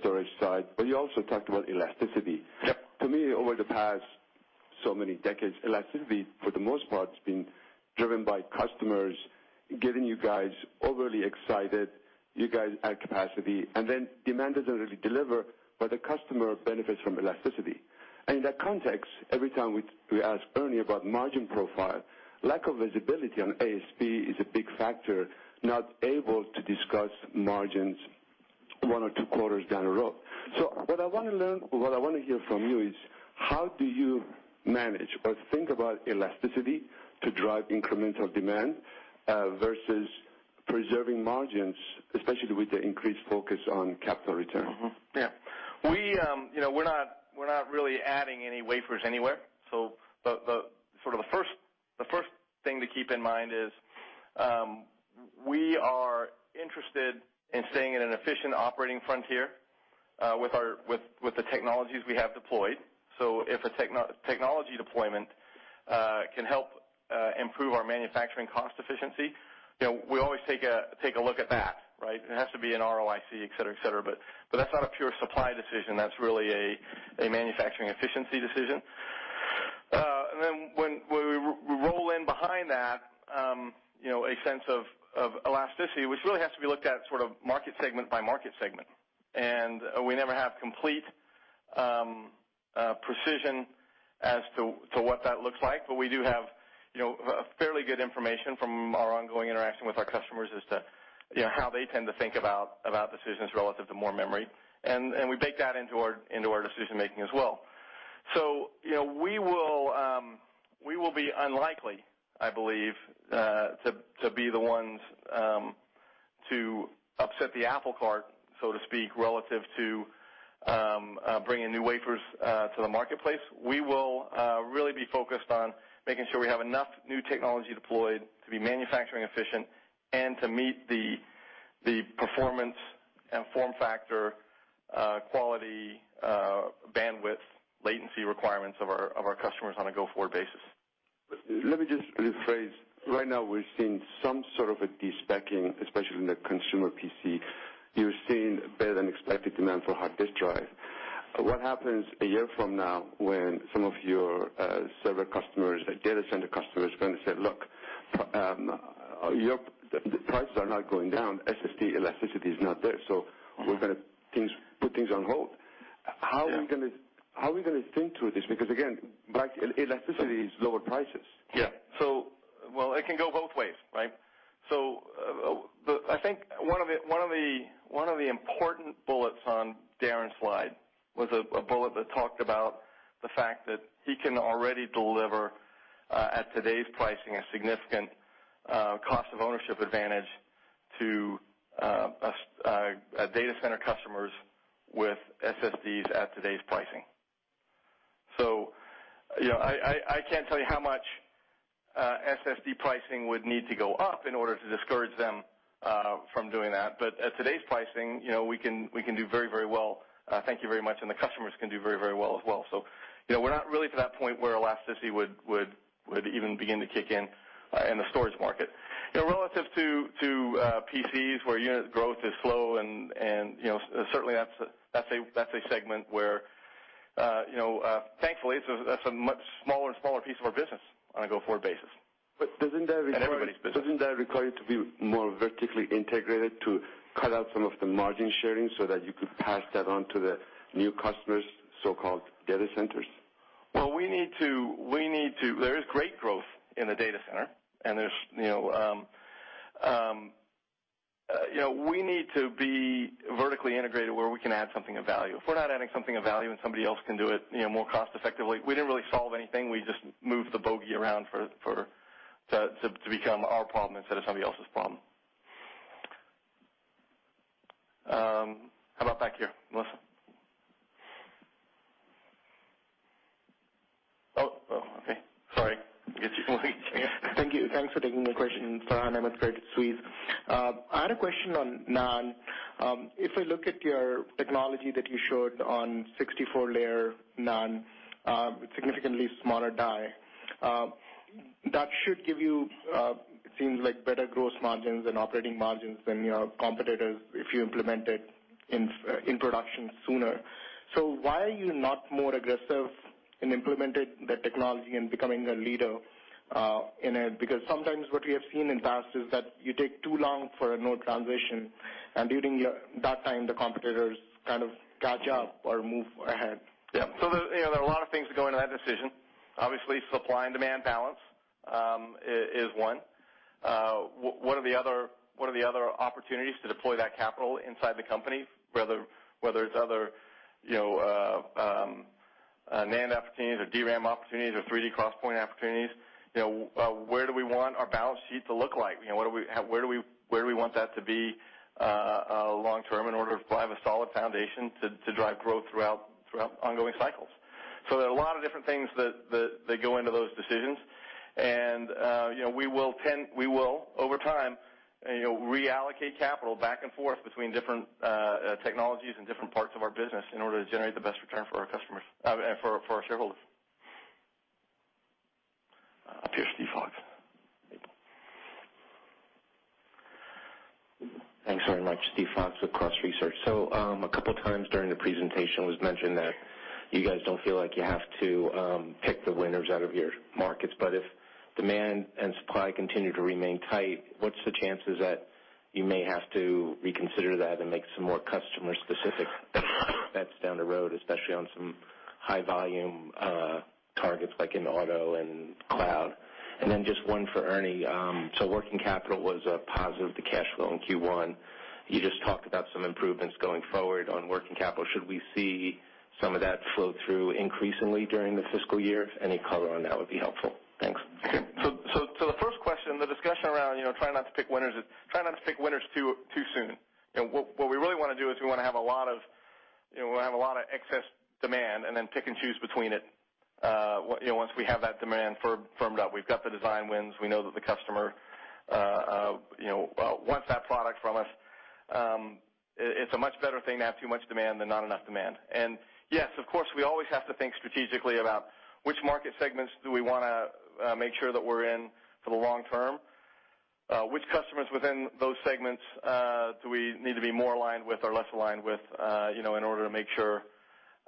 storage side, but you also talked about elasticity. Yep. To me, over the past so many decades, elasticity, for the most part, has been driven by customers getting you guys overly excited, you guys add capacity, and then demand doesn't really deliver, but the customer benefits from elasticity. In that context, every time we ask Ernie about margin profile, lack of visibility on ASP is a big factor, not able to discuss margins one or two quarters down the road. What I want to hear from you is how do you manage or think about elasticity to drive incremental demand, versus preserving margins, especially with the increased focus on capital return? Yeah. We're not really adding any wafers anywhere. The first thing to keep in mind is, we are interested in staying in an efficient operating frontier with the technologies we have deployed. If a technology deployment can help improve our manufacturing cost efficiency, we always take a look at that, right? It has to be an ROIC, et cetera. That's not a pure supply decision. That's really a manufacturing efficiency decision. Then when we roll in behind that, a sense of elasticity, which really has to be looked at sort of market segment by market segment. We never have complete precision as to what that looks like. We do have fairly good information from our ongoing interaction with our customers as to how they tend to think about decisions relative to more memory. We bake that into our decision-making as well. We will be unlikely, I believe, to be the ones to upset the apple cart, so to speak, relative to bringing new wafers to the marketplace. We will really be focused on making sure we have enough new technology deployed to be manufacturing efficient and to meet the performance and form factor, quality, bandwidth, latency requirements of our customers on a go-forward basis. Let me just rephrase. Right now, we're seeing some sort of a despeccing, especially in the consumer PC. You're seeing better-than-expected demand for hard disk drive. What happens a year from now when some of your server customers, data center customers, are going to say, "Look, your prices are not going down, SSD elasticity is not there, so we're going to put things on hold. Yeah. How are we going to think through this? Because again, elasticity is lower prices. Yeah. Well, it can go both ways, right? I think one of the important bullets on Darren's slide was a bullet that talked about the fact that he can already deliver, at today's pricing, a significant cost of ownership advantage to data center customers with SSDs at today's pricing. I can't tell you how much SSD pricing would need to go up in order to discourage them from doing that. But at today's pricing we can do very well, thank you very much, and the customers can do very well as well. We're not really to that point where elasticity would even begin to kick in the storage market. Relative to PCs, where unit growth is slow and certainly that's a segment where thankfully, that's a much smaller piece of our business on a go-forward basis. Doesn't that- Everybody's business. Doesn't that require you to be more vertically integrated to cut out some of the margin sharing so that you could pass that on to the new customers, so-called data centers? Well, there is great growth in the data center, we need to be vertically integrated where we can add something of value. If we're not adding something of value and somebody else can do it more cost-effectively, we didn't really solve anything. We just moved the bogey around for it to become our problem instead of somebody else's problem. How about back here, Melissa? Oh, okay. Sorry. I guess you can wait Thank you. Thanks for taking my question. Farhan Ahmad, Credit Suisse. I had a question on NAND. If I look at your technology that you showed on 64-layer NAND, significantly smaller die, that should give you, it seems like, better gross margins and operating margins than your competitors if you implement it in production sooner. Why are you not more aggressive in implementing the technology and becoming a leader in it? Because sometimes what we have seen in the past is that you take too long for a node transition, during that time, the competitors kind of catch up or move ahead. Yeah. There are a lot of things that go into that decision. Obviously, supply and demand balance is one. What are the other opportunities to deploy that capital inside the company, whether it's other NAND opportunities or DRAM opportunities or 3D XPoint opportunities. Where do we want our balance sheet to look like? Where do we want that to be long-term in order to have a solid foundation to drive growth throughout ongoing cycles? There are a lot of different things that go into those decisions, we will, over time, reallocate capital back and forth between different technologies and different parts of our business in order to generate the best return for our shareholders. Up here, Steve Fox. Thanks very much. Steve Fox with Cross Research. A couple of times during the presentation, it was mentioned that you guys don't feel like you have to pick the winners out of your markets. If demand and supply continue to remain tight, what's the chances that you may have to reconsider that and make some more customer-specific bets down the road, especially on some high-volume targets like in auto and cloud? Then just one for Ernie. Working capital was a positive to cash flow in Q1. You just talked about some improvements going forward on working capital. Should we see some of that flow through increasingly during the fiscal year? Any color on that would be helpful. Thanks. Okay. The first question, the discussion around trying not to pick winners too soon. What we really want to do is we want to have a lot of excess demand and then pick and choose between it. Once we have that demand firmed up, we've got the design wins, we know that the customer wants that product from us. It's a much better thing to have too much demand than not enough demand. Yes, of course, we always have to think strategically about which market segments do we want to make sure that we're in for the long term, which customers within those segments do we need to be more aligned with or less aligned with in order to make sure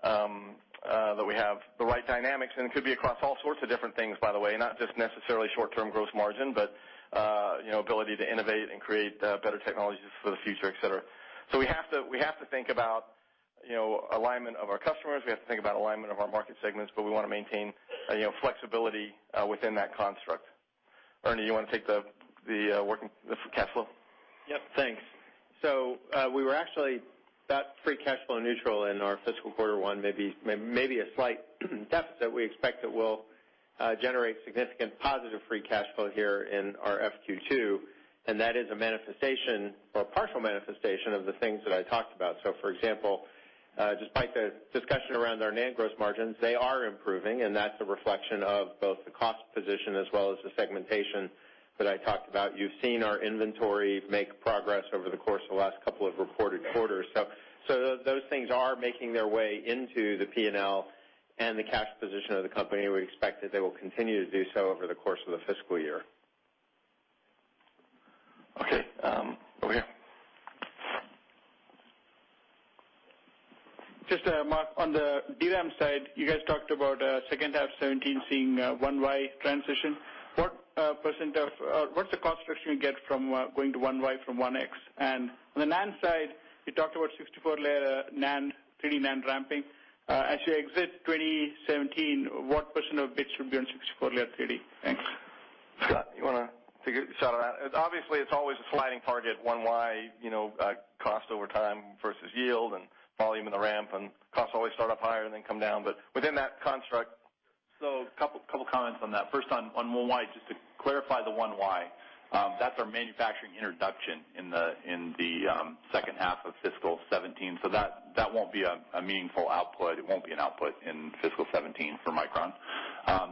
that we have the right dynamics. It could be across all sorts of different things, by the way, not just necessarily short-term gross margin, but ability to innovate and create better technologies for the future, et cetera. We have to think about alignment of our customers. We have to think about alignment of our market segments, but we want to maintain flexibility within that construct. Ernie, you want to take the free cash flow? Yep. Thanks. We were actually about free cash flow neutral in our fiscal quarter one, maybe a slight deficit. We expect it will generate significant positive free cash flow here in our FQ2, that is a manifestation or a partial manifestation of the things that I talked about. For example, despite the discussion around our NAND gross margins, they are improving, that's a reflection of both the cost position as well as the segmentation that I talked about. You've seen our inventory make progress over the course of the last couple of reported quarters. Those things are making their way into the P&L and the cash position of the company. We expect that they will continue to do so over the course of the fiscal year. Okay. Over here. Mark, on the DRAM side, you guys talked about second half 2017 seeing 1Y transition. What's the cost structure you get from going to 1Y from 1X? On the NAND side, you talked about 64-layer 3D NAND ramping. As you exit 2017, what percent of bits should be on 64-layer 3D? Thanks. Scott, you want to take a shot at that? Obviously, it's always a sliding target, 1Y, cost over time versus yield and volume in the ramp, costs always start up higher and then come down, but within that construct. A couple of comments on that. First, on 1Y, just to clarify the 1Y, that's our manufacturing introduction in the second half of FY 2017. That won't be a meaningful output. It won't be an output in FY 2017 for Micron.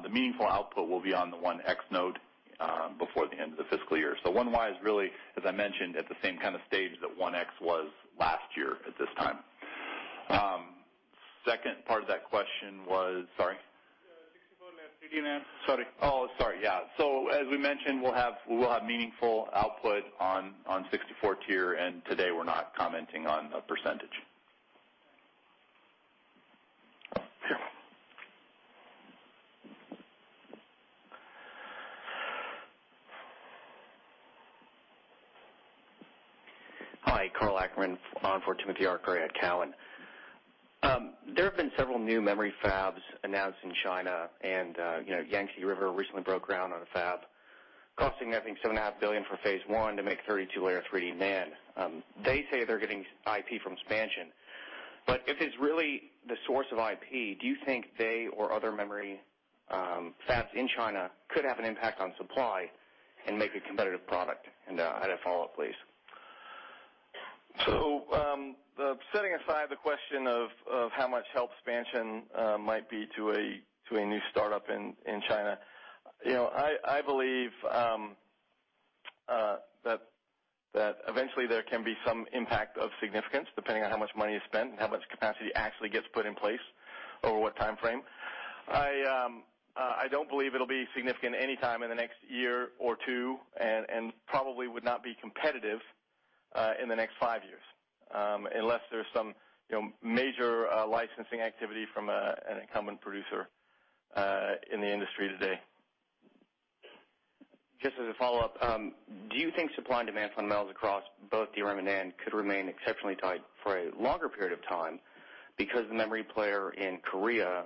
The meaningful output will be on the 1X node before the end of the fiscal year. 1Y is really, as I mentioned, at the same kind of stage that 1X was last year at this time. Second part of that question, sorry. 64-layer 3D NAND. Sorry. Oh, sorry. Yeah. As we mentioned, we'll have meaningful output on 64 tier. Today we're not commenting on a percentage. Sure. Hi, Karl Ackerman on for Timothy Arcuri at Cowen. There have been several new memory fabs announced in China. Yangtze River recently broke ground on a fab costing, I think, $7.5 billion for phase 1 to make 32-layer 3D NAND. They say they're getting IP from Spansion. If it's really the source of IP, do you think they or other memory fabs in China could have an impact on supply and make a competitive product? I had a follow-up, please. Setting aside the question of how much help Spansion might be to a new startup in China, I believe that eventually there can be some impact of significance, depending on how much money is spent and how much capacity actually gets put in place over what timeframe. I don't believe it'll be significant anytime in the next year or two. Probably would not be competitive in the next five years, unless there's some major licensing activity from an incumbent producer in the industry today. Just as a follow-up, do you think supply and demand fundamentals across both DRAM and NAND could remain exceptionally tight for a longer period of time because the memory player in Korea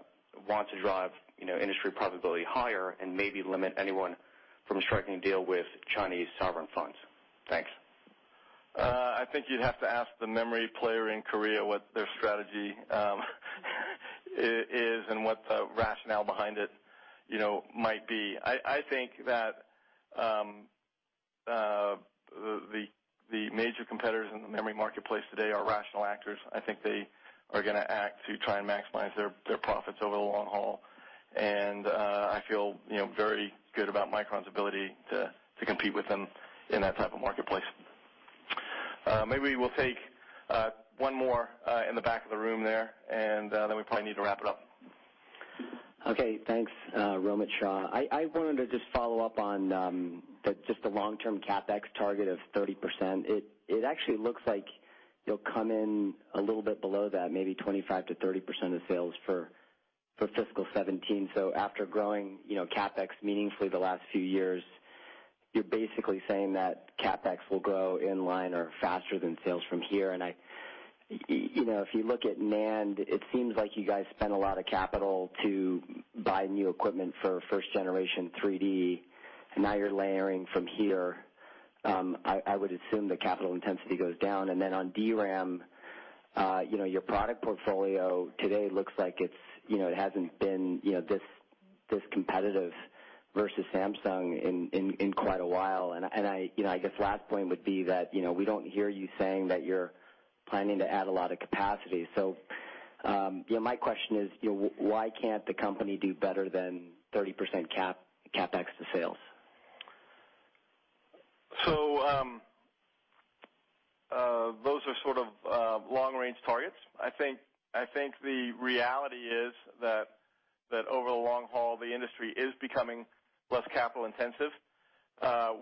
wants to drive industry profitability higher and maybe limit anyone from striking a deal with Chinese sovereign funds? Thanks. I think you'd have to ask the memory player in Korea what their strategy is and what the rationale behind it might be. I think that the major competitors in the memory marketplace today are rational actors. I think they are going to act to try and maximize their profits over the long haul. I feel very good about Micron's ability to compete with them in that type of marketplace. Maybe we'll take one more in the back of the room there, then we probably need to wrap it up. Okay. Thanks. Rohit Shah. I wanted to just follow up on just the long-term CapEx target of 30%. It actually looks like you'll come in a little bit below that, maybe 25%-30% of sales for fiscal 2017. After growing CapEx meaningfully the last few years, you're basically saying that CapEx will grow in line or faster than sales from here. If you look at NAND, it seems like you guys spent a lot of capital to buy new equipment for first generation 3D, now you're layering from here. I would assume the capital intensity goes down. Then on DRAM, your product portfolio today looks like it hasn't been this competitive versus Samsung in quite a while. I guess last point would be that, we don't hear you saying that you're planning to add a lot of capacity. My question is why can't the company do better than 30% CapEx to sales? Those are sort of long-range targets. I think the reality is that over the long haul, the industry is becoming less capital-intensive.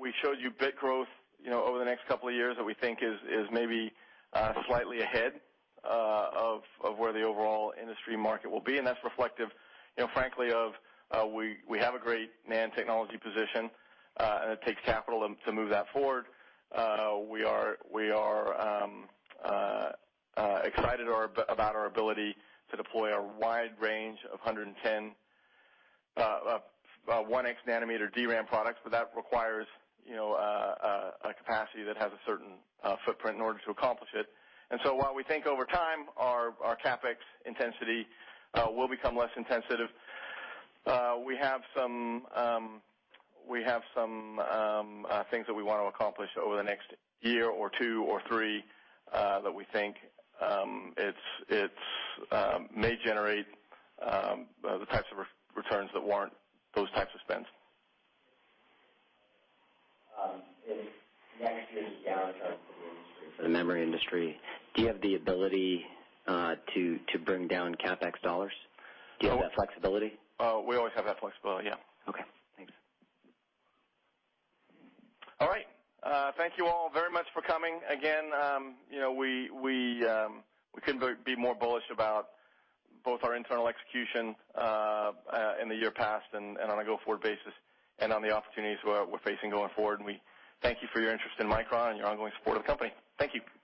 We showed you bit growth over the next couple of years that we think is maybe slightly ahead of where the overall industry market will be, and that's reflective, frankly of we have a great NAND technology position, and it takes capital to move that forward. We are excited about our ability to deploy a wide range of 110, 1X nanometer DRAM products, but that requires a capacity that has a certain footprint in order to accomplish it. While we think over time our CapEx intensity will become less intensive, we have some things that we want to accomplish over the next year or two or three, that we think may generate the types of returns that warrant those types of spends. If next year's a downturn for the memory industry, do you have the ability to bring down CapEx dollars? Do you have that flexibility? We always have that flexibility, yeah. Okay, thanks. All right. Thank you all very much for coming. Again, we couldn't be more bullish about both our internal execution in the year passed and on a go-forward basis and on the opportunities we're facing going forward. We thank you for your interest in Micron and your ongoing support of the company. Thank you.